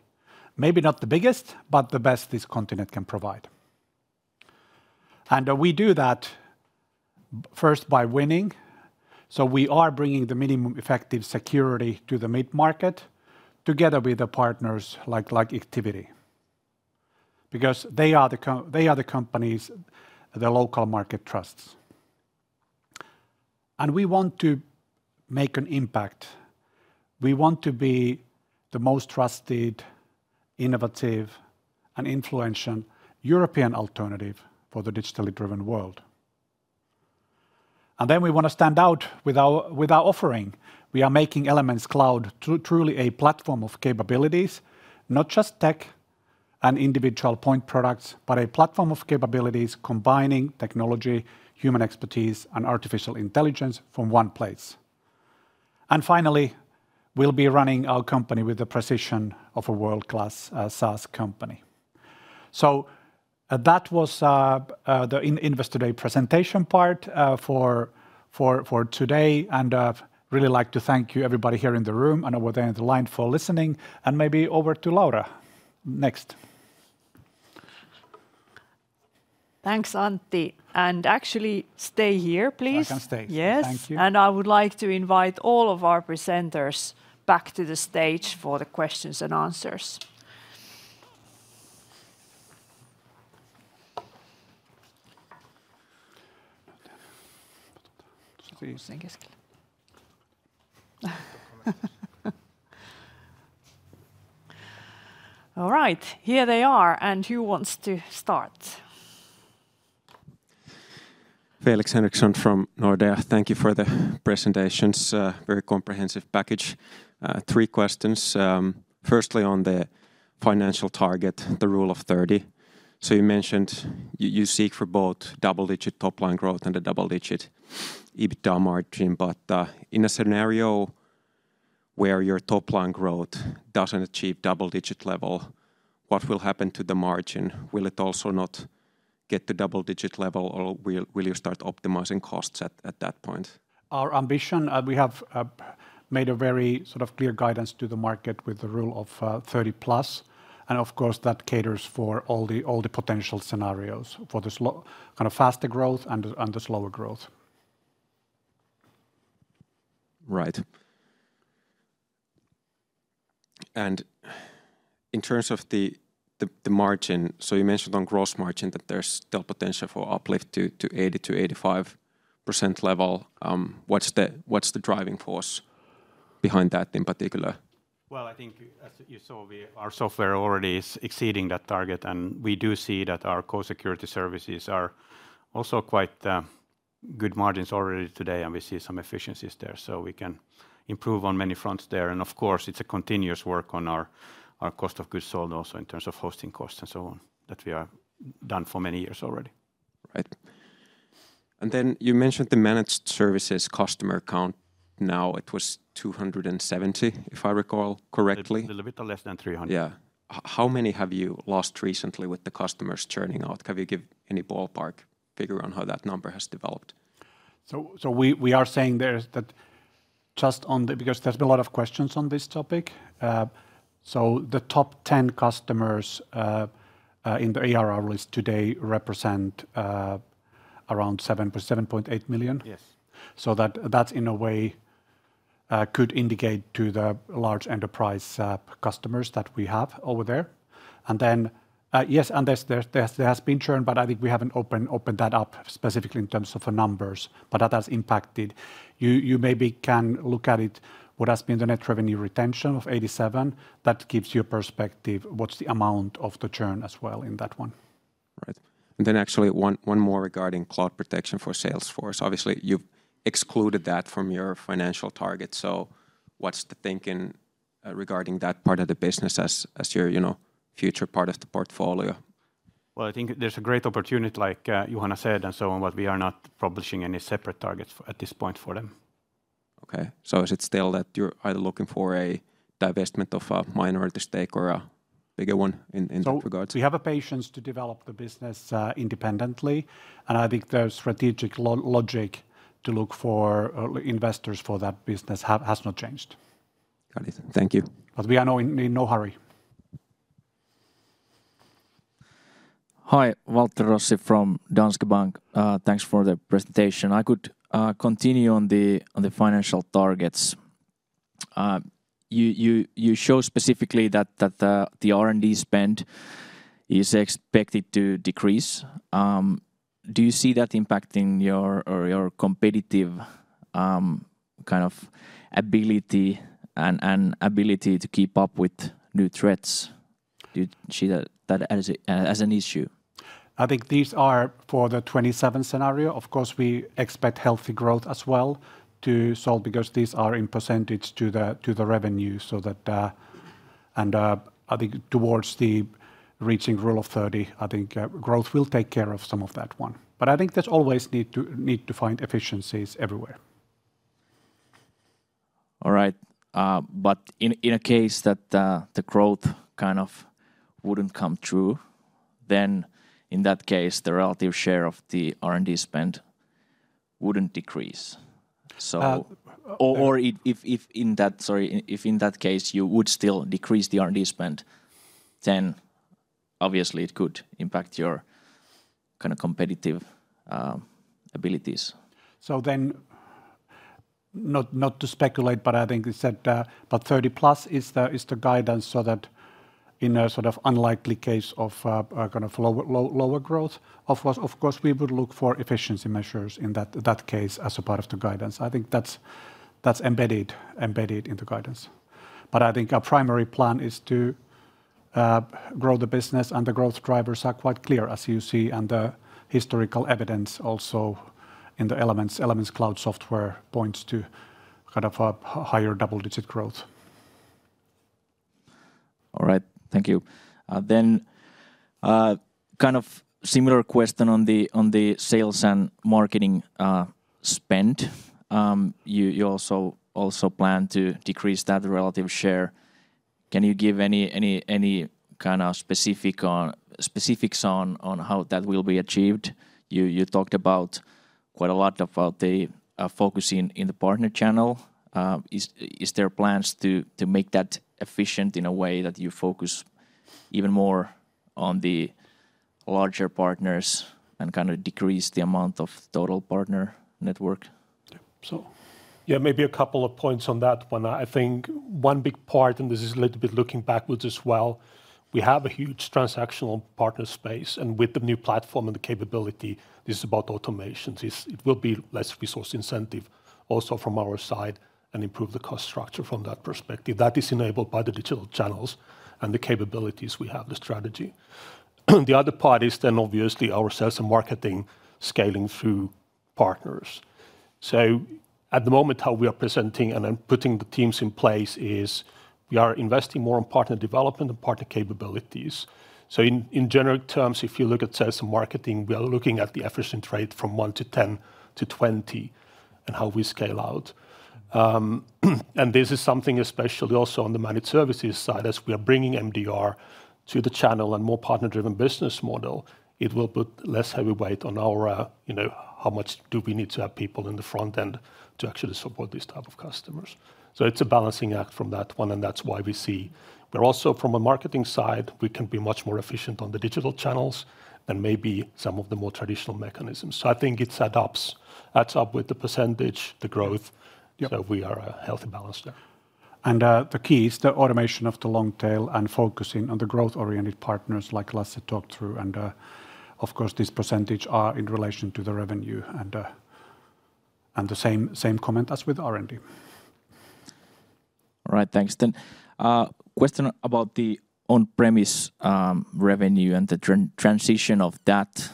Speaker 2: Maybe not the biggest, but the best this continent can provide. And we do that first by winning. So we are bringing the minimum effective security to the mid-market together with the partners like Ictivity. Because they are the companies, the local market trusts. And we want to make an impact. We want to be the most trusted, innovative, and influential European alternative for the digitally driven world. And then we want to stand out with our offering. We are making Elements Cloud truly a platform of capabilities, not just tech and individual point products, but a platform of capabilities combining technology, human expertise, and artificial intelligence from one place. And finally, we'll be running our company with the precision of a world-class SaaS company. So that was the Investor Day presentation part for today. And I'd really like to thank everybody here in the room and over there in the line for listening. And maybe over to Laura next.
Speaker 1: Thanks, Antti. And actually, stay here, please. I can stay. Yes. Thank you. And I would like to invite all of our presenters back to the stage for the questions and answers. All right, here they are. Who wants to start?
Speaker 7: Felix Henriksson from Nordea. Thank you for the presentations. Very comprehensive package. Three questions. Firstly, on the financial target, the Rule of 30. So you mentioned you seek for both double-digit top-line growth and the double-digit EBITDA margin. But in a scenario where your top-line growth doesn't achieve double-digit level, what will happen to the margin? Will it also not get to double-digit level, or will you start optimizing costs at that point?
Speaker 2: Our ambition, we have made a very sort of clear guidance to the market with the Rule of 30 plus. And of course, that caters for all the potential scenarios for the kind of faster growth and the slower growth.
Speaker 7: Right. And in terms of the margin, so you mentioned on gross margin that there's still potential for uplift to 80%-85% level. What's the driving force behind that in particular?
Speaker 11: Well, I think, as you saw, our software already is exceeding that target. And we do see that our core security services are also quite good margins already today. And we see some efficiencies there. So we can improve on many fronts there. And of course, it's a continuous work on our cost of goods sold also in terms of hosting costs and so on that we have done for many years already. Right. And then you mentioned the managed services customer count now. It was 270, if I recall correctly. A little bit less than 300.
Speaker 7: Yeah. How many have you lost recently with the customers churning out? Can you give any ballpark figure on how that number has developed?
Speaker 2: So we are saying there's that just on the, because there's been a lot of questions on this topic. So the top 10 customers in the ARR list today represent around 7.8 million. Yes. So that's in a way could indicate to the large enterprise customers that we have over there. And then, yes, and there has been churn, but I think we haven't opened that up specifically in terms of the numbers. But that has impacted. You maybe can look at it, what has been the net revenue retention of 87%. That gives you a perspective what's the amount of the churn as well in that one.
Speaker 7: Right. And then actually one more regarding Cloud Protection for Salesforce. Obviously, you've excluded that from your financial target. So what's the thinking regarding that part of the business as your future part of the portfolio?
Speaker 11: Well, I think there's a great opportunity, like Juhana said, and so on, but we are not publishing any separate targets at this point for them.
Speaker 7: Okay. So is it still that you're either looking for a divestment of a minority stake or a bigger one in that regard?
Speaker 2: So we have a patience to develop the business independently. And I think the strategic logic to look for investors for that business has not changed.
Speaker 7: Got it. Thank you.
Speaker 2: But we are now in no hurry.
Speaker 12: Hi, Waltteri Rossi from Danske Bank. Thanks for the presentation. I could continue on the financial targets. You show specifically that the R&D spend is expected to decrease. Do you see that impacting your competitive kind of ability and ability to keep up with new threats? Do you see that as an issue?
Speaker 2: I think these are for the 2027 scenario. Of course, we expect healthy growth as well to solve because these are in percentage to the revenue so that, and I think towards the reaching Rule of 30, I think growth will take care of some of that one, but I think there's always need to find efficiencies everywhere. All right, but in a case that the growth kind of wouldn't come true, then in that case, the relative share of the R&D spend wouldn't decrease or if in that, sorry, if in that case you would still decrease the R&D spend, then obviously it could impact your kind of competitive abilities so then not to speculate, but I think it's that about 30 plus is the guidance so that in a sort of unlikely case of kind of lower growth, of course, we would look for efficiency measures in that case as a part of the guidance. I think that's embedded in the guidance. But I think our primary plan is to grow the business and the growth drivers are quite clear, as you see, and the historical evidence also in the Elements Cloud software points to kind of a higher double-digit growth.
Speaker 12: All right. Thank you. Then kind of similar question on the sales and marketing spend. You also plan to decrease that relative share. Can you give any kind of specifics on how that will be achieved? You talked about quite a lot about the focus in the partner channel. Is there plans to make that efficient in a way that you focus even more on the larger partners and kind of decrease the amount of total partner network?
Speaker 11: Yeah, maybe a couple of points on that one. I think one big part, and this is a little bit looking backwards as well, we have a huge transactional partner space, and with the new platform and the capability, this is about automations. It will be less resource incentive also from our side and improve the cost structure from that perspective. That is enabled by the digital channels and the capabilities we have, the strategy. The other part is then obviously our sales and marketing scaling through partners, so at the moment, how we are presenting and putting the teams in place is we are investing more in partner development and partner capabilities, so in general terms, if you look at sales and marketing, we are looking at the efficiency rate from one to 10 to 20 and how we scale out. This is something especially also on the managed services side, as we are bringing MDR to the channel and more partner-driven business model. It will put less heavy weight on our, how much do we need to have people in the front end to actually support these types of customers. So it's a balancing act from that one. And that's why we see, but also from a marketing side, we can be much more efficient on the digital channels than maybe some of the more traditional mechanisms. So I think it adds up with the percentage, the growth. So we are a healthy balance there. And the key is the automation of the long tail and focusing on the growth-oriented partners like Lasse talked through. And of course, these percentages are in relation to the revenue and the same comment as with R&D.
Speaker 12: All right, thanks. Then, question about the on-premise revenue and the transition of that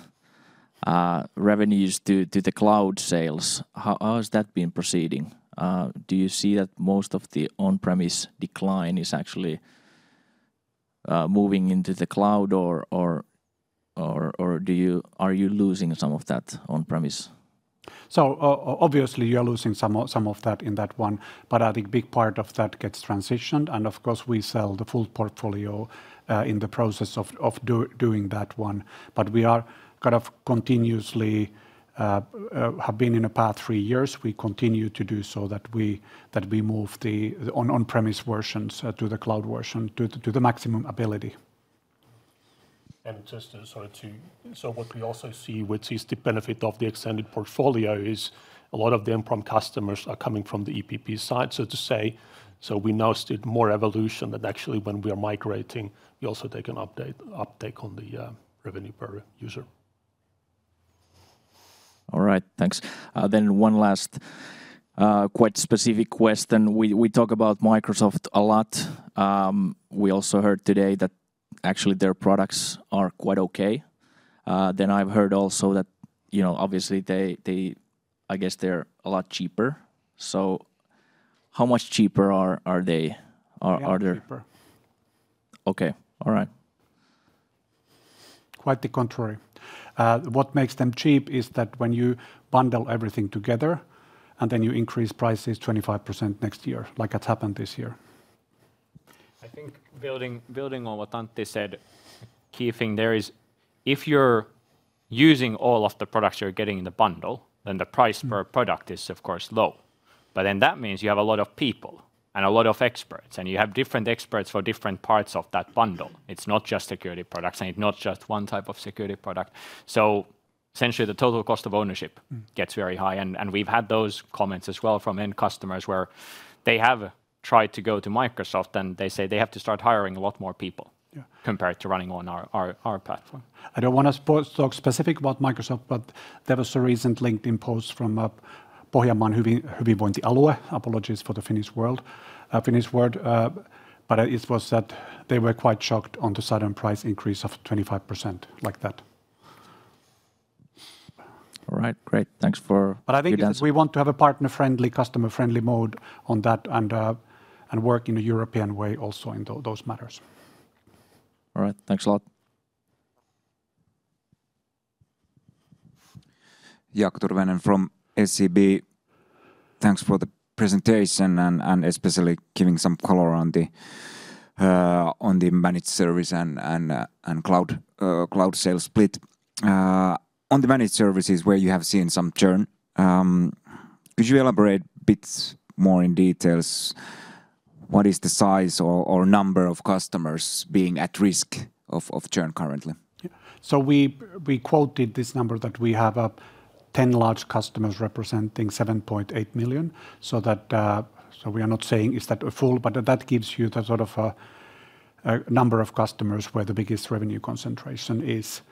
Speaker 12: revenue to the cloud sales. How has that been proceeding? Do you see that most of the on-premise decline is actually moving into the cloud, or are you losing some of that on-premise? So obviously, you're losing some of that in that one. But I think a big part of that gets transitioned. And of course, we sell the full portfolio in the process of doing that one. But we are kind of continuously have been in a path three years. We continue to do so that we move the on-premise versions to the cloud version to the maximum ability. And just to sort of, so what we also see, which is the benefit of the extended portfolio, is a lot of the endpoint customers are coming from the EPP side, so to say. So we noticed more evolution that actually when we are migrating, we also take an uptake on the revenue per user. All right, thanks. Then one last quite specific question. We talk about Microsoft a lot. We also heard today that actually their products are quite okay. Then I've heard also that, obviously, I guess they're a lot cheaper. So how much cheaper are they? Okay, all right.
Speaker 11: Quite the contrary. What makes them cheap is that when you bundle everything together and then you increase prices 25% next year, like it's happened this year.
Speaker 4: I think building on what Antti said, a key thing there is if you're using all of the products you're getting in the bundle, then the price per product is, of course, low. But then that means you have a lot of people and a lot of experts, and you have different experts for different parts of that bundle. It's not just security products, and it's not just one type of security product. So essentially, the total cost of ownership gets very high. And we've had those comments as well from end customers where they have tried to go to Microsoft, and they say they have to start hiring a lot more people compared to running on our platform.
Speaker 11: I don't want to talk specifically about Microsoft, but there was a recent LinkedIn post from a Pohjanmaan hyvinvointialue. Apologies for the Finnish word. But it was that they were quite shocked on the sudden price increase of 25% like that.
Speaker 12: All right, great. Thanks for your answer.
Speaker 2: But I think we want to have a partner-friendly, customer-friendly mode on that and work in a European way also in those matters.
Speaker 12: All right, thanks a lot.
Speaker 8: Jaakko Tyrväinen from SEB. Thanks for the presentation and especially giving some color on the managed service and cloud sales split. On the managed services where you have seen some churn, could you elaborate a bit more in details? What is the size or number of customers being at risk of churn currently?
Speaker 11: So we quoted this number that we have 10 large customers representing 7.8 million. So we are not saying is that a full, but that gives you the sort of number of customers where the biggest revenue concentration is.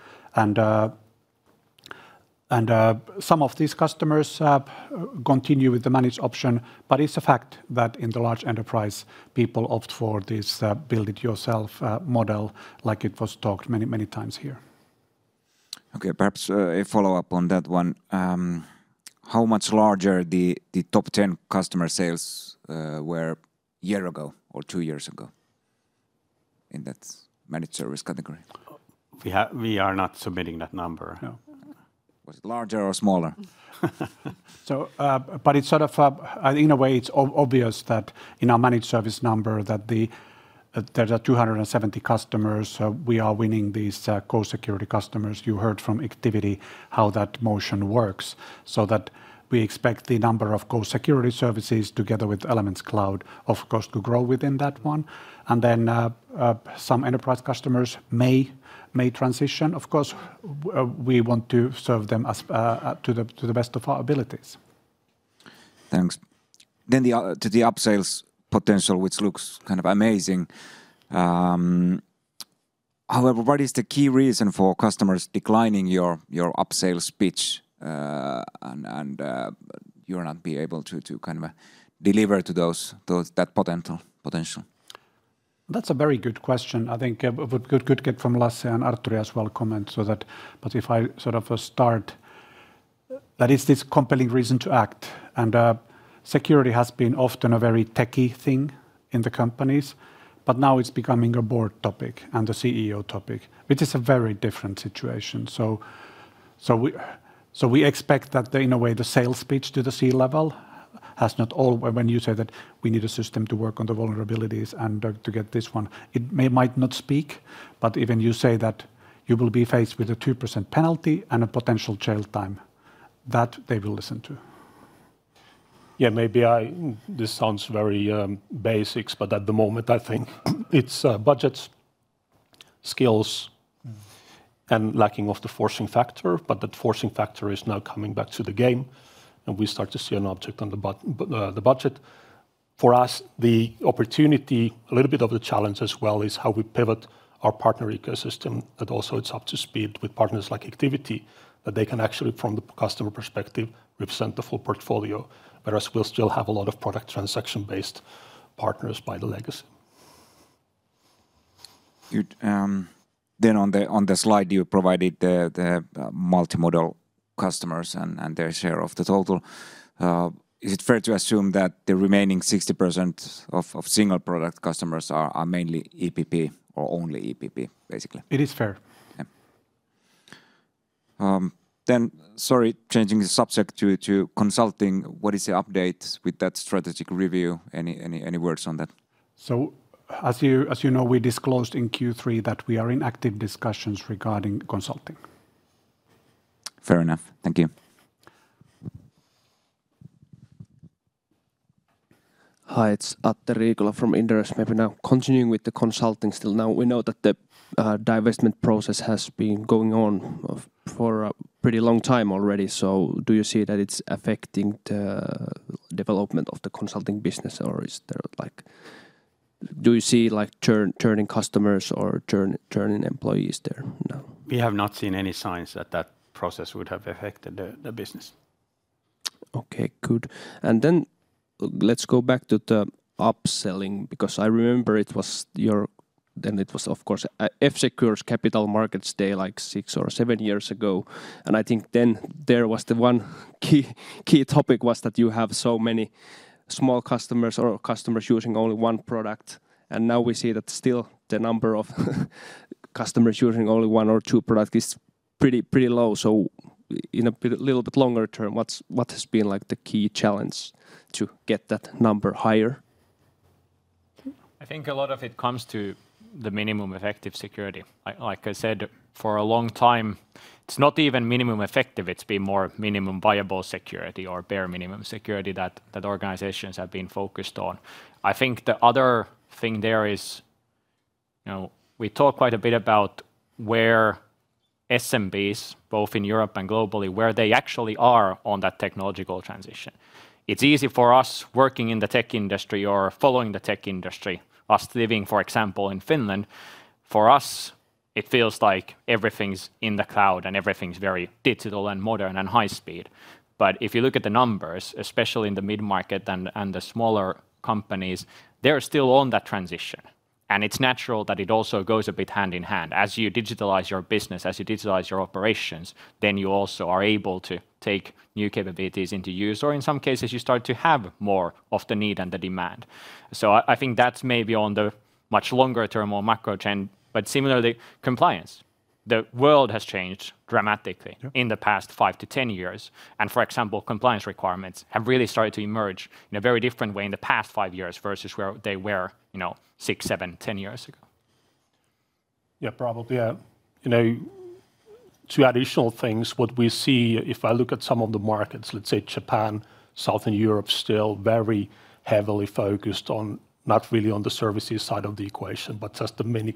Speaker 11: Some of these customers continue with the managed option, but it's a fact that in the large enterprise, people opt for this build-it-yourself model, like it was talked many, many times here.
Speaker 8: Okay, perhaps a follow-up on that one. How much larger the top 10 customer sales were a year ago or two years ago in that managed service category?
Speaker 2: We are not submitting that number.
Speaker 8: Was it larger or smaller?
Speaker 2: It's sort of, in a way, obvious that in our managed service number, there are 270 customers. We are winning these Co-security customers. You heard from Ictivity how that motion works. We expect the number of Co-security services together with Elements Cloud, of course, to grow within that one. Some enterprise customers may transition. Of course, we want to serve them to the best of our abilities.
Speaker 8: Thanks. Then to the upsales potential, which looks kind of amazing. However, what is the key reason for customers declining your upsales pitch and you're not being able to kind of deliver to that potential?
Speaker 2: That's a very good question. I think it could get from Lasse and Artturi as well comment. But if I sort of start, that is this compelling reason to act. And security has been often a very techy thing in the companies, but now it's becoming a board topic and a CEO topic, which is a very different situation. So we expect that in a way, the sales pitch to the C-level has not all, when you say that we need a system to work on the vulnerabilities and to get this one, it might not speak. But even you say that you will be faced with a 2% penalty and a potential jail time, that they will listen to. Yeah, maybe this sounds very basic, but at the moment, I think it's budgets, skills, and lack of the forcing factor. But that forcing factor is now coming back to the game, and we start to see an uptick on the budget. For us, the opportunity, a little bit of the challenge as well, is how we pivot our partner ecosystem, that also it's up to speed with partners like Ictivity, that they can actually, from the customer perspective, represent the full portfolio. Whereas we'll still have a lot of product transaction-based partners by the legacy.
Speaker 8: Then on the slide, you provided the multi-module customers and their share of the total. Is it fair to assume that the remaining 60% of single product customers are mainly EPP or only EPP, basically? It is fair. Then, sorry, changing the subject to consulting, what is the update with that strategic review? Any words on that?
Speaker 2: So as you know, we disclosed in Q3 that we are in active discussions regarding consulting. Fair enough. Thank you. Hi, it's Atte Riikola from Inderes. Maybe now continuing with the consulting still. Now we know that the divestment process has been going on for a pretty long time already. So do you see that it's affecting the development of the consulting business, or is there like, do you see like churning customers or churning employees there now? We have not seen any signs that that process would have affected the business.
Speaker 8: Okay, good. Then let's go back to the upselling, because I remember it was your, then it was of course, F-Secure's Capital Markets Day like six or seven years ago. I think then there was the one key topic was that you have so many small customers or customers using only one product. Now we see that still the number of customers using only one or two products is pretty low. In a little bit longer term, what has been like the key challenge to get that number higher? I think a lot of it comes to the minimum effective security.
Speaker 10: Like I said, for a long time, it's not even minimum effective. It's been more minimum viable security or bare minimum security that organizations have been focused on. I think the other thing there is, we talk quite a bit about where SMBs, both in Europe and globally, where they actually are on that technological transition. It's easy for us working in the tech industry or following the tech industry, us living, for example, in Finland. For us, it feels like everything's in the cloud and everything's very digital and modern and high speed. But if you look at the numbers, especially in the mid-market and the smaller companies, they're still on that transition, and it's natural that it also goes a bit hand in hand. As you digitalize your business, as you digitalize your operations, then you also are able to take new capabilities into use. Or in some cases, you start to have more of the need and the demand, so I think that's maybe on the much longer term or macro trend, but similarly, compliance. The world has changed dramatically in the past five to 10 years. For example, compliance requirements have really started to emerge in a very different way in the past five years versus where they were six, seven, 10 years ago. Yeah, probably. Two additional things. What we see, if I look at some of the markets, let's say Japan, Southern Europe still very heavily focused on, not really on the services side of the equation, but just the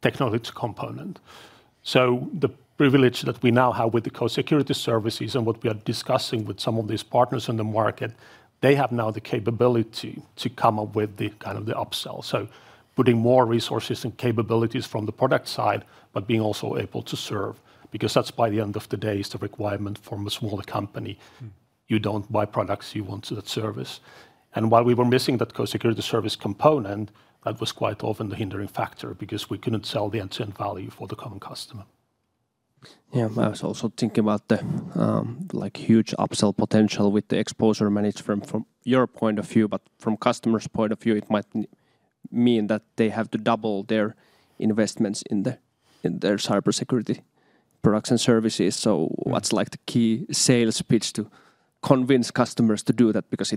Speaker 10: technology component. The privilege that we now have with the core security services and what we are discussing with some of these partners in the market, they have now the capability to come up with the kind of the upsell. So putting more resources and capabilities from the product side, but being also able to serve, because that's by the end of the day is the requirement from a smaller company. You don't buy products, you want that service. And while we were missing that core security service component, that was quite often the hindering factor because we couldn't sell the end-to-end value for the common customer.
Speaker 8: Yeah, I was also thinking about the huge upsell potential with the exposure management from your point of view, but from customers' point of view, it might mean that they have to double their investments in their cybersecurity products and services. So what's like the key sales pitch to convince customers to do that? Because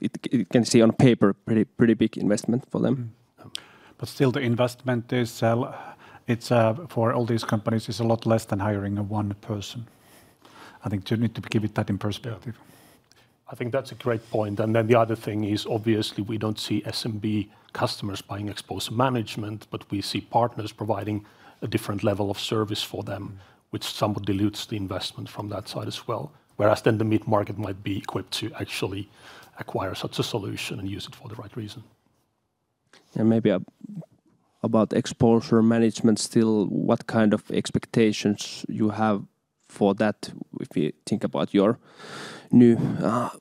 Speaker 8: it can seem on paper a pretty big investment for them. But still the investment is for all these companies, it's a lot less than hiring one person. I think you need to give it that in perspective.
Speaker 11: I think that's a great point. And then the other thing is obviously we don't see SMB customers buying exposure management, but we see partners providing a different level of service for them, which somewhat dilutes the investment from that side as well. Whereas then the mid-market might be equipped to actually acquire such a solution and use it for the right reason. And maybe about exposure management still, what kind of expectations you have for that if we think about your new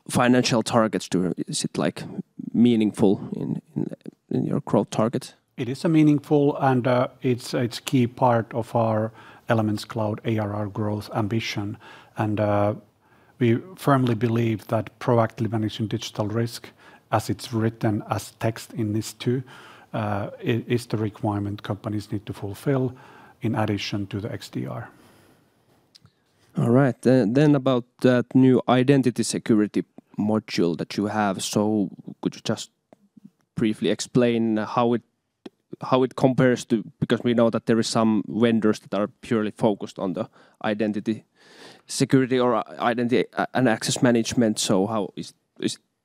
Speaker 11: financial targets? Is it like meaningful in your growth targets? It is meaningful and it's a key part of our Elements Cloud ARR growth ambition. And we firmly believe that proactive managing digital risk, as it's written as text in these two, is the requirement companies need to fulfill in addition to the XDR. All right.
Speaker 8: Then, about that new identity security module that you have. So, could you just briefly explain how it compares to, because we know that there are some vendors that are purely focused on the identity security or identity and access management. So, how is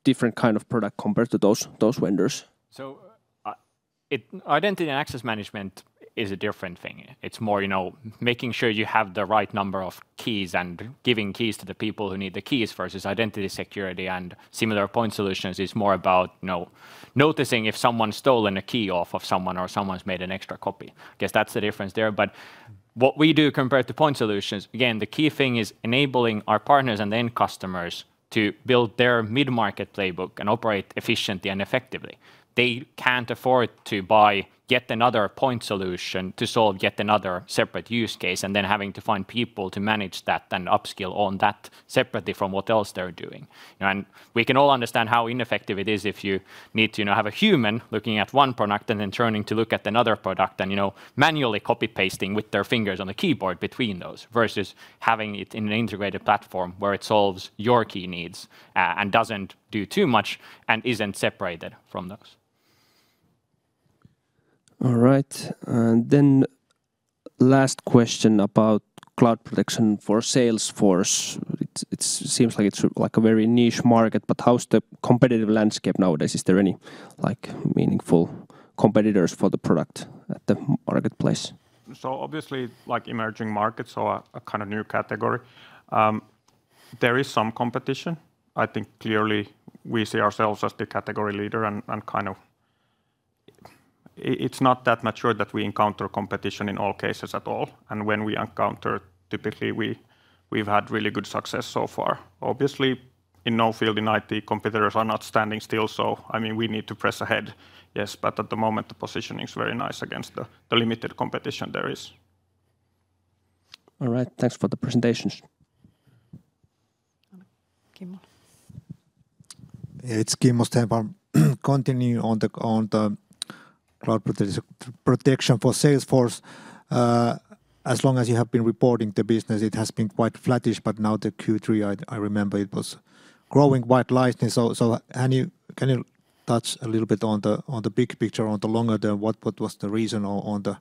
Speaker 8: different kind of product compared to those vendors? So, identity and access management is a different thing.
Speaker 2: It's more making sure you have the right number of keys and giving keys to the people who need the keys versus identity security and similar point solutions is more about noticing if someone's stolen a key off of someone or someone's made an extra copy. I guess that's the difference there. But what we do compared to point solutions, again, the key thing is enabling our partners and then customers to build their mid-market playbook and operate efficiently and effectively. They can't afford to buy yet another point solution to solve yet another separate use case and then having to find people to manage that and upskill on that separately from what else they're doing. And we can all understand how ineffective it is if you need to have a human looking at one product and then turning to look at another product and manually copy-pasting with their fingers on the keyboard between those versus having it in an integrated platform where it solves your key needs and doesn't do too much and isn't separated from those.
Speaker 8: All right. Then last question about Cloud Protection for Salesforce. It seems like it's like a very niche market, but how's the competitive landscape nowadays? Is there any meaningful competitors for the product at the marketplace? So obviously like emerging markets or a kind of new category, there is some competition.
Speaker 11: I think clearly we see ourselves as the category leader and kind of it's not that mature that we encounter competition in all cases at all. And when we encounter, typically we've had really good success so far. Obviously, in no field in IT, competitors are not standing still. So I mean, we need to press ahead, yes, but at the moment the positioning is very nice against the limited competition there is.
Speaker 8: All right, thanks for the presentations.
Speaker 5: It's Kimmo Stenvall. Continue on the Cloud Protection for Salesforce. As long as you have been reporting the business, it has been quite flatish, but now the Q3, I remember it was growing quite slightly. So can you touch a little bit on the big picture on the longer term? What was the reason on the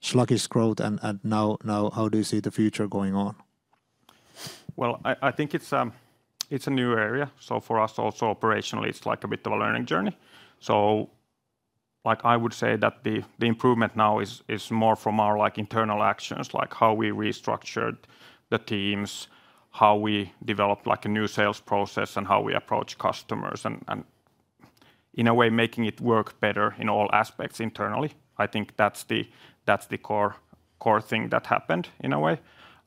Speaker 5: sluggish growth and now how do you see the future going on?
Speaker 11: I think it's a new area. For us also operationally, it's like a bit of a learning journey. I would say that the improvement now is more from our internal actions, like how we restructured the teams, how we developed a new sales process and how we approach customers and in a way making it work better in all aspects internally. I think that's the core thing that happened in a way.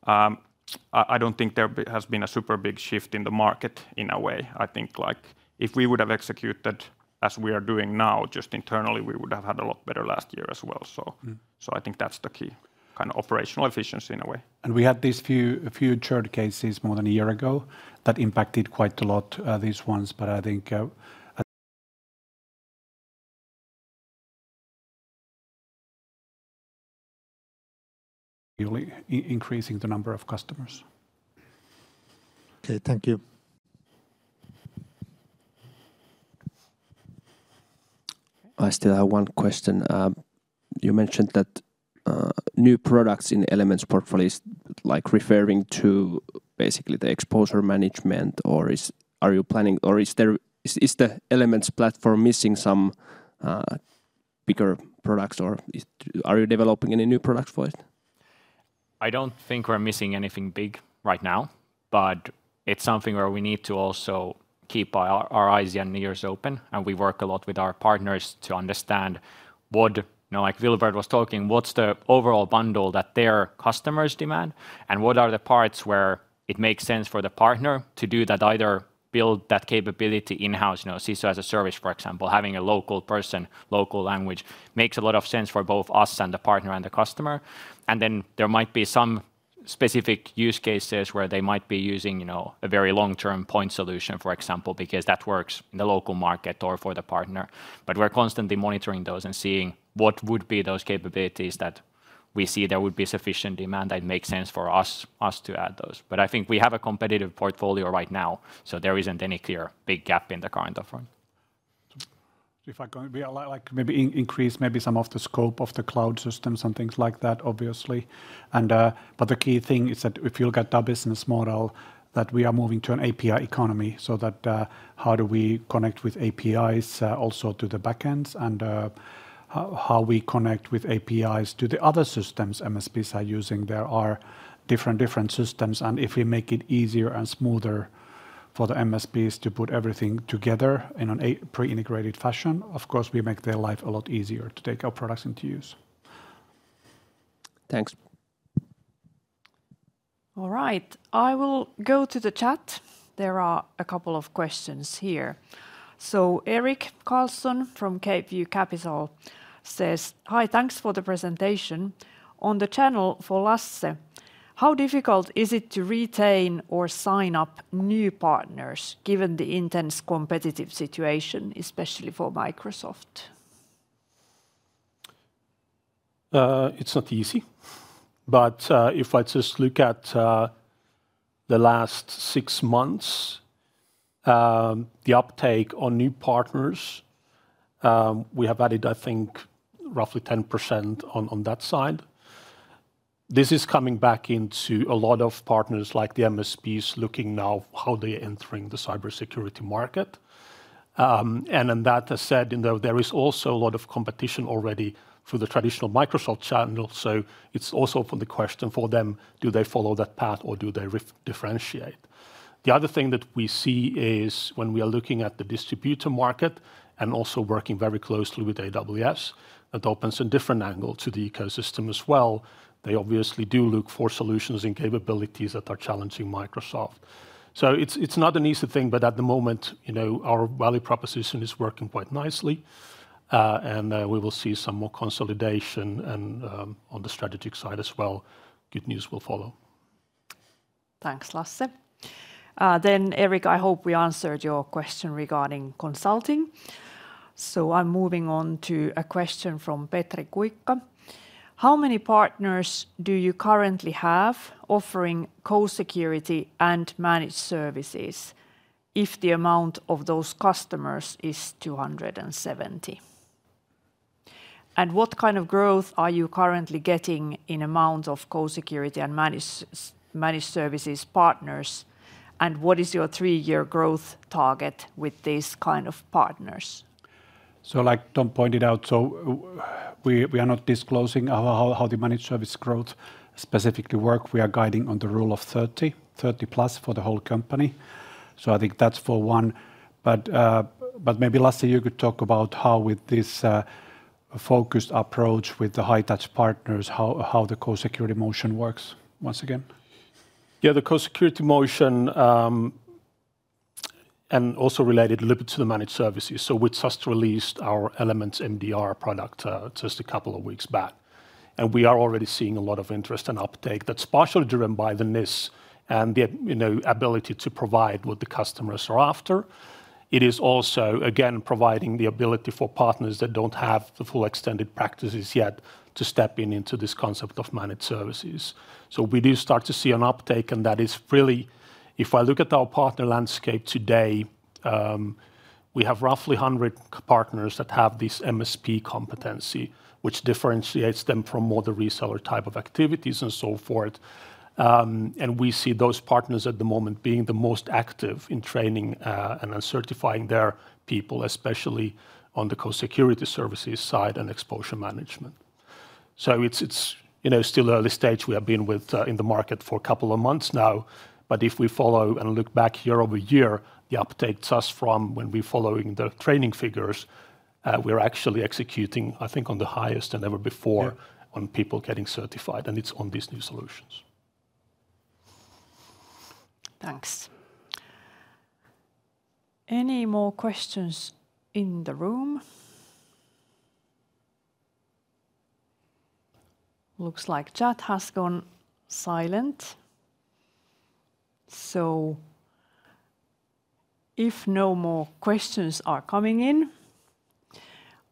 Speaker 11: I don't think there has been a super big shift in the market in a way. I think if we would have executed as we are doing now, just internally, we would have had a lot better last year as well. I think that's the key kind of operational efficiency in a way. We had these few churn cases more than a year ago that impacted quite a lot, these ones, but I think increasing the number of customers. Okay, thank you. I still have one question. You mentioned that new products in Elements' portfolio is like referring to basically the exposure management, or are you planning, or is the Elements' platform missing some bigger products, or are you developing any new products for it? I don't think we're missing anything big right now, but it's something where we need to also keep our eyes and ears open. We work a lot with our partners to understand what, like Wilbert was talking, what's the overall bundle that their customers demand and what are the parts where it makes sense for the partner to do that, either build that capability in-house, CISO as a Service, for example, having a local person, local language makes a lot of sense for both us and the partner and the customer. There might be some specific use cases where they might be using a very long-term point solution, for example, because that works in the local market or for the partner. We're constantly monitoring those and seeing what would be those capabilities that we see there would be sufficient demand that makes sense for us to add those. I think we have a competitive portfolio right now, so there isn't any clear big gap in the current offering. If I can maybe increase maybe some of the scope of the cloud systems and things like that, obviously, but the key thing is that if you look at our business model, that we are moving to an API economy, so that how do we connect with APIs also to the backends and how we connect with APIs to the other systems MSPs are using? There are different systems, and if we make it easier and smoother for the MSPs to put everything together in a pre-integrated fashion, of course, we make their life a lot easier to take our products into use.
Speaker 1: Thanks. All right, I will go to the chat. There are a couple of questions here. Erik Karlsson from CapeView Capital says, "Hi, thanks for the presentation." On the channel for Lasse, how difficult is it to retain or sign up new partners given the intense competitive situation, especially for Microsoft?
Speaker 3: It's not easy, but if I just look at the last six months, the uptake on new partners, we have added, I think, roughly 10% on that side. This is coming back into a lot of partners like the MSPs looking now how they are entering the cybersecurity market. And that has said, there is also a lot of competition already through the traditional Microsoft channel. It's also for the question for them, do they follow that path or do they differentiate? The other thing that we see is when we are looking at the distributor market and also working very closely with AWS, that opens a different angle to the ecosystem as well. They obviously do look for solutions and capabilities that are challenging Microsoft. So it's not an easy thing, but at the moment, our value proposition is working quite nicely. And we will see some more consolidation on the strategic side as well. Good news will follow.
Speaker 1: Thanks, Lasse. Then, Erik, I hope we answered your question regarding consulting. So I'm moving on to a question from Petri Kuikka. How many partners do you currently have offering co-security and managed services if the amount of those customers is 270? And what kind of growth are you currently getting in amount of co-security and managed services partners? And what is your three-year growth target with these kind of partners?
Speaker 2: So like Tom pointed out, so we are not disclosing how the managed service growth specifically works. We are guiding on the Rule of 30, 30 plus for the whole company. So I think that's for one. But maybe Lasse, you could talk about how with this focused approach with the high-touch partners, how the Co-security motion works once again. Yeah, the Co-security motion and also related a little bit to the managed services. So we just released our Elements MDR product just a couple of weeks back. And we are already seeing a lot of interest and uptake that's partially driven by the NIS and the ability to provide what the customers are after. It is also, again, providing the ability for partners that don't have the full extended practices yet to step into this concept of managed services. So we do start to see an uptake, and that is really, if I look at our partner landscape today, we have roughly 100 partners that have this MSP competency, which differentiates them from other reseller type of activities and so forth. And we see those partners at the moment being the most active in training and certifying their people, especially on the co-security services side and exposure management. So it's still early stage. We have been in the market for a couple of months now. But if we follow and look back year over year, the uptake just from when we're following the training figures, we're actually executing, I think, on the highest and ever before on people getting certified. And it's on these new solutions.
Speaker 1: Thanks. Any more questions in the room? Looks like chat has gone silent. So if no more questions are coming in,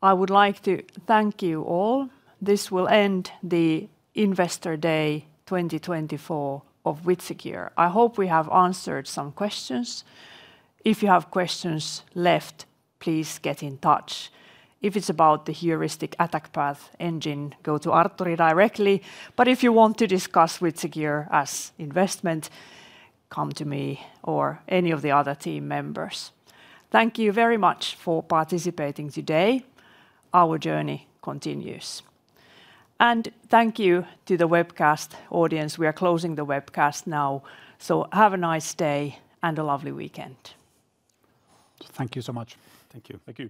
Speaker 1: I would like to thank you all. This will end the Investor Day 2024 of WithSecure. I hope we have answered some questions. If you have questions left, please get in touch. If it's about the heuristic attack path engine, go to Artturi directly. But if you want to discuss WithSecure as investment, come to me or any of the other team members. Thank you very much for participating today. Our journey continues. And thank you to the webcast audience. We are closing the webcast now. So have a nice day and a lovely weekend.
Speaker 2: Thank you so much.
Speaker 10: Thank you.
Speaker 11: Thank you.